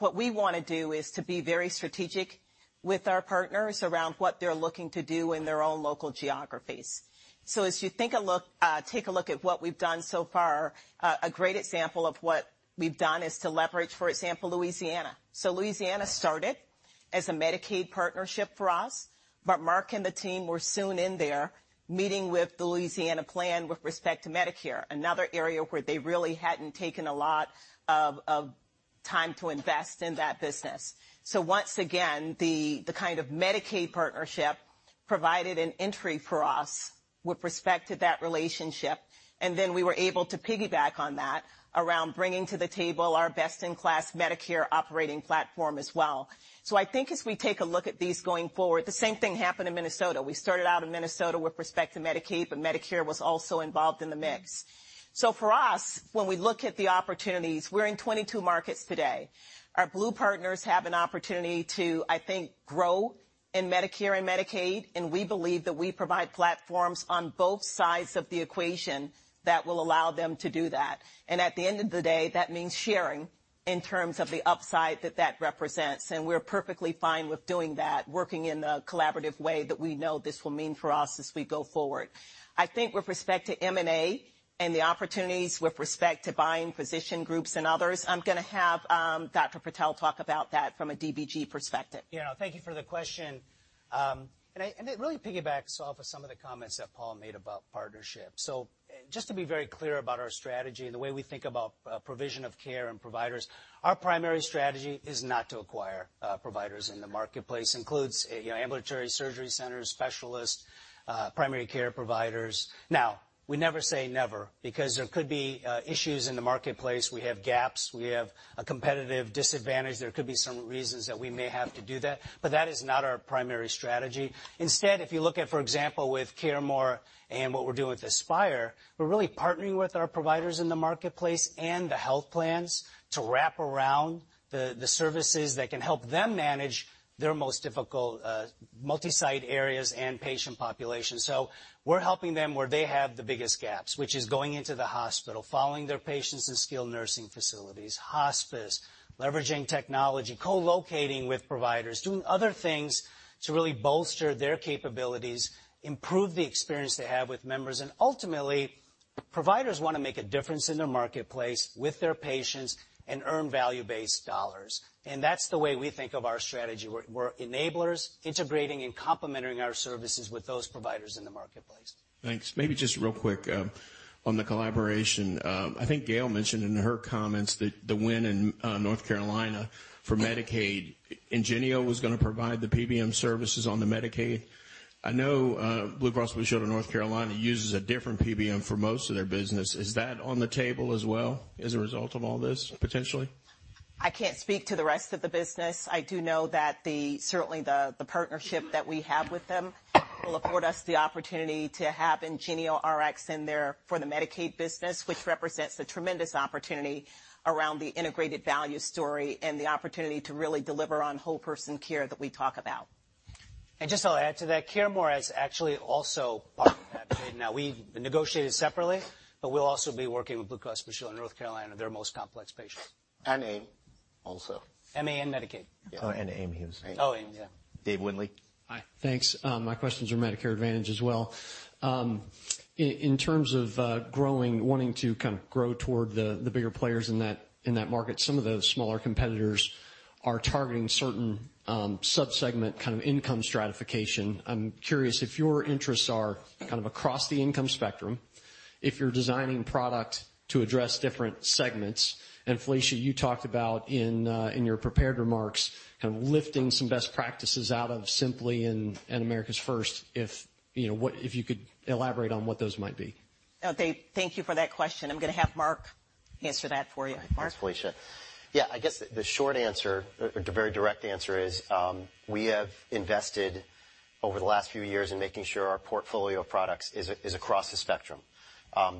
What we want to do is to be very strategic with our partners around what they're looking to do in their own local geographies. As you take a look at what we've done so far, a great example of what we've done is to leverage, for example, Louisiana. Louisiana started as a Medicaid partnership for us, but Marc and the team were soon in there meeting with the Louisiana plan with respect to Medicare, another area where they really hadn't taken a lot of time to invest in that business. Once again, the kind of Medicaid partnership provided an entry for us with respect to that relationship, and then we were able to piggyback on that around bringing to the table our best-in-class Medicare operating platform as well. I think as we take a look at these going forward, the same thing happened in Minnesota. We started out in Minnesota with respect to Medicaid, but Medicare was also involved in the mix. For us, when we look at the opportunities, we're in 22 markets today. Our Blue partners have an opportunity to, I think, grow in Medicare and Medicaid, and we believe that we provide platforms on both sides of the equation that will allow them to do that. At the end of the day, that means sharing in terms of the upside that that represents, and we're perfectly fine with doing that, working in the collaborative way that we know this will mean for us as we go forward. I think with respect to M&A and the opportunities with respect to buying physician groups and others, I'm going to have Dr. Patel talk about that from a DBG perspective. Yeah. Thank you for the question. It really piggybacks off of some of the comments that Paul made about partnership. Just to be very clear about our strategy and the way we think about provision of care and providers, our primary strategy is not to acquire providers in the marketplace, includes ambulatory surgery centers, specialists, primary care providers. Now, we never say never, because there could be issues in the marketplace. We have gaps. We have a competitive disadvantage. There could be some reasons that we may have to do that, but that is not our primary strategy. Instead, if you look at, for example, with CareMore and what we're doing with Aspire, we're really partnering with our providers in the marketplace and the health plans to wrap around the services that can help them manage their most difficult multi-site areas and patient populations. We're helping them where they have the biggest gaps, which is going into the hospital, following their patients in skilled nursing facilities, hospice, leveraging technology, co-locating with providers, doing other things to really bolster their capabilities, improve the experience they have with members, and ultimately, providers want to make a difference in their marketplace with their patients and earn value-based dollars. That's the way we think of our strategy. We're enablers integrating and complementing our services with those providers in the marketplace. Thanks. Maybe just real quick on the collaboration. I think Gail mentioned in her comments that the win in North Carolina for Medicaid, IngenioRx was going to provide the PBM services on the Medicaid. I know Blue Cross and Blue Shield of North Carolina uses a different PBM for most of their business. Is that on the table as well as a result of all this, potentially? I can't speak to the rest of the business. I do know that certainly the partnership that we have with them will afford us the opportunity to have IngenioRx in there for the Medicaid business, which represents a tremendous opportunity around the integrated value story and the opportunity to really deliver on whole person care that we talk about. Just I'll add to that, CareMore has actually also bought Medicaid. Now we've negotiated separately, but we'll also be working with Blue Cross and Blue Shield of North Carolina, their most complex patients. AIM also. MA and Medicaid. AIM. AIM. Yeah. Dave Windley. Hi. Thanks. My questions are Medicare Advantage as well. In terms of wanting to kind of grow toward the bigger players in that market, some of those smaller competitors are targeting certain sub-segment kind of income stratification. I am curious if your interests are kind of across the income spectrum, if you are designing product to address different segments, and Felicia, you talked about in your prepared remarks kind of lifting some best practices out of Simply and America's 1st Choice, if you could elaborate on what those might be. Dave, thank you for that question. I am going to have Marc answer that for you. Marc? Thanks, Felicia. Yeah, I guess the short answer or the very direct answer is, we have invested over the last few years in making sure our portfolio of products is across the spectrum.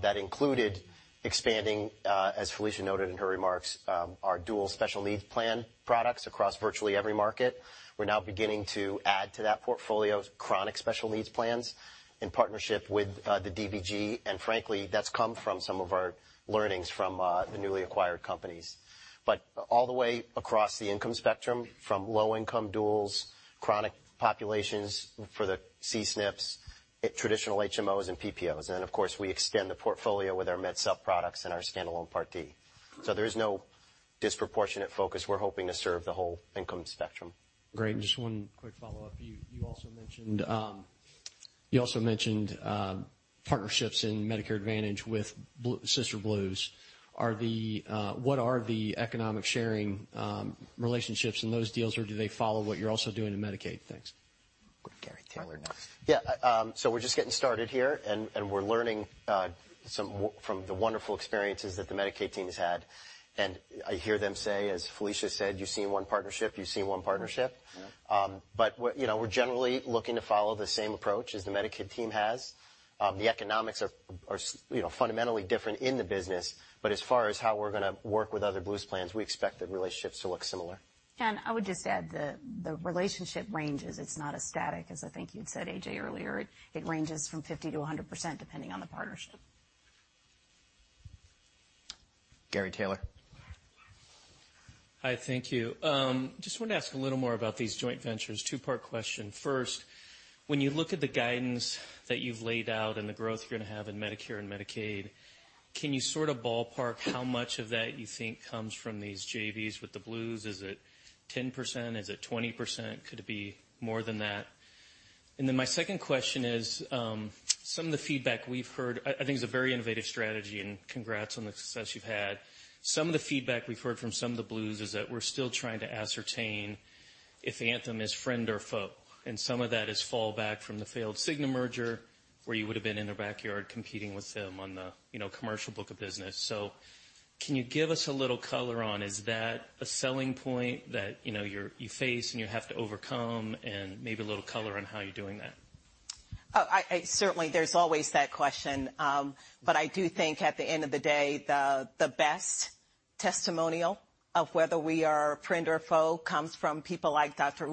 That included expanding, as Felicia noted in her remarks, our Dual Special Needs Plan products across virtually every market. We are now beginning to add to that portfolio Chronic Special Needs Plans in partnership with the DBG, and frankly, that has come from some of our learnings from the newly acquired companies. All the way across the income spectrum, from low-income duals, chronic populations for the C-SNPs, traditional HMOs, and PPOs. Then, of course, we extend the portfolio with our Medicare Supplement products and our standalone Part D. There is no disproportionate focus. We are hoping to serve the whole income spectrum. Great. Just one quick follow-up. You also mentioned partnerships in Medicare Advantage with sister Blues. What are the economic sharing relationships in those deals, or do they follow what you're also doing in Medicaid? Thanks. With Gary Taylor next. Yeah. We're just getting started here, and we're learning from the wonderful experiences that the Medicaid team's had. I hear them say, as Felicia said, "You've seen one partnership, you've seen one partnership. Mm-hmm. Yeah. We're generally looking to follow the same approach as the Medicaid team has. The economics are fundamentally different in the business, but as far as how we're going to work with other Blue plans, we expect the relationships to look similar. I would just add, the relationship ranges, it's not as static as I think you'd said, A.J., earlier. It ranges from 50%-100%, depending on the partnership. Gary Taylor. Hi, thank you. Just wanted to ask a little more about these joint ventures. Two-part question. First, when you look at the guidance that you've laid out and the growth you're going to have in Medicare and Medicaid, can you sort of ballpark how much of that you think comes from these JVs with the Blues? Is it 10%? Is it 20%? Could it be more than that? Then my second question is, some of the feedback we've heard I think it's a very innovative strategy, and congrats on the success you've had. Some of the feedback we've heard from some of the Blues is that we're still trying to ascertain if Anthem is friend or foe, and some of that is fallback from the failed Cigna merger, where you would've been in their backyard competing with them on the commercial book of business. Can you give us a little color on, is that a selling point that you face and you have to overcome? Maybe a little color on how you're doing that. Certainly there's always that question. I do think at the end of the day, the best testimonial of whether we are friend or foe comes from people like Dr.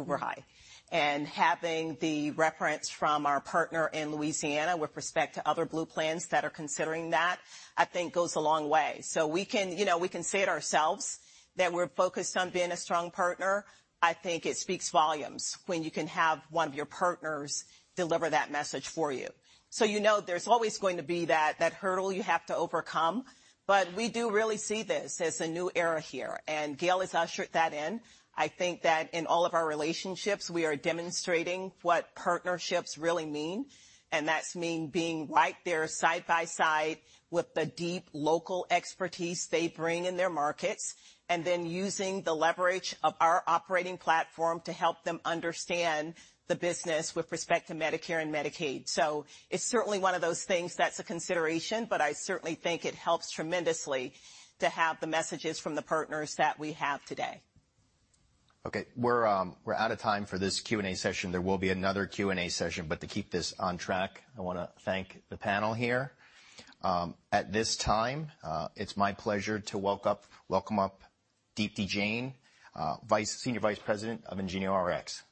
Uberoi. Having the reference from our partner in Louisiana with respect to other Blue plans that are considering that, I think goes a long way. We can say it ourselves that we're focused on being a strong partner. I think it speaks volumes when you can have one of your partners deliver that message for you. You know there's always going to be that hurdle you have to overcome, but we do really see this as a new era here, and Gail has ushered that in. I think that in all of our relationships, we are demonstrating what partnerships really mean, and that's mean being right there side by side with the deep local expertise they bring in their markets, and then using the leverage of our operating platform to help them understand the business with respect to Medicare and Medicaid. It's certainly one of those things that's a consideration, but I certainly think it helps tremendously to have the messages from the partners that we have today. We're out of time for this Q&A session. There will be another Q&A session. To keep this on track, I want to thank the panel here. At this time, it's my pleasure to welcome up Deepti Jain, Senior Vice President of IngenioRx.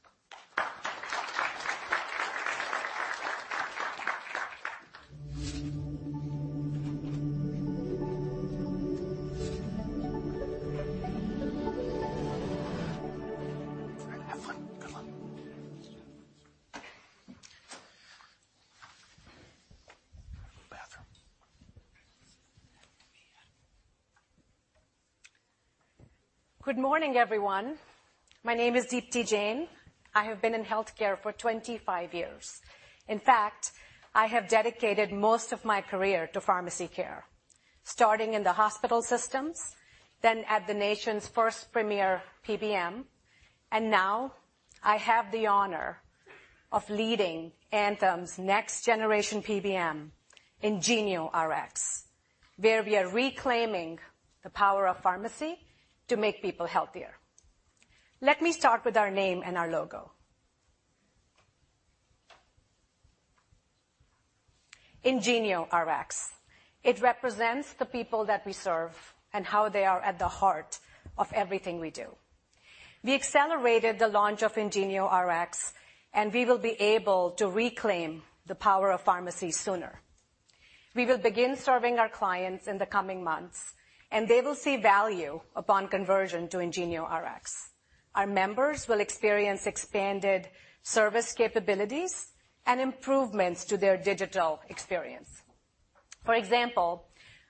All right, have fun. Good luck. Bathroom. Good morning, everyone. My name is Deepti Jain. I have been in healthcare for 25 years. In fact, I have dedicated most of my career to pharmacy care, starting in the hospital systems, then at the nation's first premier PBM, and now I have the honor of leading Anthem's next generation PBM, IngenioRx, where we are reclaiming the power of pharmacy to make people healthier. Let me start with our name and our logo. IngenioRx. It represents the people that we serve and how they are at the heart of everything we do. We accelerated the launch of IngenioRx, and we will be able to reclaim the power of pharmacy sooner. We will begin serving our clients in the coming months, and they will see value upon conversion to IngenioRx. Our members will experience expanded service capabilities and improvements to their digital experience. For example,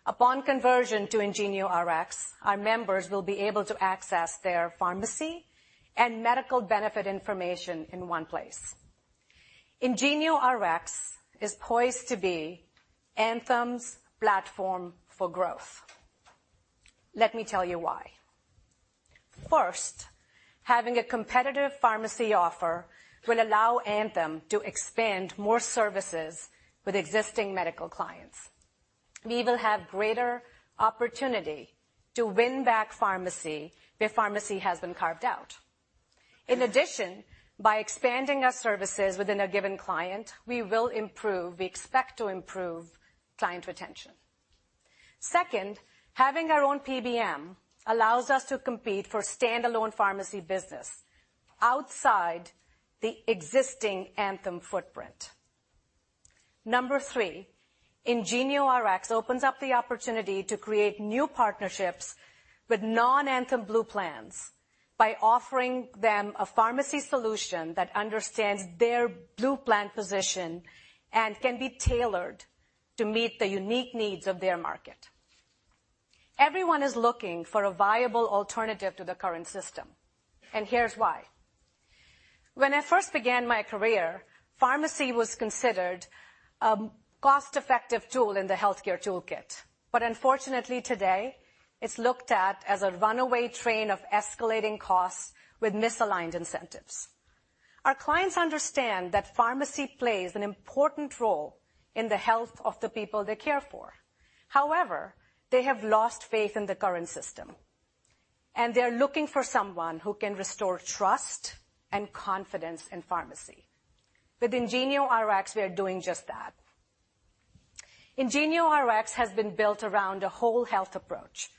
upon conversion to IngenioRx, our members will be able to access their pharmacy and medical benefit information in one place. IngenioRx is poised to be Anthem's platform for growth. Let me tell you why. First, having a competitive pharmacy offer will allow Anthem to expand more services with existing medical clients. We will have greater opportunity to win back pharmacy where pharmacy has been carved out. In addition, by expanding our services within a given client, we expect to improve client retention. Second, having our own PBM allows us to compete for standalone pharmacy business outside the existing Anthem footprint. Number three, IngenioRx opens up the opportunity to create new partnerships with non-Anthem Blue plans by offering them a pharmacy solution that understands their Blue plan position and can be tailored to meet the unique needs of their market. Everyone is looking for a viable alternative to the current system. Here's why. When I first began my career, pharmacy was considered a cost-effective tool in the healthcare toolkit. Unfortunately, today it's looked at as a runaway train of escalating costs with misaligned incentives. Our clients understand that pharmacy plays an important role in the health of the people they care for. However, they have lost faith in the current system, and they're looking for someone who can restore trust and confidence in pharmacy. With IngenioRx, we are doing just that. IngenioRx has been built around a whole health approach.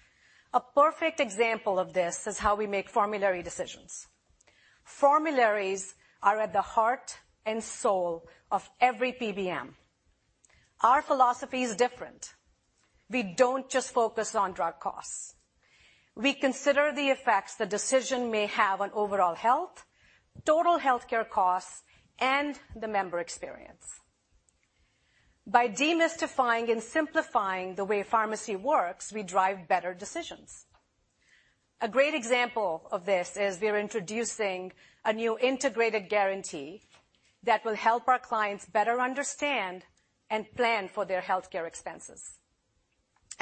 A perfect example of this is how we make formulary decisions. Formularies are at the heart and soul of every PBM. Our philosophy is different. We don't just focus on drug costs. We consider the effects the decision may have on overall health, total healthcare costs, and the member experience. By demystifying and simplifying the way pharmacy works, we drive better decisions. A great example of this is we're introducing a new integrated guarantee that will help our clients better understand and plan for their healthcare expenses.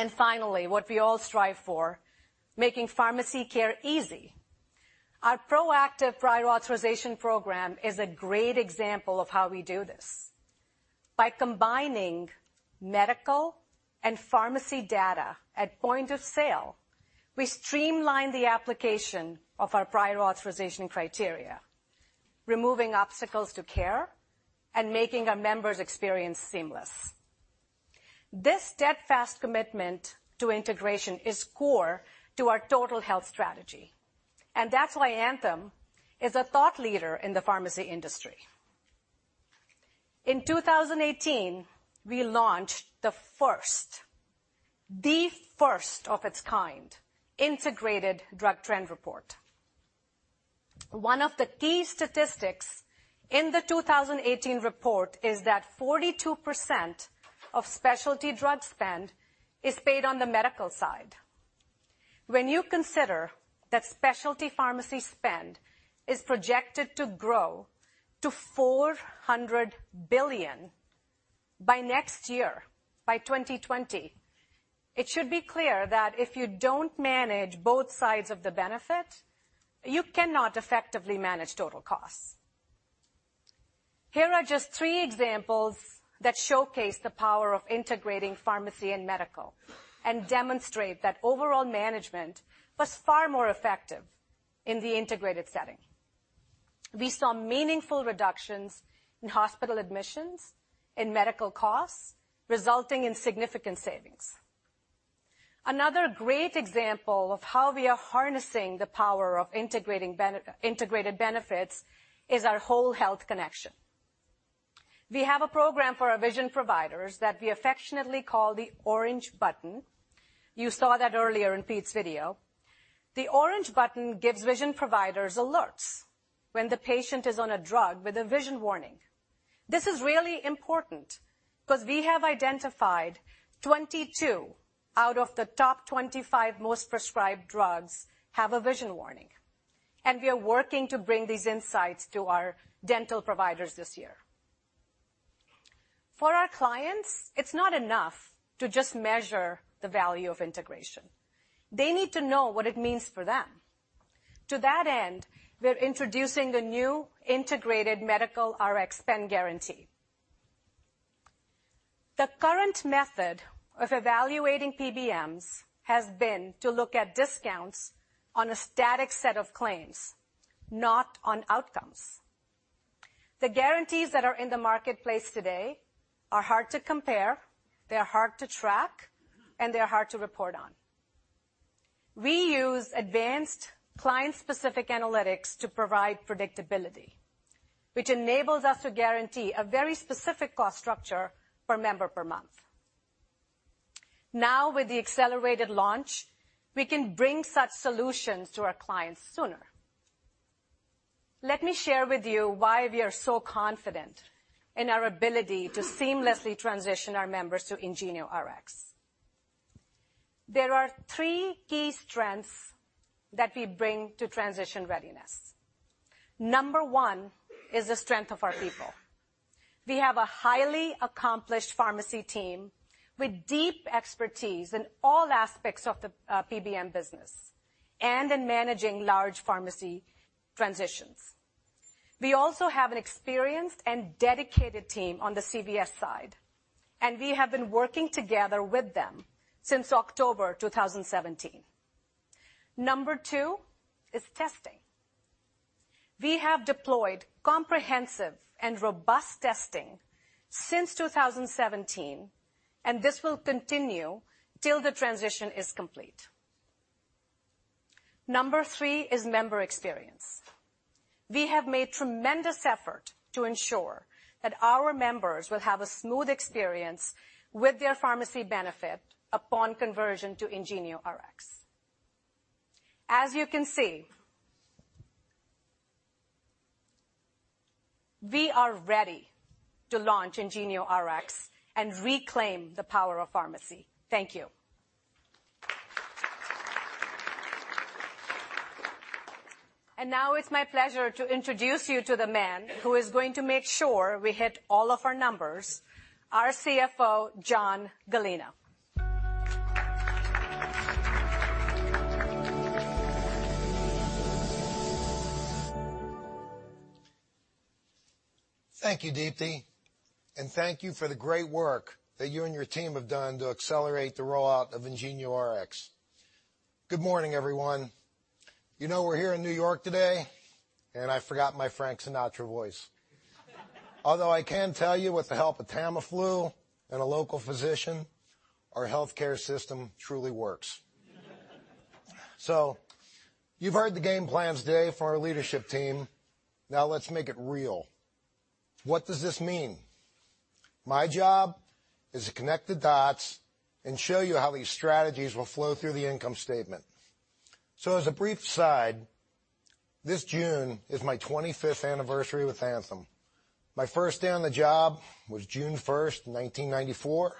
Finally, what we all strive for, making pharmacy care easy. Our proactive prior authorization program is a great example of how we do this. By combining medical and pharmacy data at point of sale, we streamline the application of our prior authorization criteria, removing obstacles to care and making our members' experience seamless. This steadfast commitment to integration is core to our total health strategy, and that's why Anthem is a thought leader in the pharmacy industry. In 2018, we launched the first of its kind, integrated drug trend report. One of the key statistics in the 2018 report is that 42% of specialty drug spend is paid on the medical side. When you consider that specialty pharmacy spend is projected to grow to $400 billion by next year, by 2020, it should be clear that if you don't manage both sides of the benefit, you cannot effectively manage total costs. Here are just three examples that showcase the power of integrating pharmacy and medical and demonstrate that overall management was far more effective in the integrated setting. We saw meaningful reductions in hospital admissions, in medical costs, resulting in significant savings. Another great example of how we are harnessing the power of integrated benefits is our Anthem Whole Health Connection. We have a program for our vision providers that we affectionately call the Orange Button. You saw that earlier in Pete's video. The Orange Button gives vision providers alerts when the patient is on a drug with a vision warning. This is really important because we have identified 22 out of the top 25 most prescribed drugs have a vision warning, and we are working to bring these insights to our dental providers this year. For our clients, it's not enough to just measure the value of integration. They need to know what it means for them. To that end, we're introducing the new integrated medical Rx spend guarantee. The current method of evaluating PBMs has been to look at discounts on a static set of claims, not on outcomes. The guarantees that are in the marketplace today are hard to compare, they're hard to track, and they're hard to report on. We use advanced client-specific analytics to provide predictability, which enables us to guarantee a very specific cost structure per member per month. With the accelerated launch, we can bring such solutions to our clients sooner. Let me share with you why we are so confident in our ability to seamlessly transition our members to IngenioRx. There are three key strengths that we bring to transition readiness. Number 1 is the strength of our people. We have a highly accomplished pharmacy team with deep expertise in all aspects of the PBM business and in managing large pharmacy transitions. We also have an experienced and dedicated team on the CVS side, and we have been working together with them since October 2017. Number 2 is testing. We have deployed comprehensive and robust testing since 2017, and this will continue till the transition is complete. Number 3 is member experience. We have made tremendous effort to ensure that our members will have a smooth experience with their pharmacy benefit upon conversion to IngenioRx. As you can see, we are ready to launch IngenioRx and reclaim the power of pharmacy. Thank you. Now it's my pleasure to introduce you to the man who is going to make sure we hit all of our numbers, our CFO, John Gallina. Thank you, Deepti, and thank you for the great work that you and your team have done to accelerate the rollout of IngenioRx. Good morning, everyone. You know, we're here in New York today, and I forgot my Frank Sinatra voice. Although I can tell you with the help of Tamiflu and a local physician, our healthcare system truly works. You've heard the game plan today for our leadership team. Now let's make it real. What does this mean? My job is to connect the dots and show you how these strategies will flow through the income statement. As a brief aside, this June is my 25th anniversary with Anthem. My first day on the job was June 1st, 1994.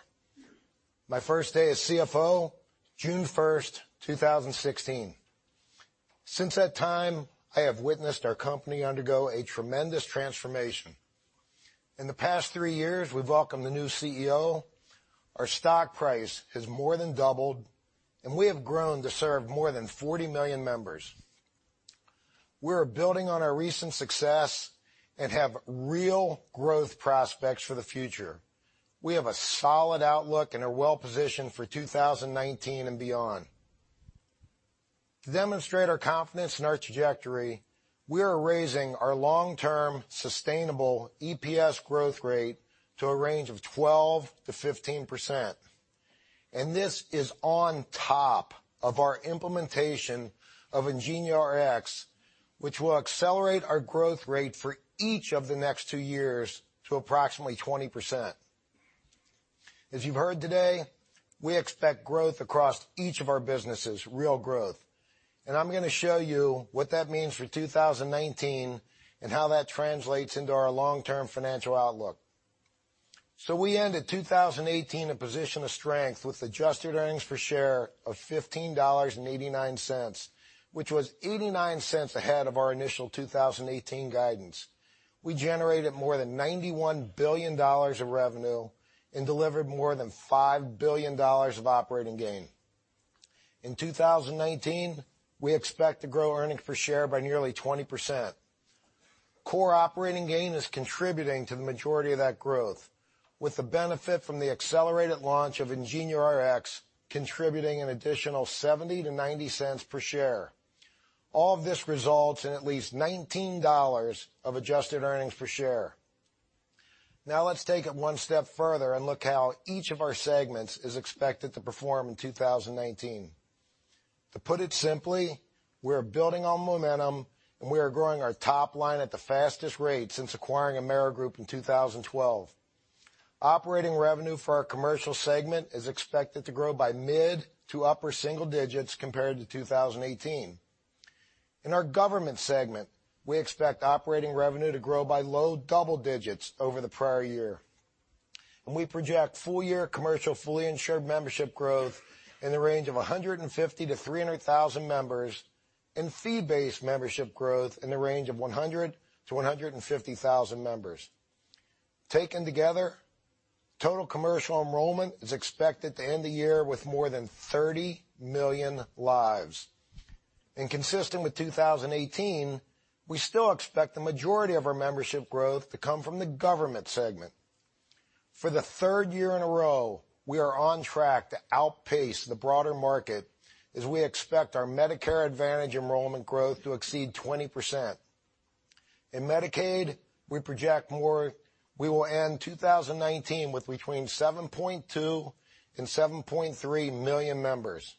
My first day as CFO, June 1st, 2016. Since that time, I have witnessed our company undergo a tremendous transformation. In the past three years, we've welcomed a new CEO, our stock price has more than doubled, and we have grown to serve more than 40 million members. We are building on our recent success and have real growth prospects for the future. We have a solid outlook and are well-positioned for 2019 and beyond. To demonstrate our confidence in our trajectory, we are raising our long-term sustainable EPS growth rate to a range of 12%-15%. This is on top of our implementation of IngenioRx, which will accelerate our growth rate for each of the next two years to approximately 20%. As you've heard today, we expect growth across each of our businesses, real growth. I'm going to show you what that means for 2019 and how that translates into our long-term financial outlook. We ended 2018 in a position of strength with adjusted earnings per share of $15.89, which was $0.89 ahead of our initial 2018 guidance. We generated more than $91 billion of revenue and delivered more than $5 billion of operating gain. In 2019, we expect to grow earnings per share by nearly 20%. Core operating gain is contributing to the majority of that growth, with the benefit from the accelerated launch of IngenioRx contributing an additional $0.70-$0.90 per share. All of this results in at least $19 of adjusted earnings per share. Now let's take it one step further and look how each of our segments is expected to perform in 2019. To put it simply, we are building on momentum, and we are growing our top line at the fastest rate since acquiring Amerigroup in 2012. Operating revenue for our commercial segment is expected to grow by mid to upper single digits compared to 2018. In our government segment, we expect operating revenue to grow by low double digits over the prior year. We project full-year commercial fully insured membership growth in the range of 150,000-300,000 members and fee-based membership growth in the range of 100,000-150,000 members. Taken together, total commercial enrollment is expected to end the year with more than 30 million lives. Consistent with 2018, we still expect the majority of our membership growth to come from the government segment. For the third year in a row, we are on track to outpace the broader market as we expect our Medicare Advantage enrollment growth to exceed 20%. In Medicaid, we project we will end 2019 with between 7.2 million and 7.3 million members.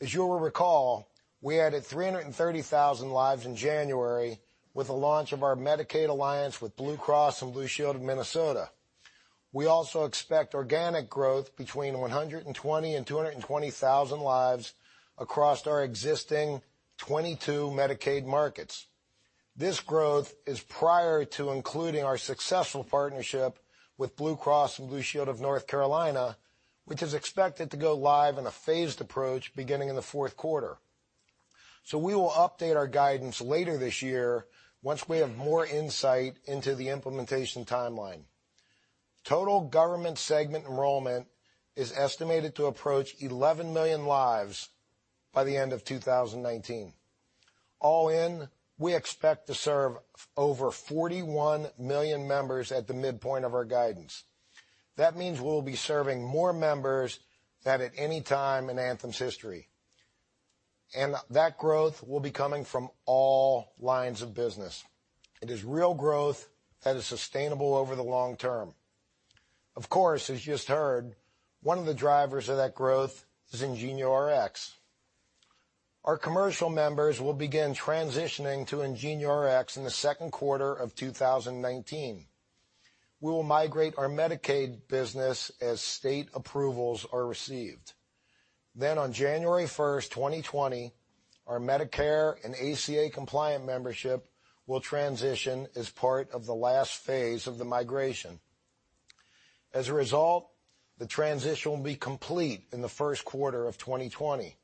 As you will recall, we added 330,000 lives in January with the launch of our Medicaid alliance with Blue Cross and Blue Shield of Minnesota. We also expect organic growth between 120,000 and 220,000 lives across our existing 22 Medicaid markets. This growth is prior to including our successful partnership with Blue Cross and Blue Shield of North Carolina, which is expected to go live in a phased approach beginning in the fourth quarter. We will update our guidance later this year once we have more insight into the implementation timeline. Total government segment enrollment is estimated to approach 11 million lives by the end of 2019. All in, we expect to serve over 41 million members at the midpoint of our guidance. That means we'll be serving more members than at any time in Anthem's history. That growth will be coming from all lines of business. It is real growth that is sustainable over the long term. Of course, as you just heard, one of the drivers of that growth is IngenioRx. Our commercial members will begin transitioning to IngenioRx in the second quarter of 2019. We will migrate our Medicaid business as state approvals are received. On January 1st, 2020, our Medicare and ACA-compliant membership will transition as part of the last phase of the migration. As a result, the transition will be complete in the first quarter of 2020.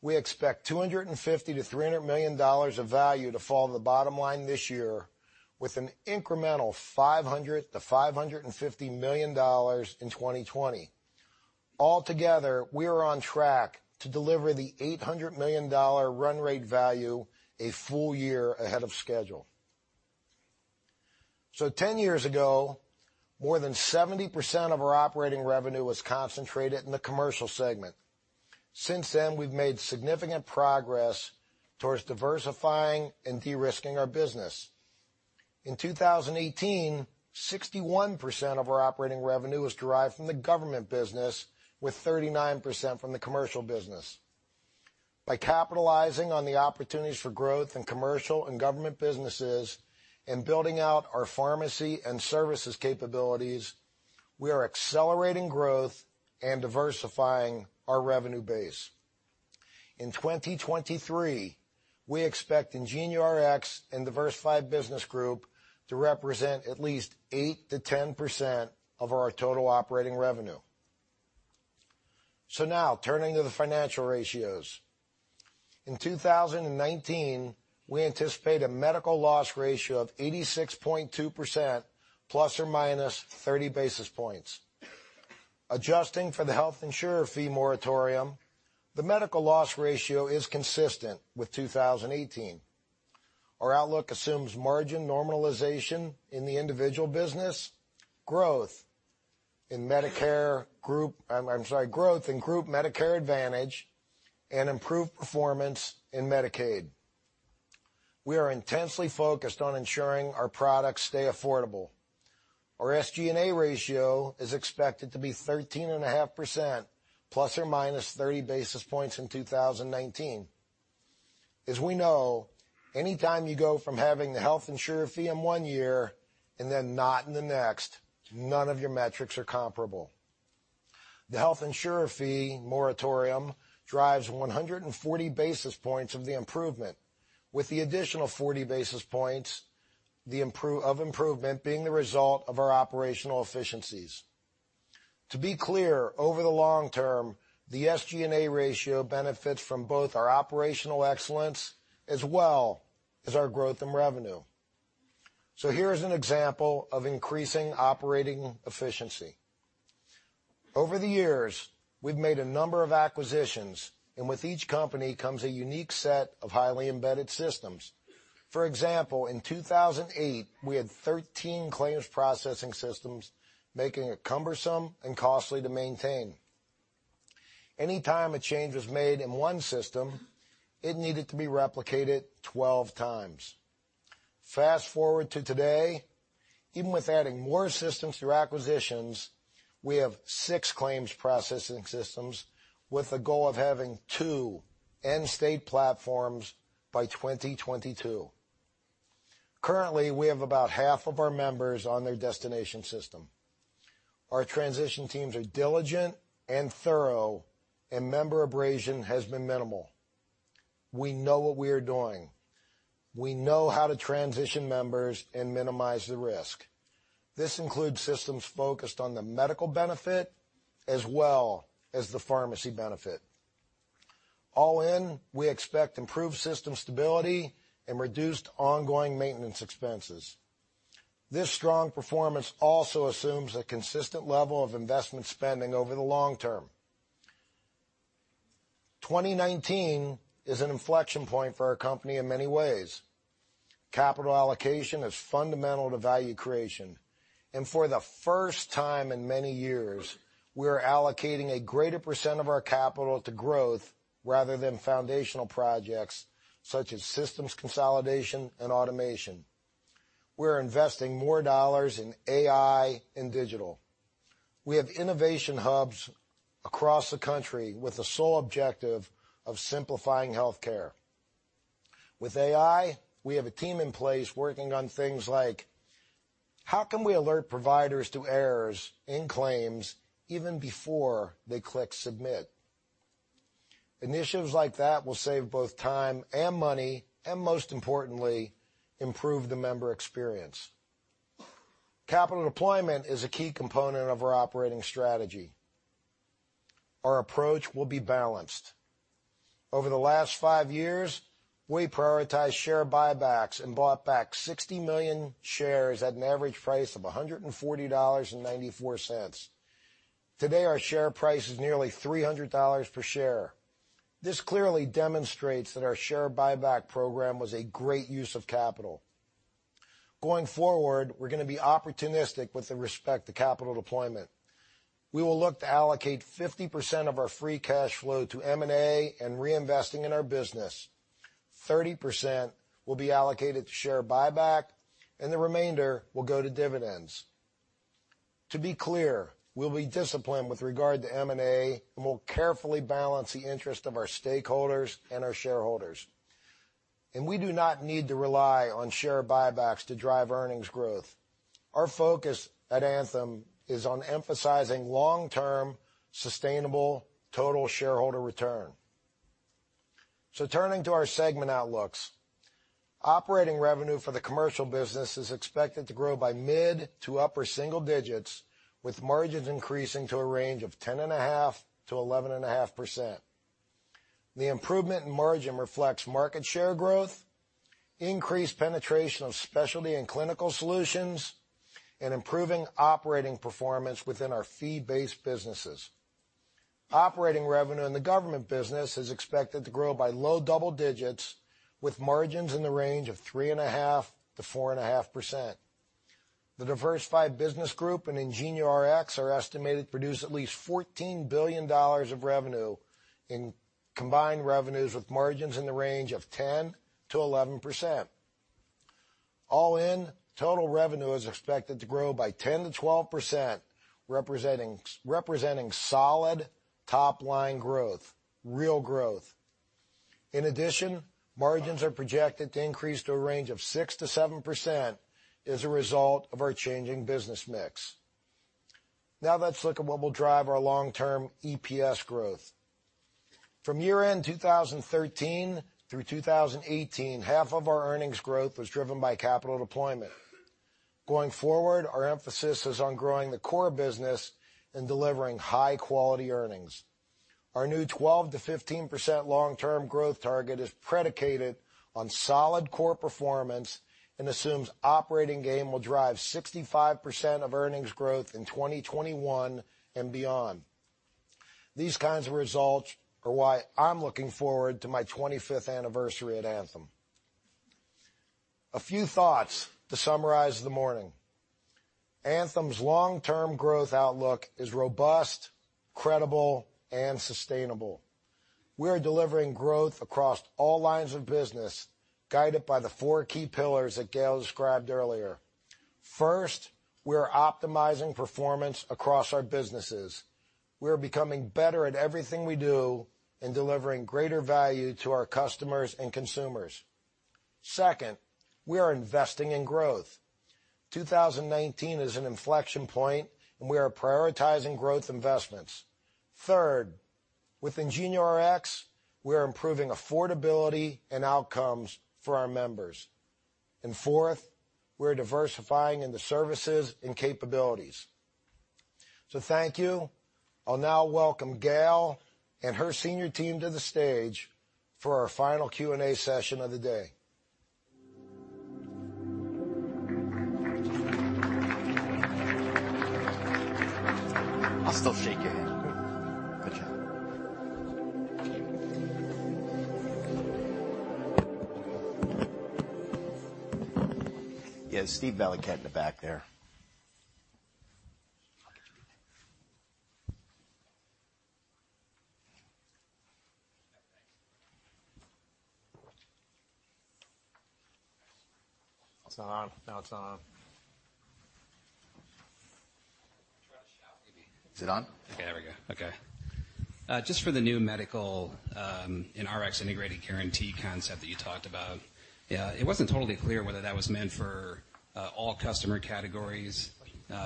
We expect $250 million-$300 million of value to fall in the bottom line this year with an incremental $500 million-$550 million in 2020. Altogether, we are on track to deliver the $800 million run rate value a full year ahead of schedule. 10 years ago, more than 70% of our operating revenue was concentrated in the commercial segment. Since then, we've made significant progress towards diversifying and de-risking our business. In 2018, 61% of our operating revenue was derived from the government business, with 39% from the commercial business. By capitalizing on the opportunities for growth in commercial and government businesses and building out our pharmacy and services capabilities, we are accelerating growth and diversifying our revenue base. In 2023, we expect IngenioRx and Diversified Business Group to represent at least 8%-10% of our total operating revenue. Now turning to the financial ratios. In 2019, we anticipate a Medical Loss Ratio of 86.2%, ±30 basis points. Adjusting for the Health Insurer Fee moratorium, the Medical Loss Ratio is consistent with 2018. Our outlook assumes margin normalization in the individual business, growth in Medicare group growth in Group Medicare Advantage, and improved performance in Medicaid. We are intensely focused on ensuring our products stay affordable. Our SG&A ratio is expected to be 13.5%, ±30 basis points in 2019. As we know, any time you go from having the Health Insurer Fee in one year and then not in the next, none of your metrics are comparable. The Health Insurer Fee moratorium drives 140 basis points of the improvement, with the additional 40 basis points of improvement being the result of our operational efficiencies. To be clear, over the long term, the SG&A ratio benefits from both our operational excellence as well as our growth in revenue. Here is an example of increasing operating efficiency. Over the years, we've made a number of acquisitions, and with each company comes a unique set of highly embedded systems. For example, in 2008, we had 13 claims processing systems, making it cumbersome and costly to maintain. Any time a change was made in one system, it needed to be replicated 12 times. Fast-forward to today, even with adding more systems through acquisitions, we have 6 claims processing systems with the goal of having 2 end-state platforms by 2022. Currently, we have about half of our members on their destination system. Our transition teams are diligent and thorough, and member abrasion has been minimal. We know what we are doing. We know how to transition members and minimize the risk. This includes systems focused on the medical benefit as well as the pharmacy benefit. All in, we expect improved system stability and reduced ongoing maintenance expenses. This strong performance also assumes a consistent level of investment spending over the long term. 2019 is an inflection point for our company in many ways. Capital allocation is fundamental to value creation. For the first time in many years, we are allocating a greater percent of our capital to growth rather than foundational projects such as systems consolidation and automation. We're investing more dollars in AI and digital. We have innovation hubs across the country with the sole objective of simplifying healthcare. We have a team in place working on things like how can we alert providers to errors in claims even before they click submit? Initiatives like that will save both time and money, and most importantly, improve the member experience. Capital deployment is a key component of our operating strategy. Our approach will be balanced. Over the last five years, we prioritized share buybacks and bought back 60 million shares at an average price of $140.94. Our share price is nearly $300 per share. This clearly demonstrates that our share buyback program was a great use of capital. Going forward, we're going to be opportunistic with respect to capital deployment. We will look to allocate 50% of our free cash flow to M&A and reinvesting in our business, 30% will be allocated to share buyback, and the remainder will go to dividends. To be clear, we'll be disciplined with regard to M&A, and we'll carefully balance the interest of our stakeholders and our shareholders. We do not need to rely on share buybacks to drive earnings growth. Our focus at Anthem is on emphasizing long-term sustainable total shareholder return. Turning to our segment outlooks. Operating revenue for the commercial business is expected to grow by mid to upper single digits, with margins increasing to a range of 10.5%-11.5%. The improvement in margin reflects market share growth, increased penetration of specialty and clinical solutions, and improving operating performance within our fee-based businesses. Operating revenue in the government business is expected to grow by low double digits with margins in the range of 3.5%-4.5%. The Diversified Business Group and IngenioRx are estimated to produce at least $14 billion of revenue in combined revenues, with margins in the range of 10%-11%. All in, total revenue is expected to grow by 10%-12%, representing solid top-line growth, real growth. In addition, margins are projected to increase to a range of 6%-7% as a result of our changing business mix. Now let's look at what will drive our long-term EPS growth. From year-end 2013 through 2018, half of our earnings growth was driven by capital deployment. Going forward, our emphasis is on growing the core business and delivering high-quality earnings. Our new 12%-15% long-term growth target is predicated on solid core performance and assumes operating gain will drive 65% of earnings growth in 2021 and beyond. These kinds of results are why I'm looking forward to my 25th anniversary at Anthem. A few thoughts to summarize the morning. Anthem's long-term growth outlook is robust, credible, and sustainable. We are delivering growth across all lines of business, guided by the four key pillars that Gail described earlier. First, we are optimizing performance across our businesses. We are becoming better at everything we do and delivering greater value to our customers and consumers. Second, we are investing in growth. 2019 is an inflection point, and we are prioritizing growth investments. Third, with IngenioRx, we are improving affordability and outcomes for our members. Fourth, we are diversifying in the services and capabilities. Thank you. I'll now welcome Gail and her senior team to the stage for our final Q&A session of the day. I'll still shake your hand. Good job. Steve Valiquette in the back there. It's not on. No, it's not on. Try to shout maybe. Is it on? Okay, there we go. Okay. Just for the new medical in Rx integrated guarantee concept that you talked about, it wasn't totally clear whether that was meant for all customer categories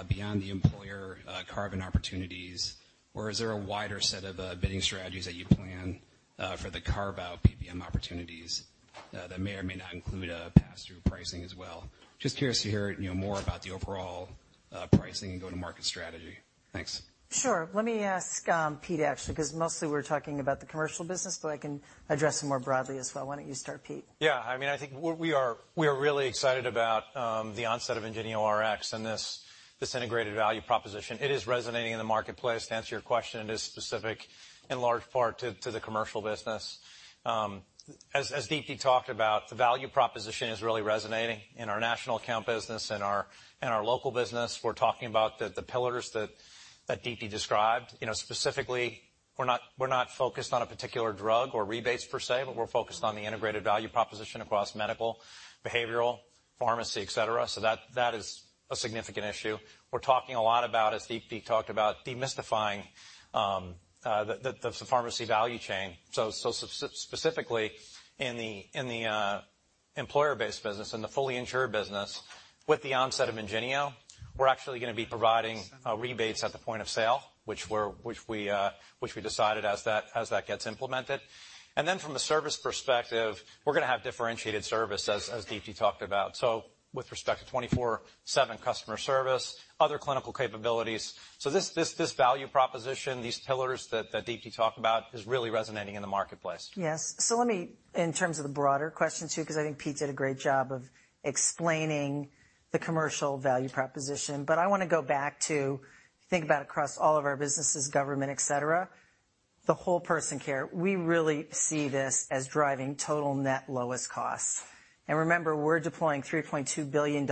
beyond the employer carving opportunities or is there a wider set of bidding strategies that you plan for the carve-out PBM opportunities that may or may not include pass-through pricing as well? Just curious to hear more about the overall pricing and go-to-market strategy. Thanks. Sure. Let me ask Pete, actually, because mostly we're talking about the commercial business, but I can address it more broadly as well. Why don't you start, Pete? Yeah, I think we are really excited about the onset of IngenioRx and this integrated value proposition. It is resonating in the marketplace. To answer your question, it is specific in large part to the commercial business. As Deepti talked about, the value proposition is really resonating in our national account business and our local business. We're talking about the pillars that Deepti described. Specifically, we're not focused on a particular drug or rebates per se, but we're focused on the integrated value proposition across medical, behavioral, pharmacy, et cetera. That is a significant issue. We're talking a lot about, as Deepti talked about, demystifying the pharmacy value chain. Specifically in the employer-based business and the fully insured business with the onset of IngenioRx, we're actually going to be providing rebates at the point of sale, which we decided as that gets implemented. From a service perspective, we're going to have differentiated service as Deepti talked about. With respect to 24/7 customer service, other clinical capabilities. This value proposition, these pillars that Deepti talked about is really resonating in the marketplace. Yes. Let me, in terms of the broader question too because I think Pete did a great job of explaining the commercial value proposition. I want to go back to think about across all of our businesses, government, et cetera, the whole person care. We really see this as driving total net lowest costs. Remember, we're deploying $3.2 billion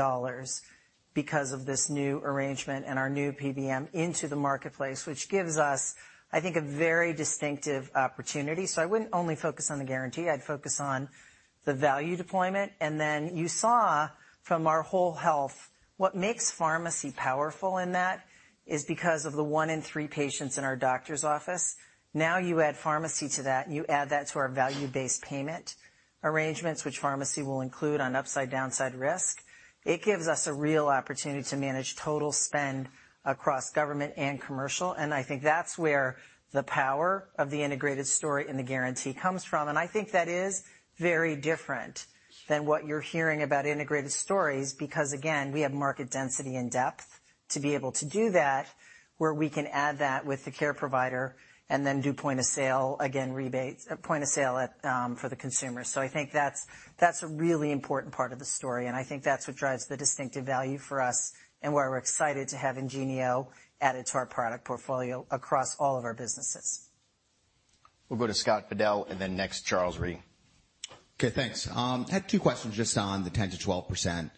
because of this new arrangement and our new PBM into the marketplace, which gives us, I think, a very distinctive opportunity. I wouldn't only focus on the guarantee, I'd focus on the value deployment. You saw from our whole health what makes pharmacy powerful in that is because of the one in three patients in our doctor's office. Now you add pharmacy to that, and you add that to our value-based payment arrangements, which pharmacy will include on upside/downside risk. It gives us a real opportunity to manage total spend across government and commercial. I think that's where the power of the integrated story and the guarantee comes from. I think that is very different than what you're hearing about integrated stories because again, we have market density and depth to be able to do that, where we can add that with the care provider and then do point-of-sale, again, rebates point of sale for the consumer. I think that's a really important part of the story, and I think that's what drives the distinctive value for us and why we're excited to have IngenioRx added to our product portfolio across all of our businesses. We'll go to Scott Fidel, next, Charles Rhyee. Okay, thanks. Had two questions just on the 10%-12%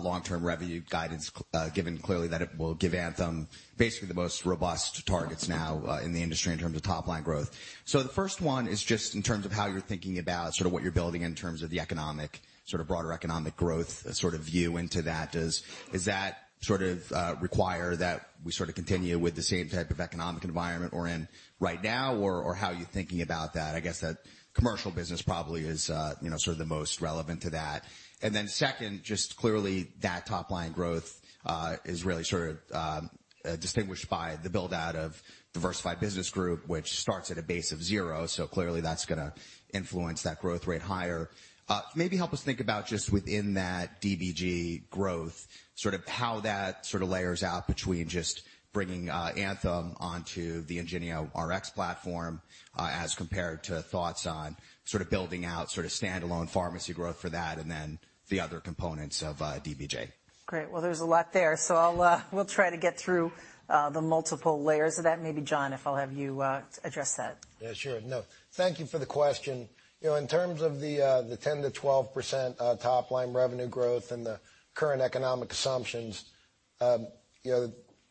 long-term revenue guidance, given clearly that it will give Anthem basically the most robust targets now in the industry in terms of top line growth. The first one is just in terms of how you're thinking about what you're building in terms of the broader economic growth sort of view into that. Does that sort of require that we sort of continue with the same type of economic environment we're in right now, or how are you thinking about that? I guess that commercial business probably is sort of the most relevant to that. Second, just clearly that top line growth is really sort of distinguished by the build-out of Diversified Business Group, which starts at a base of zero, so clearly that's going to influence that growth rate higher. Maybe help us think about just within that DBG growth, sort of how that sort of layers out between just bringing Anthem onto the IngenioRx platform as compared to thoughts on sort of building out standalone pharmacy growth for that, and then the other components of DBG. Great. There's a lot there. I'll try to get through the multiple layers of that. Maybe, John, if I'll have you address that. Yeah, sure. No, thank you for the question. In terms of the 10%-12% top line revenue growth and the current economic assumptions,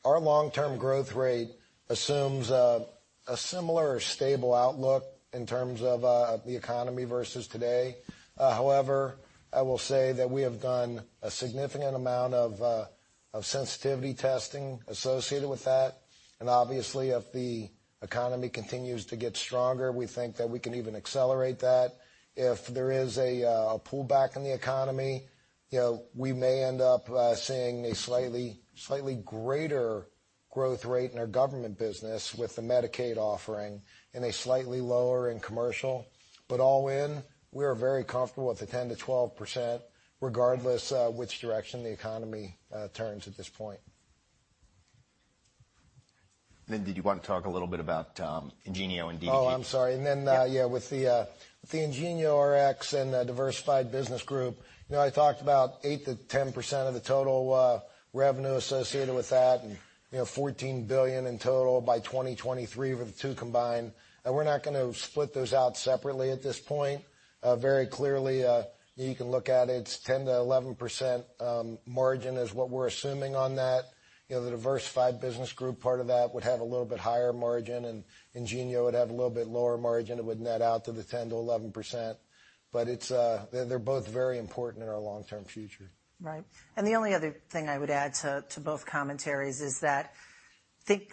our long-term growth rate assumes a similar or stable outlook in terms of the economy versus today. However, I will say that we have done a significant amount of sensitivity testing associated with that, and obviously if the economy continues to get stronger, we think that we can even accelerate that. If there is a pullback in the economy, we may end up seeing a slightly greater growth rate in our government business with the Medicaid offering, and a slightly lower in commercial. All in, we are very comfortable with the 10%-12%, regardless which direction the economy turns at this point. Did you want to talk a little bit about IngenioRx and DBG? I'm sorry. Then with the IngenioRx and Diversified Business Group, I talked about 8%-10% of the total revenue associated with that, and $14 billion in total by 2023 for the two combined. We're not going to split those out separately at this point. Very clearly you can look at it's 10%-11% margin is what we're assuming on that. The Diversified Business Group part of that would have a little bit higher margin, and IngenioRx would have a little bit lower margin. It would net out to the 10%-11%. They're both very important in our long-term future. Right. The only other thing I would add to both commentaries is that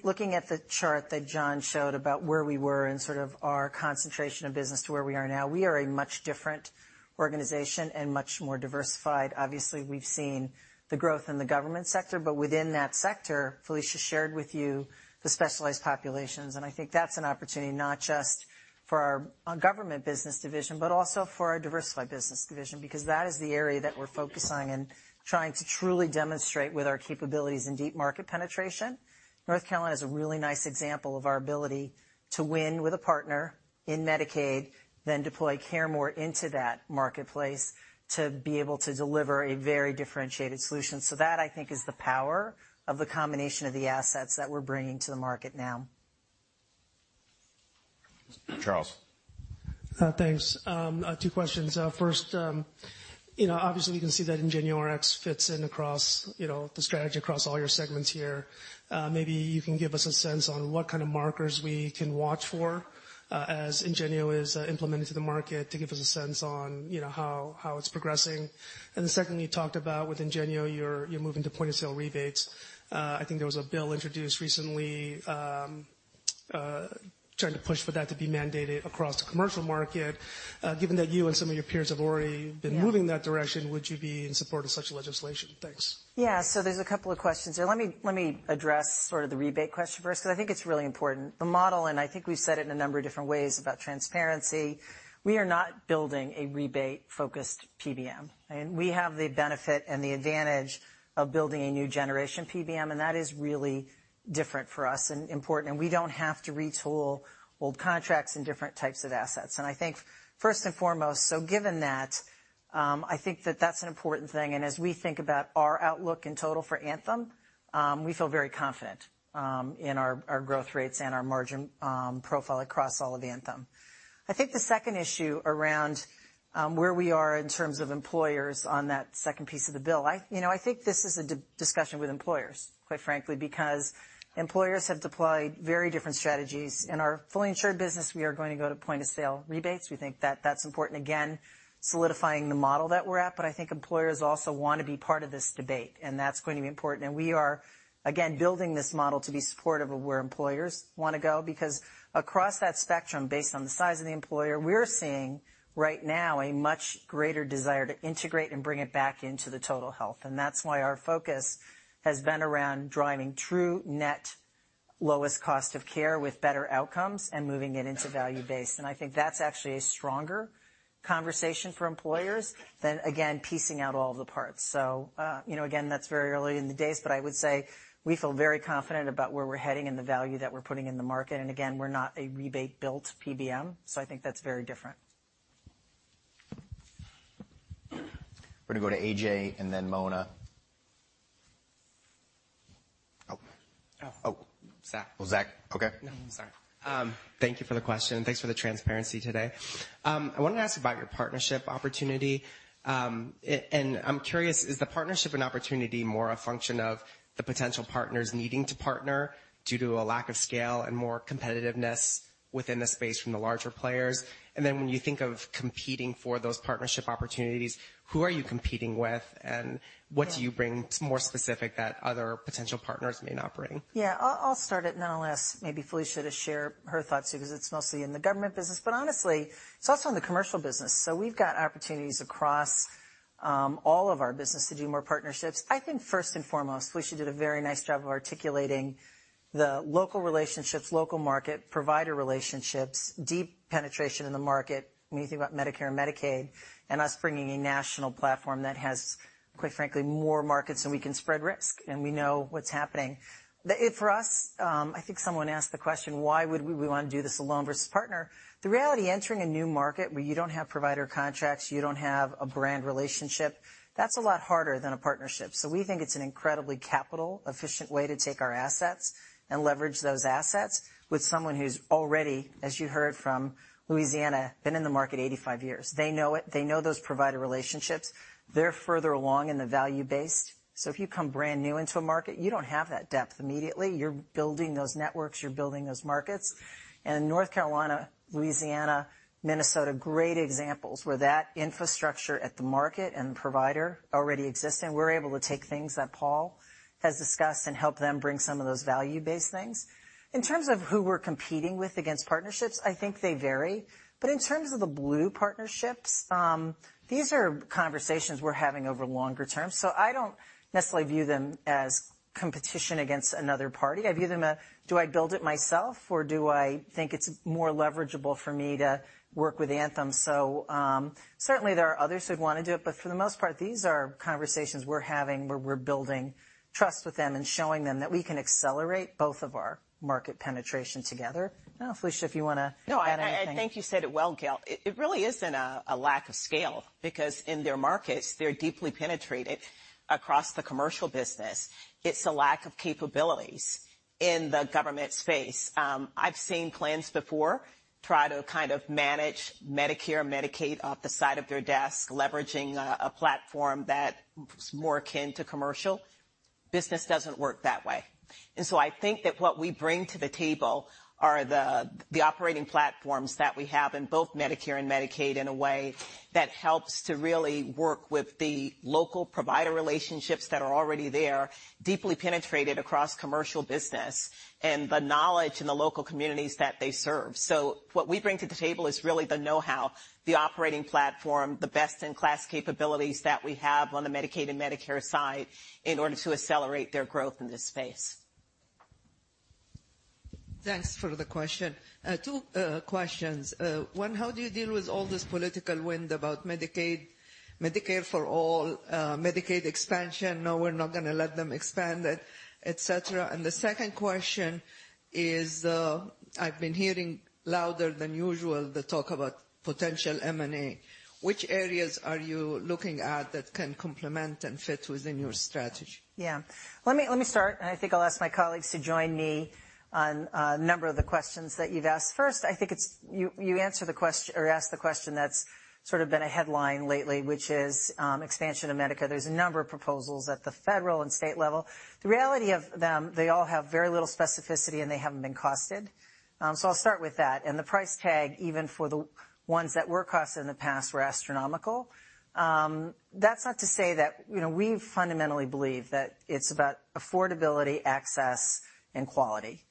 looking at the chart that John showed about where we were in sort of our concentration of business to where we are now, we are a much different organization and much more diversified. Obviously, we've seen the growth in the government sector, but within that sector, Felicia shared with you the specialized populations, and I think that's an opportunity not just for our Government Business Division, but also for our Diversified Business Division, because that is the area that we're focusing and trying to truly demonstrate with our capabilities in deep market penetration. North Carolina is a really nice example of our ability to win with a partner in Medicaid, then deploy CareMore into that marketplace to be able to deliver a very differentiated solution. That, I think, is the power of the combination of the assets that we're bringing to the market now. Charles. Thanks. Two questions. First, obviously we can see that IngenioRx fits in across the strategy across all your segments here. Maybe you can give us a sense on what kind of markers we can watch for as IngenioRx is implemented to the market to give us a sense on how it's progressing. Secondly, you talked about with IngenioRx, you're moving to point-of-sale rebates. I think there was a bill introduced recently trying to push for that to be mandated across the commercial market. Given that you and some of your peers have already been moving in that direction, would you be in support of such legislation? Thanks. There's a couple of questions there. Let me address sort of the rebate question first because I think it's really important. The model, I think we've said it in a number of different ways about transparency, we are not building a rebate-focused PBM. We have the benefit and the advantage of building a new generation PBM, and that is really different for us and important, and we don't have to retool old contracts and different types of assets. I think first and foremost, given that, I think that that's an important thing, as we think about our outlook in total for Anthem, we feel very confident in our growth rates and our margin profile across all of Anthem. I think the second issue around where we are in terms of employers on that second piece of the bill, I think this is a discussion with employers, quite frankly, because employers have deployed very different strategies. In our fully insured business, we are going to go to point-of-sale rebates. We think that that's important, again, solidifying the model that we're at. I think employers also want to be part of this debate, and that's going to be important. We are, again, building this model to be supportive of where employers want to go because across that spectrum, based on the size of the employer, we're seeing right now a much greater desire to integrate and bring it back into the total health. That's why our focus has been around driving true net lowest cost of care with better outcomes and moving it into value-based. I think that's actually a stronger conversation for employers than again, piecing out all the parts. Again, that's very early in the days, but I would say we feel very confident about where we're heading and the value that we're putting in the market. Again, we're not a rebate-built PBM, I think that's very different. We're going to go to A.J. and then Mona. Oh. Oh. Zack. Well, Zack, okay. I'm sorry. Thank you for the question, and thanks for the transparency today. I wanted to ask about your partnership opportunity. I'm curious, is the partnership an opportunity more a function of the potential partners needing to partner due to a lack of scale and more competitiveness within the space from the larger players? When you think of competing for those partnership opportunities, who are you competing with, and what do you bring more specific that other potential partners may not bring? Yeah. I'll start it, and then I'll ask maybe Felicia to share her thoughts, too, because it's mostly in the government business. Honestly, it's also in the commercial business. We've got opportunities across all of our business to do more partnerships. I think first and foremost, Felicia did a very nice job of articulating the local relationships, local market, provider relationships, deep penetration in the market when you think about Medicare and Medicaid, and us bringing a national platform that has, quite frankly, more markets, and we can spread risk, and we know what's happening. For us, I think someone asked the question, why would we want to do this alone versus partner? The reality, entering a new market where you don't have provider contracts, you don't have a brand relationship, that's a lot harder than a partnership. We think it's an incredibly capital efficient way to take our assets and leverage those assets with someone who's already, as you heard from Louisiana, been in the market 85 years. They know it. They know those provider relationships. They're further along in the value-based. If you come brand new into a market, you don't have that depth immediately. You're building those networks, you're building those markets. North Carolina, Louisiana, Minnesota, great examples where that infrastructure at the market and the provider already exist, and we're able to take things that Paul has discussed and help them bring some of those value-based things. In terms of who we're competing with against partnerships, they vary. In terms of the Blue partnerships, these are conversations we're having over longer term. I don't necessarily view them as competition against another party. I view them as do I build it myself, or do I think it's more leverageable for me to work with Anthem? Certainly there are others who would want to do it, but for the most part, these are conversations we're having where we're building trust with them and showing them that we can accelerate both of our market penetration together. I don't know, Felicia, if you want to add anything. No, I think you said it well, Gail. It really isn't a lack of scale because in their markets, they're deeply penetrated across the commercial business. It's a lack of capabilities in the government space. I've seen plans before try to kind of manage Medicare, Medicaid off the side of their desk, leveraging a platform that is more akin to commercial. Business doesn't work that way. What we bring to the table are the operating platforms that we have in both Medicare and Medicaid in a way that helps to really work with the local provider relationships that are already there, deeply penetrated across commercial business, and the knowledge in the local communities that they serve. What we bring to the table is really the knowhow, the operating platform, the best-in-class capabilities that we have on the Medicaid and Medicare side in order to accelerate their growth in this space. Thanks for the question. Two questions. One, how do you deal with all this political wind about Medicaid, Medicare for all, Medicaid expansion, no, we're not going to let them expand it, et cetera? The second question is, I've been hearing louder than usual the talk about potential M&A. Which areas are you looking at that can complement and fit within your strategy? Yeah. Let me start, and I think I'll ask my colleagues to join me on a number of the questions that you've asked. First, I think you asked the question that's sort of been a headline lately, which is expansion of Medicaid. There's a number of proposals at the federal and state level. The reality of them, they all have very little specificity, and they haven't been costed. I'll start with that. The price tag, even for the ones that were costed in the past, were astronomical. That's not to say that we fundamentally believe that it's about affordability, access, and quality.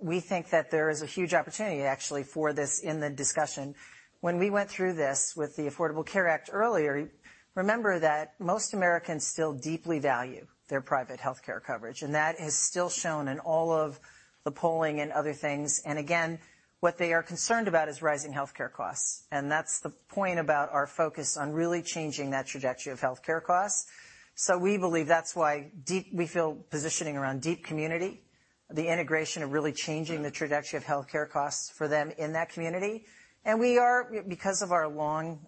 We think that there is a huge opportunity actually for this in the discussion. When we went through this with the Affordable Care Act earlier, remember that most Americans still deeply value their private healthcare coverage, and that is still shown in all of the polling and other things. Again, what they are concerned about is rising healthcare costs, and that's the point about our focus on really changing that trajectory of healthcare costs. We believe that's why we feel positioning around deep community, the integration of really changing the trajectory of healthcare costs for them in that community. Because of our long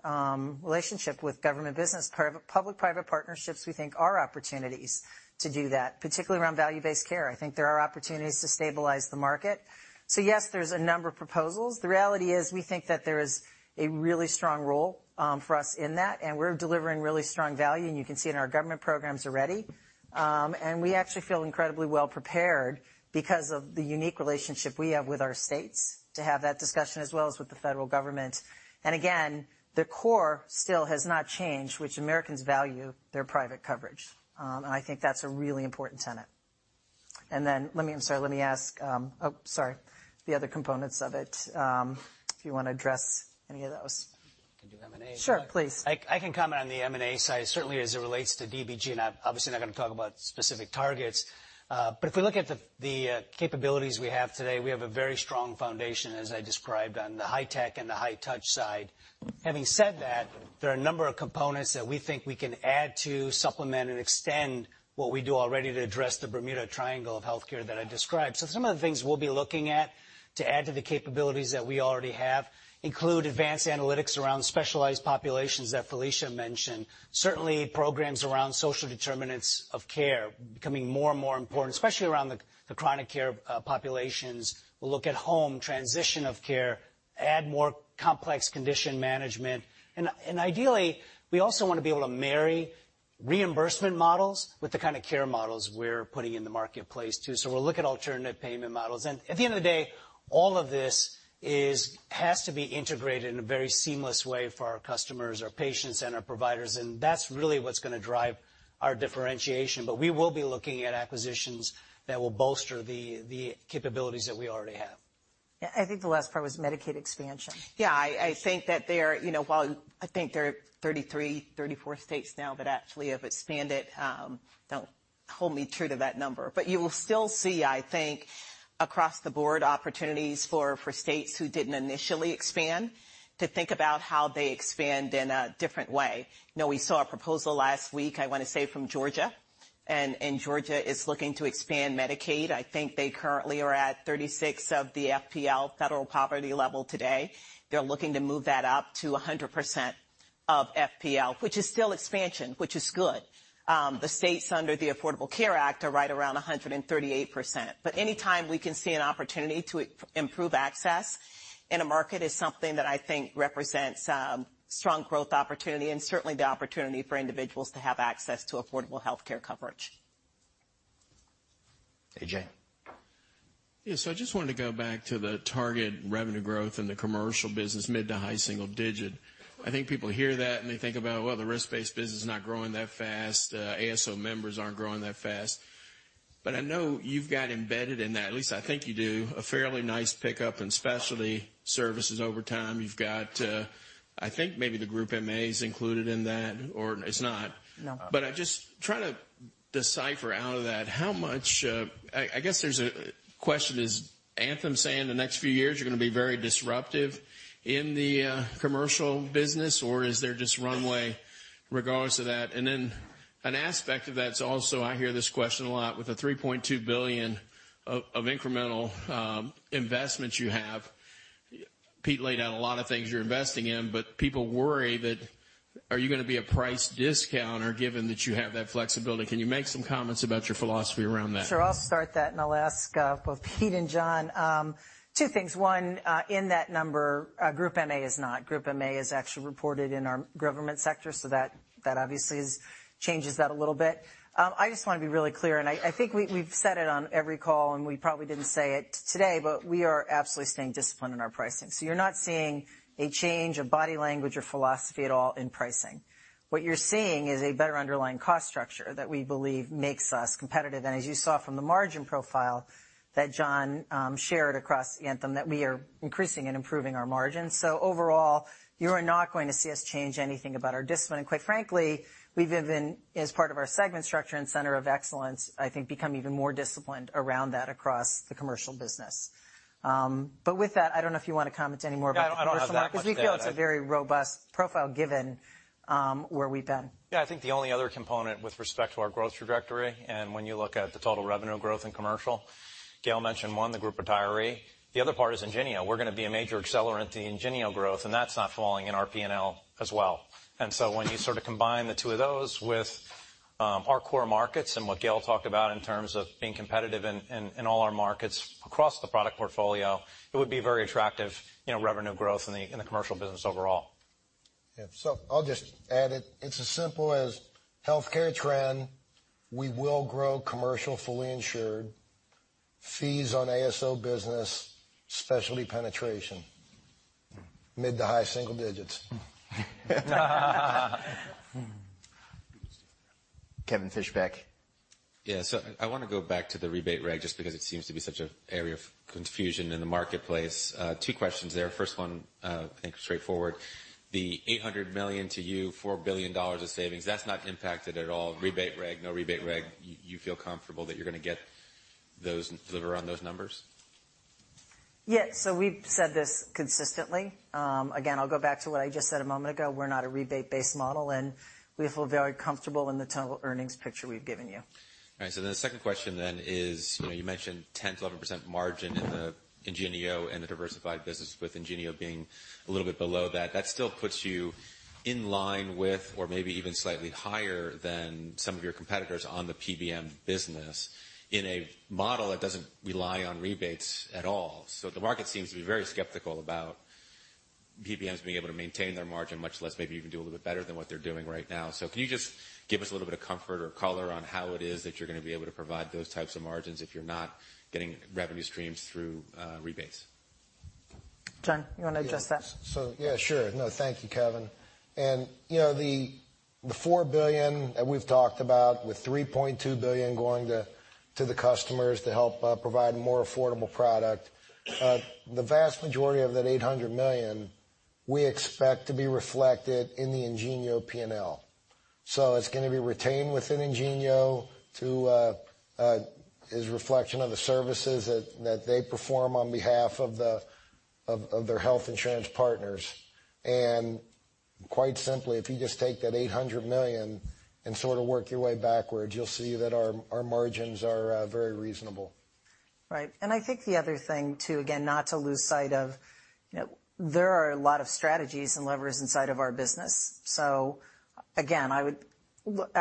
relationship with government business, public-private partnerships, we think, are opportunities to do that, particularly around value-based care. I think there are opportunities to stabilize the market. Yes, there's a number of proposals. The reality is we think that there is a really strong role for us in that, and we're delivering really strong value, and you can see in our government programs already. We actually feel incredibly well prepared because of the unique relationship we have with our states to have that discussion as well as with the federal government. Again, the core still has not changed, which Americans value their private coverage. I think that's a really important tenet. Let me ask the other components of it, if you want to address any of those. I can do M&A. Sure, please. I can comment on the M&A side, certainly as it relates to DBG. I'm obviously not going to talk about specific targets. If we look at the capabilities we have today, we have a very strong foundation, as I described, on the high tech and the high touch side. Having said that, there are a number of components that we think we can add to supplement and extend what we do already to address the Bermuda Triangle of Healthcare that I described. Some of the things we'll be looking at to add to the capabilities that we already have Include advanced analytics around specialized populations that Felicia mentioned. Certainly programs around social determinants of care becoming more and more important, especially around the chronic care populations. We'll look at home transition of care, add more complex condition management. Ideally, we also want to be able to marry reimbursement models with the kind of care models we're putting in the marketplace too. We'll look at alternative payment models. At the end of the day, all of this has to be integrated in a very seamless way for our customers, our patients, and our providers, and that's really what's going to drive our differentiation. We will be looking at acquisitions that will bolster the capabilities that we already have. Yeah. I think the last part was Medicaid expansion. Yeah, I think there are 33, 34 states now that actually have expanded. Don't hold me true to that number. You will still see, I think, across the board, opportunities for states who didn't initially expand to think about how they expand in a different way. We saw a proposal last week, I want to say from Georgia is looking to expand Medicaid. I think they currently are at 36% of the FPL, Federal Poverty Level today. They're looking to move that up to 100% of FPL, which is still expansion, which is good. The states under the Affordable Care Act are right around 138%. Any time we can see an opportunity to improve access in a market is something that I think represents strong growth opportunity, and certainly the opportunity for individuals to have access to affordable healthcare coverage. AJ? Yes. I just wanted to go back to the target revenue growth in the commercial business, mid to high single digit. I think people hear that and they think about, well, the risk-based business is not growing that fast. ASO members aren't growing that fast. I know you've got embedded in that, at least I think you do, a fairly nice pickup in specialty services over time. You've got, I think maybe the group MA is included in that or it's not. No. I'm just trying to decipher out of that how much I guess there's a question, is Anthem saying the next few years you're going to be very disruptive in the commercial business, or is there just runway regardless of that? An aspect of that's also, I hear this question a lot, with the $3.2 billion of incremental investment you have. Pete laid out a lot of things you're investing in, people worry that are you going to be a price discounter given that you have that flexibility? Can you make some comments about your philosophy around that? Sure. I'll start that, and I'll ask both Pete and John. Two things. One, in that number, group MA is not. Group MA is actually reported in our government sector, that obviously changes that a little bit. I just want to be really clear, and I think we've said it on every call, and we probably didn't say it today, but we are absolutely staying disciplined in our pricing. You're not seeing a change of body language or philosophy at all in pricing. What you're seeing is a better underlying cost structure that we believe makes us competitive. As you saw from the margin profile that John shared across Anthem, that we are increasing and improving our margins. Overall, you are not going to see us change anything about our discipline. Quite frankly, we've even, as part of our segment structure and center of excellence, I think become even more disciplined around that across the commercial business. With that, I don't know if you want to comment any more about the commercial market- Yeah, I don't have that much to add because we feel it's a very robust profile given where we've been. I think the only other component with respect to our growth trajectory, when you look at the total revenue growth in commercial, Gail mentioned one, the group retiree. The other part is IngenioRx. We're going to be a major accelerant to IngenioRx growth, and that's not falling in our P&L as well. When you sort of combine the two of those with our core markets and what Gail talked about in terms of being competitive in all our markets across the product portfolio, it would be very attractive revenue growth in the commercial business overall. I'll just add, it's as simple as healthcare trend. We will grow commercial fully insured, fees on ASO business, specialty penetration, mid to high single digits. Kevin Fischbeck. I want to go back to the rebate reg, just because it seems to be such an area of confusion in the marketplace. Two questions there. First one, I think straightforward. The $800 million to you, $4 billion of savings, that's not impacted at all. Rebate reg, no rebate reg. You feel comfortable that you're going to get those and deliver on those numbers? Yeah. We've said this consistently. Again, I'll go back to what I just said a moment ago. We're not a rebate-based model, and we feel very comfortable in the total earnings picture we've given you. All right. The second question is, you mentioned 10%-11% margin in the IngenioRx and the Diversified Business with IngenioRx being a little bit below that. That still puts you in line with or maybe even slightly higher than some of your competitors on the PBM business in a model that doesn't rely on rebates at all. The market seems to be very skeptical about PBMs being able to maintain their margin, much less maybe even do a little bit better than what they're doing right now. Can you just give us a little bit of comfort or color on how it is that you're going to be able to provide those types of margins if you're not getting revenue streams through rebates? John, you want to address that? Yeah, sure. No, thank you, Kevin. The $4 billion that we've talked about, with $3.2 billion going to the customers to help provide a more affordable product, the vast majority of that $800 million we expect to be reflected in the IngenioRx P&L. It's going to be retained within IngenioRx as reflection of the services that they perform on behalf of their health insurance partners. Quite simply, if you just take that $800 million and sort of work your way backwards, you'll see that our margins are very reasonable. Right. I think the other thing, too, again, not to lose sight of, there are a lot of strategies and levers inside of our business. Again, I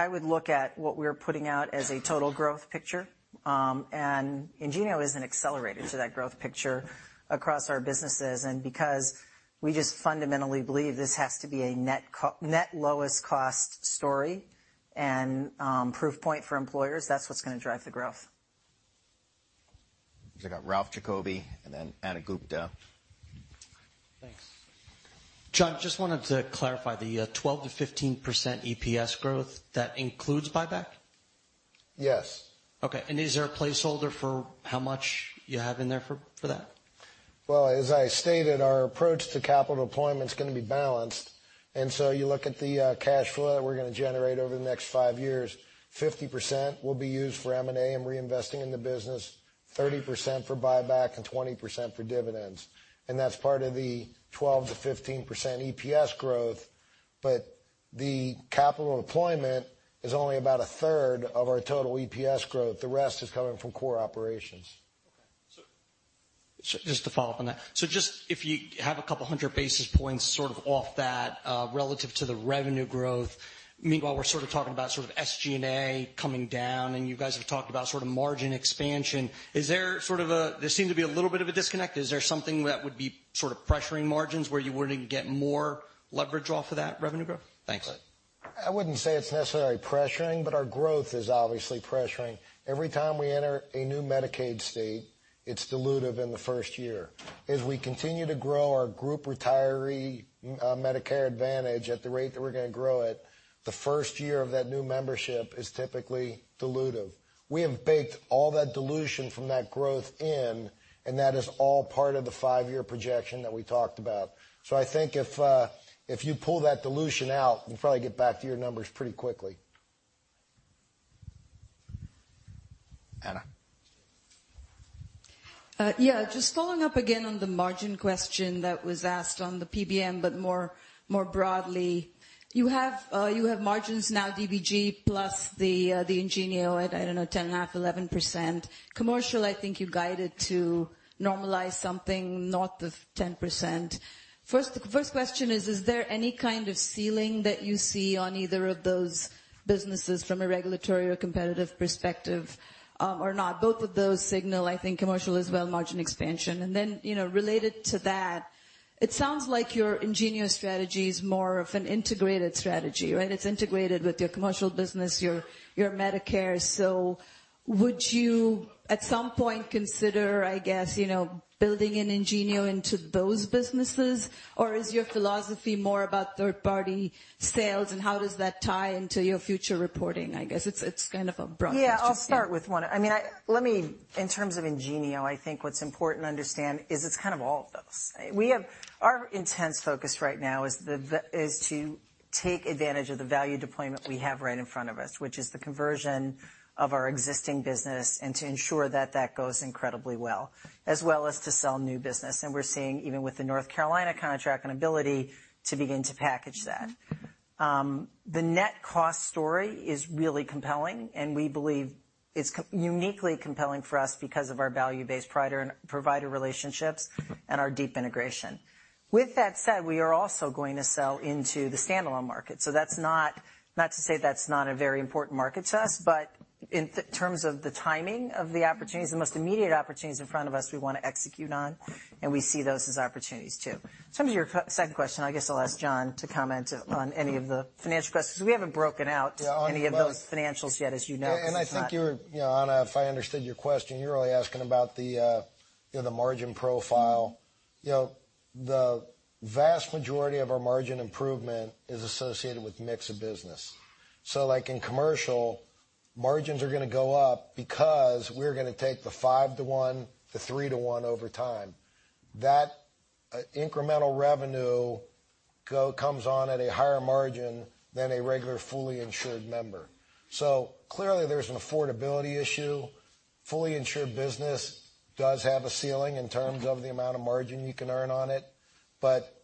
would look at what we're putting out as a total growth picture. IngenioRx is an accelerator to that growth picture across our businesses. Because we just fundamentally believe this has to be a net lowest cost story and proof point for employers, that's what's going to drive the growth. Next, I got Ralph Giacobbe, and then Anagha Gupte. Thanks. John, just wanted to clarify the 12%-15% EPS growth. That includes buyback? Yes. Okay. Is there a placeholder for how much you have in there for that? Well, as I stated, our approach to capital deployment's going to be balanced. You look at the cash flow that we're going to generate over the next 5 years, 50% will be used for M&A and reinvesting in the business, 30% for buyback, and 20% for dividends. That's part of the 12%-15% EPS growth. The capital deployment is only about a third of our total EPS growth. The rest is coming from core operations. Okay. Just to follow up on that. Just if you have a couple hundred basis points sort of off that, relative to the revenue growth, meanwhile, we're sort of talking about sort of SG&A coming down, and you guys have talked about sort of margin expansion. There seem to be a little bit of a disconnect. Is there something that would be sort of pressuring margins where you wouldn't get more leverage off of that revenue growth? Thanks. I wouldn't say it's necessarily pressuring, but our growth is obviously pressuring. Every time we enter a new Medicaid state, it's dilutive in the first year. As we continue to grow our group retiree Medicare Advantage at the rate that we're going to grow it, the first year of that new membership is typically dilutive. We have baked all that dilution from that growth in, and that is all part of the 5-year projection that we talked about. I think if you pull that dilution out, you'll probably get back to your numbers pretty quickly, Anagha. Yeah. Just following up again on the margin question that was asked on the PBM, but more broadly. You have margins now, DBG plus the IngenioRx at, I don't know, 10.5%, 11%. Commercial, I think you guided to normalize something north of 10%. First question is there any kind of ceiling that you see on either of those businesses from a regulatory or competitive perspective or not? Both of those signal, I think, commercial as well, margin expansion. Then, related to that, it sounds like your IngenioRx strategy is more of an integrated strategy, right? It's integrated with your commercial business, your Medicare. Would you, at some point, consider, I guess, building in IngenioRx into those businesses? Or is your philosophy more about third-party sales, and how does that tie into your future reporting? I guess it's kind of a broad question. I'll start with one. In terms of IngenioRx, I think what's important to understand is it's kind of all of those. Our intense focus right now is to take advantage of the value deployment we have right in front of us, which is the conversion of our existing business, and to ensure that that goes incredibly well, as well as to sell new business. We're seeing, even with the North Carolina contract, an ability to begin to package that. The net cost story is really compelling, and we believe it's uniquely compelling for us because of our value-based provider relationships and our deep integration. With that said, we are also going to sell into the standalone market. Not to say that's not a very important market to us, in terms of the timing of the opportunities, the most immediate opportunities in front of us we want to execute on, we see those as opportunities, too. In terms of your second question, I guess I'll ask John to comment on any of the financial questions. We haven't broken out any of those financials yet, as you know. I think you were, Anagha, if I understood your question, you were really asking about the margin profile. The vast majority of our margin improvement is associated with mix of business. Like in commercial, margins are going to go up because we're going to take the five to one to three to one over time. That incremental revenue comes on at a higher margin than a regular fully insured member. Clearly, there's an affordability issue. Fully insured business does have a ceiling in terms of the amount of margin you can earn on it.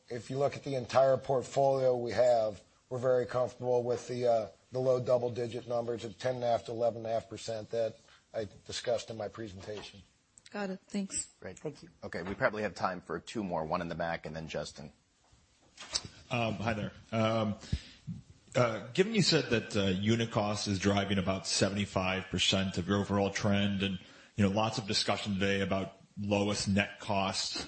If you look at the entire portfolio we have, we're very comfortable with the low double-digit numbers of 10.5%-11.5% that I discussed in my presentation. Got it. Thanks. Great. Thank you. Okay. We probably have time for two more, one in the back, and then Justin. Hi there. Given you said that unit cost is driving about 75% of your overall trend, and lots of discussion today about lowest net cost.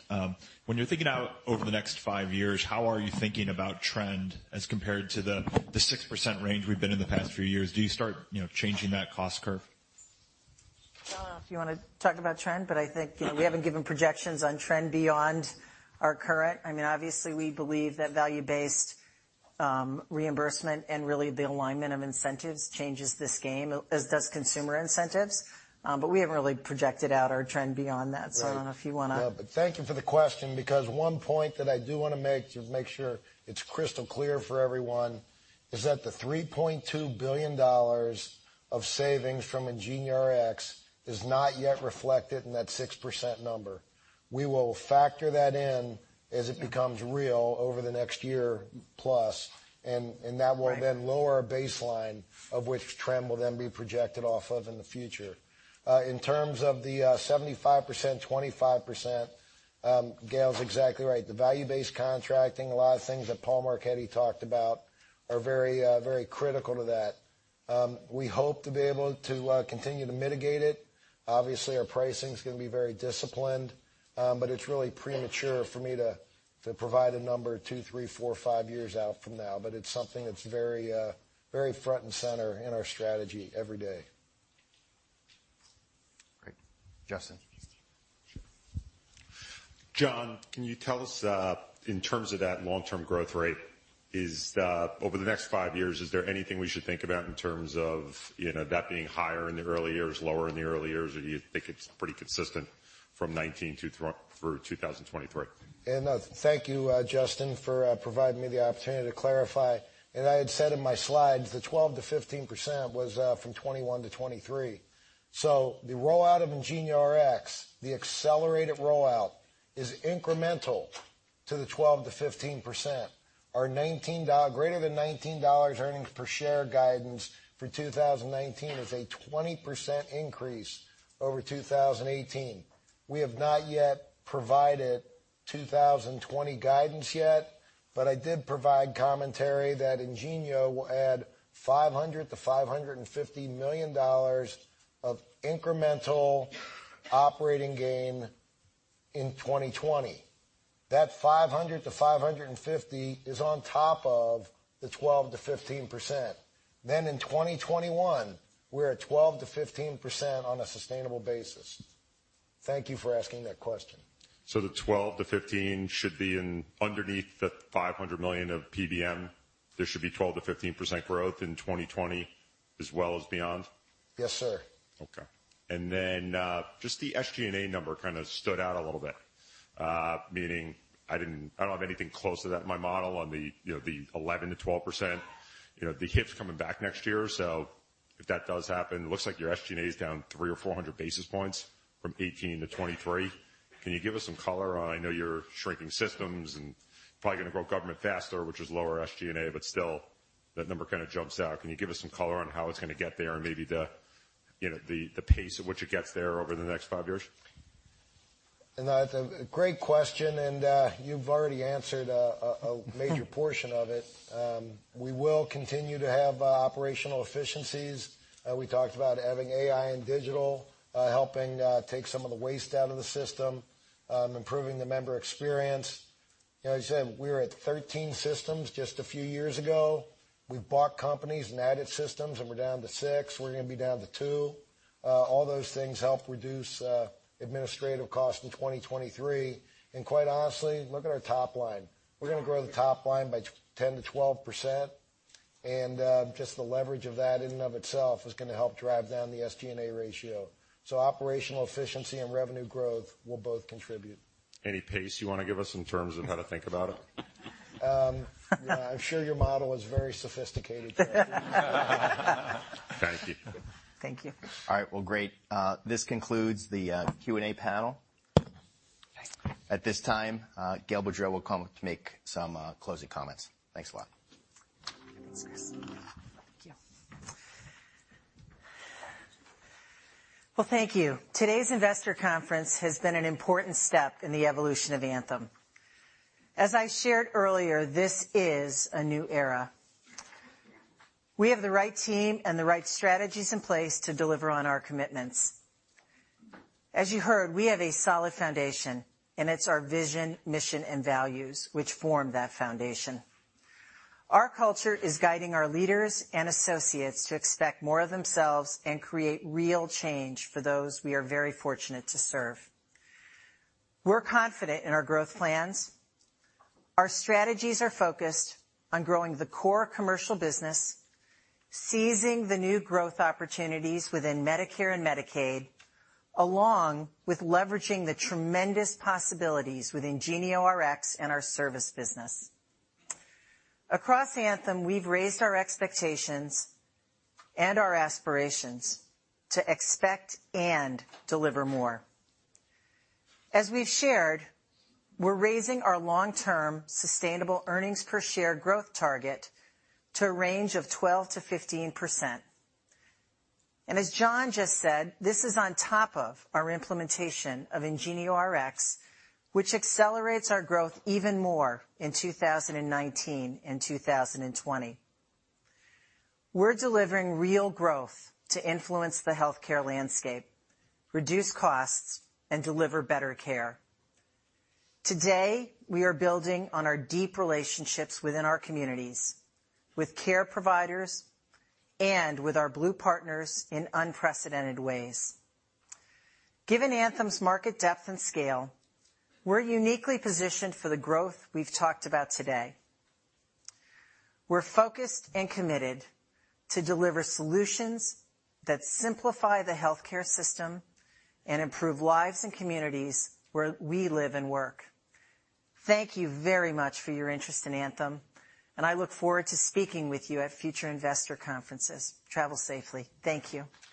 When you're thinking out over the next 5 years, how are you thinking about trend as compared to the 6% range we've been in the past few years? Do you start changing that cost curve? John, I don't know if you want to talk about trend. I think we haven't given projections on trend beyond our current. Obviously, we believe that value-based reimbursement and really the alignment of incentives changes this game, as does consumer incentives. We haven't really projected out our trend beyond that. I don't know if you want to. Yeah. Thank you for the question, because one point that I do want to make to make sure it's crystal clear for everyone is that the $3.2 billion of savings from IngenioRx is not yet reflected in that 6% number. We will factor that in as it becomes real over the next year plus, that will then- Right lower a baseline of which trend will then be projected off of in the future. In terms of the 75%, 25%, Gail's exactly right. The value-based contracting, a lot of things that Paul Marchetti talked about are very critical to that. We hope to be able to continue to mitigate it. Obviously, our pricing's going to be very disciplined, it's really premature for me to provide a number two, three, four, five years out from now. It's something that's very front and center in our strategy every day. Great. Justin. John, can you tell us, in terms of that long-term growth rate, over the next five years, is there anything we should think about in terms of that being higher in the early years, lower in the early years? Do you think it's pretty consistent from 2019 through 2023? Thank you, Justin Lake, for providing me the opportunity to clarify. As I had said in my slides, the 12%-15% was from 2021 to 2023. The rollout of IngenioRx, the accelerated rollout, is incremental to the 12%-15%. Our greater than $19 earnings per share guidance for 2019 is a 20% increase over 2018. We have not yet provided 2020 guidance yet, but I did provide commentary that IngenioRx will add $500 million-$550 million of incremental operating gain in 2020. That $500 million-$550 million is on top of the 12%-15%. In 2021, we're at 12%-15% on a sustainable basis. Thank you for asking that question. The 12%-15% should be underneath the $500 million of PBM. There should be 12%-15% growth in 2020 as well as beyond? Yes, sir. Okay. Just the SG&A number kind of stood out a little bit. Meaning I don't have anything close to that in my model on the 11%-12%. The HIF's coming back next year, so if that does happen, it looks like your SG&A is down three or 400 basis points from 2018 to 2023. Can you give us some color on, I know you're shrinking systems and probably going to grow Government faster, which is lower SG&A, but still that number kind of jumps out. Can you give us some color on how it's going to get there and maybe the pace at which it gets there over the next five years? That's a great question, and you've already answered a major portion of it. We will continue to have operational efficiencies. We talked about having AI and digital helping take some of the waste out of the system, improving the member experience. As I said, we were at 13 systems just a few years ago. We've bought companies and added systems, and we're down to six. We're going to be down to two. All those things help reduce administrative costs in 2023. Quite honestly, look at our top line. We're going to grow the top line by 10%-12%, and just the leverage of that in and of itself is going to help drive down the SG&A ratio. Operational efficiency and revenue growth will both contribute. Any pace you want to give us in terms of how to think about it? I'm sure your model is very sophisticated. Thank you. Thank you. All right, well, great. This concludes the Q&A panel. At this time, Gail Boudreaux will come up to make some closing comments. Thanks a lot. Thanks, Chris. Thank you. Well, thank you. Today's investor conference has been an important step in the evolution of Anthem. As I shared earlier, this is a new era. We have the right team and the right strategies in place to deliver on our commitments. As you heard, we have a solid foundation, and it's our vision, mission, and values which form that foundation. Our culture is guiding our leaders and associates to expect more of themselves and create real change for those we are very fortunate to serve. We're confident in our growth plans. Our strategies are focused on growing the core commercial business, seizing the new growth opportunities within Medicare and Medicaid, along with leveraging the tremendous possibilities with IngenioRx and our service business. Across Anthem, we've raised our expectations and our aspirations to expect and deliver more. As we've shared, we're raising our long-term sustainable earnings per share growth target to a range of 12%-15%. As John just said, this is on top of our implementation of IngenioRx, which accelerates our growth even more in 2019 and 2020. We're delivering real growth to influence the healthcare landscape, reduce costs, and deliver better care. Today, we are building on our deep relationships within our communities, with care providers, and with our blue partners in unprecedented ways. Given Anthem's market depth and scale, we're uniquely positioned for the growth we've talked about today. We're focused and committed to deliver solutions that simplify the healthcare system and improve lives and communities where we live and work. Thank you very much for your interest in Anthem, and I look forward to speaking with you at future investor conferences. Travel safely. Thank you.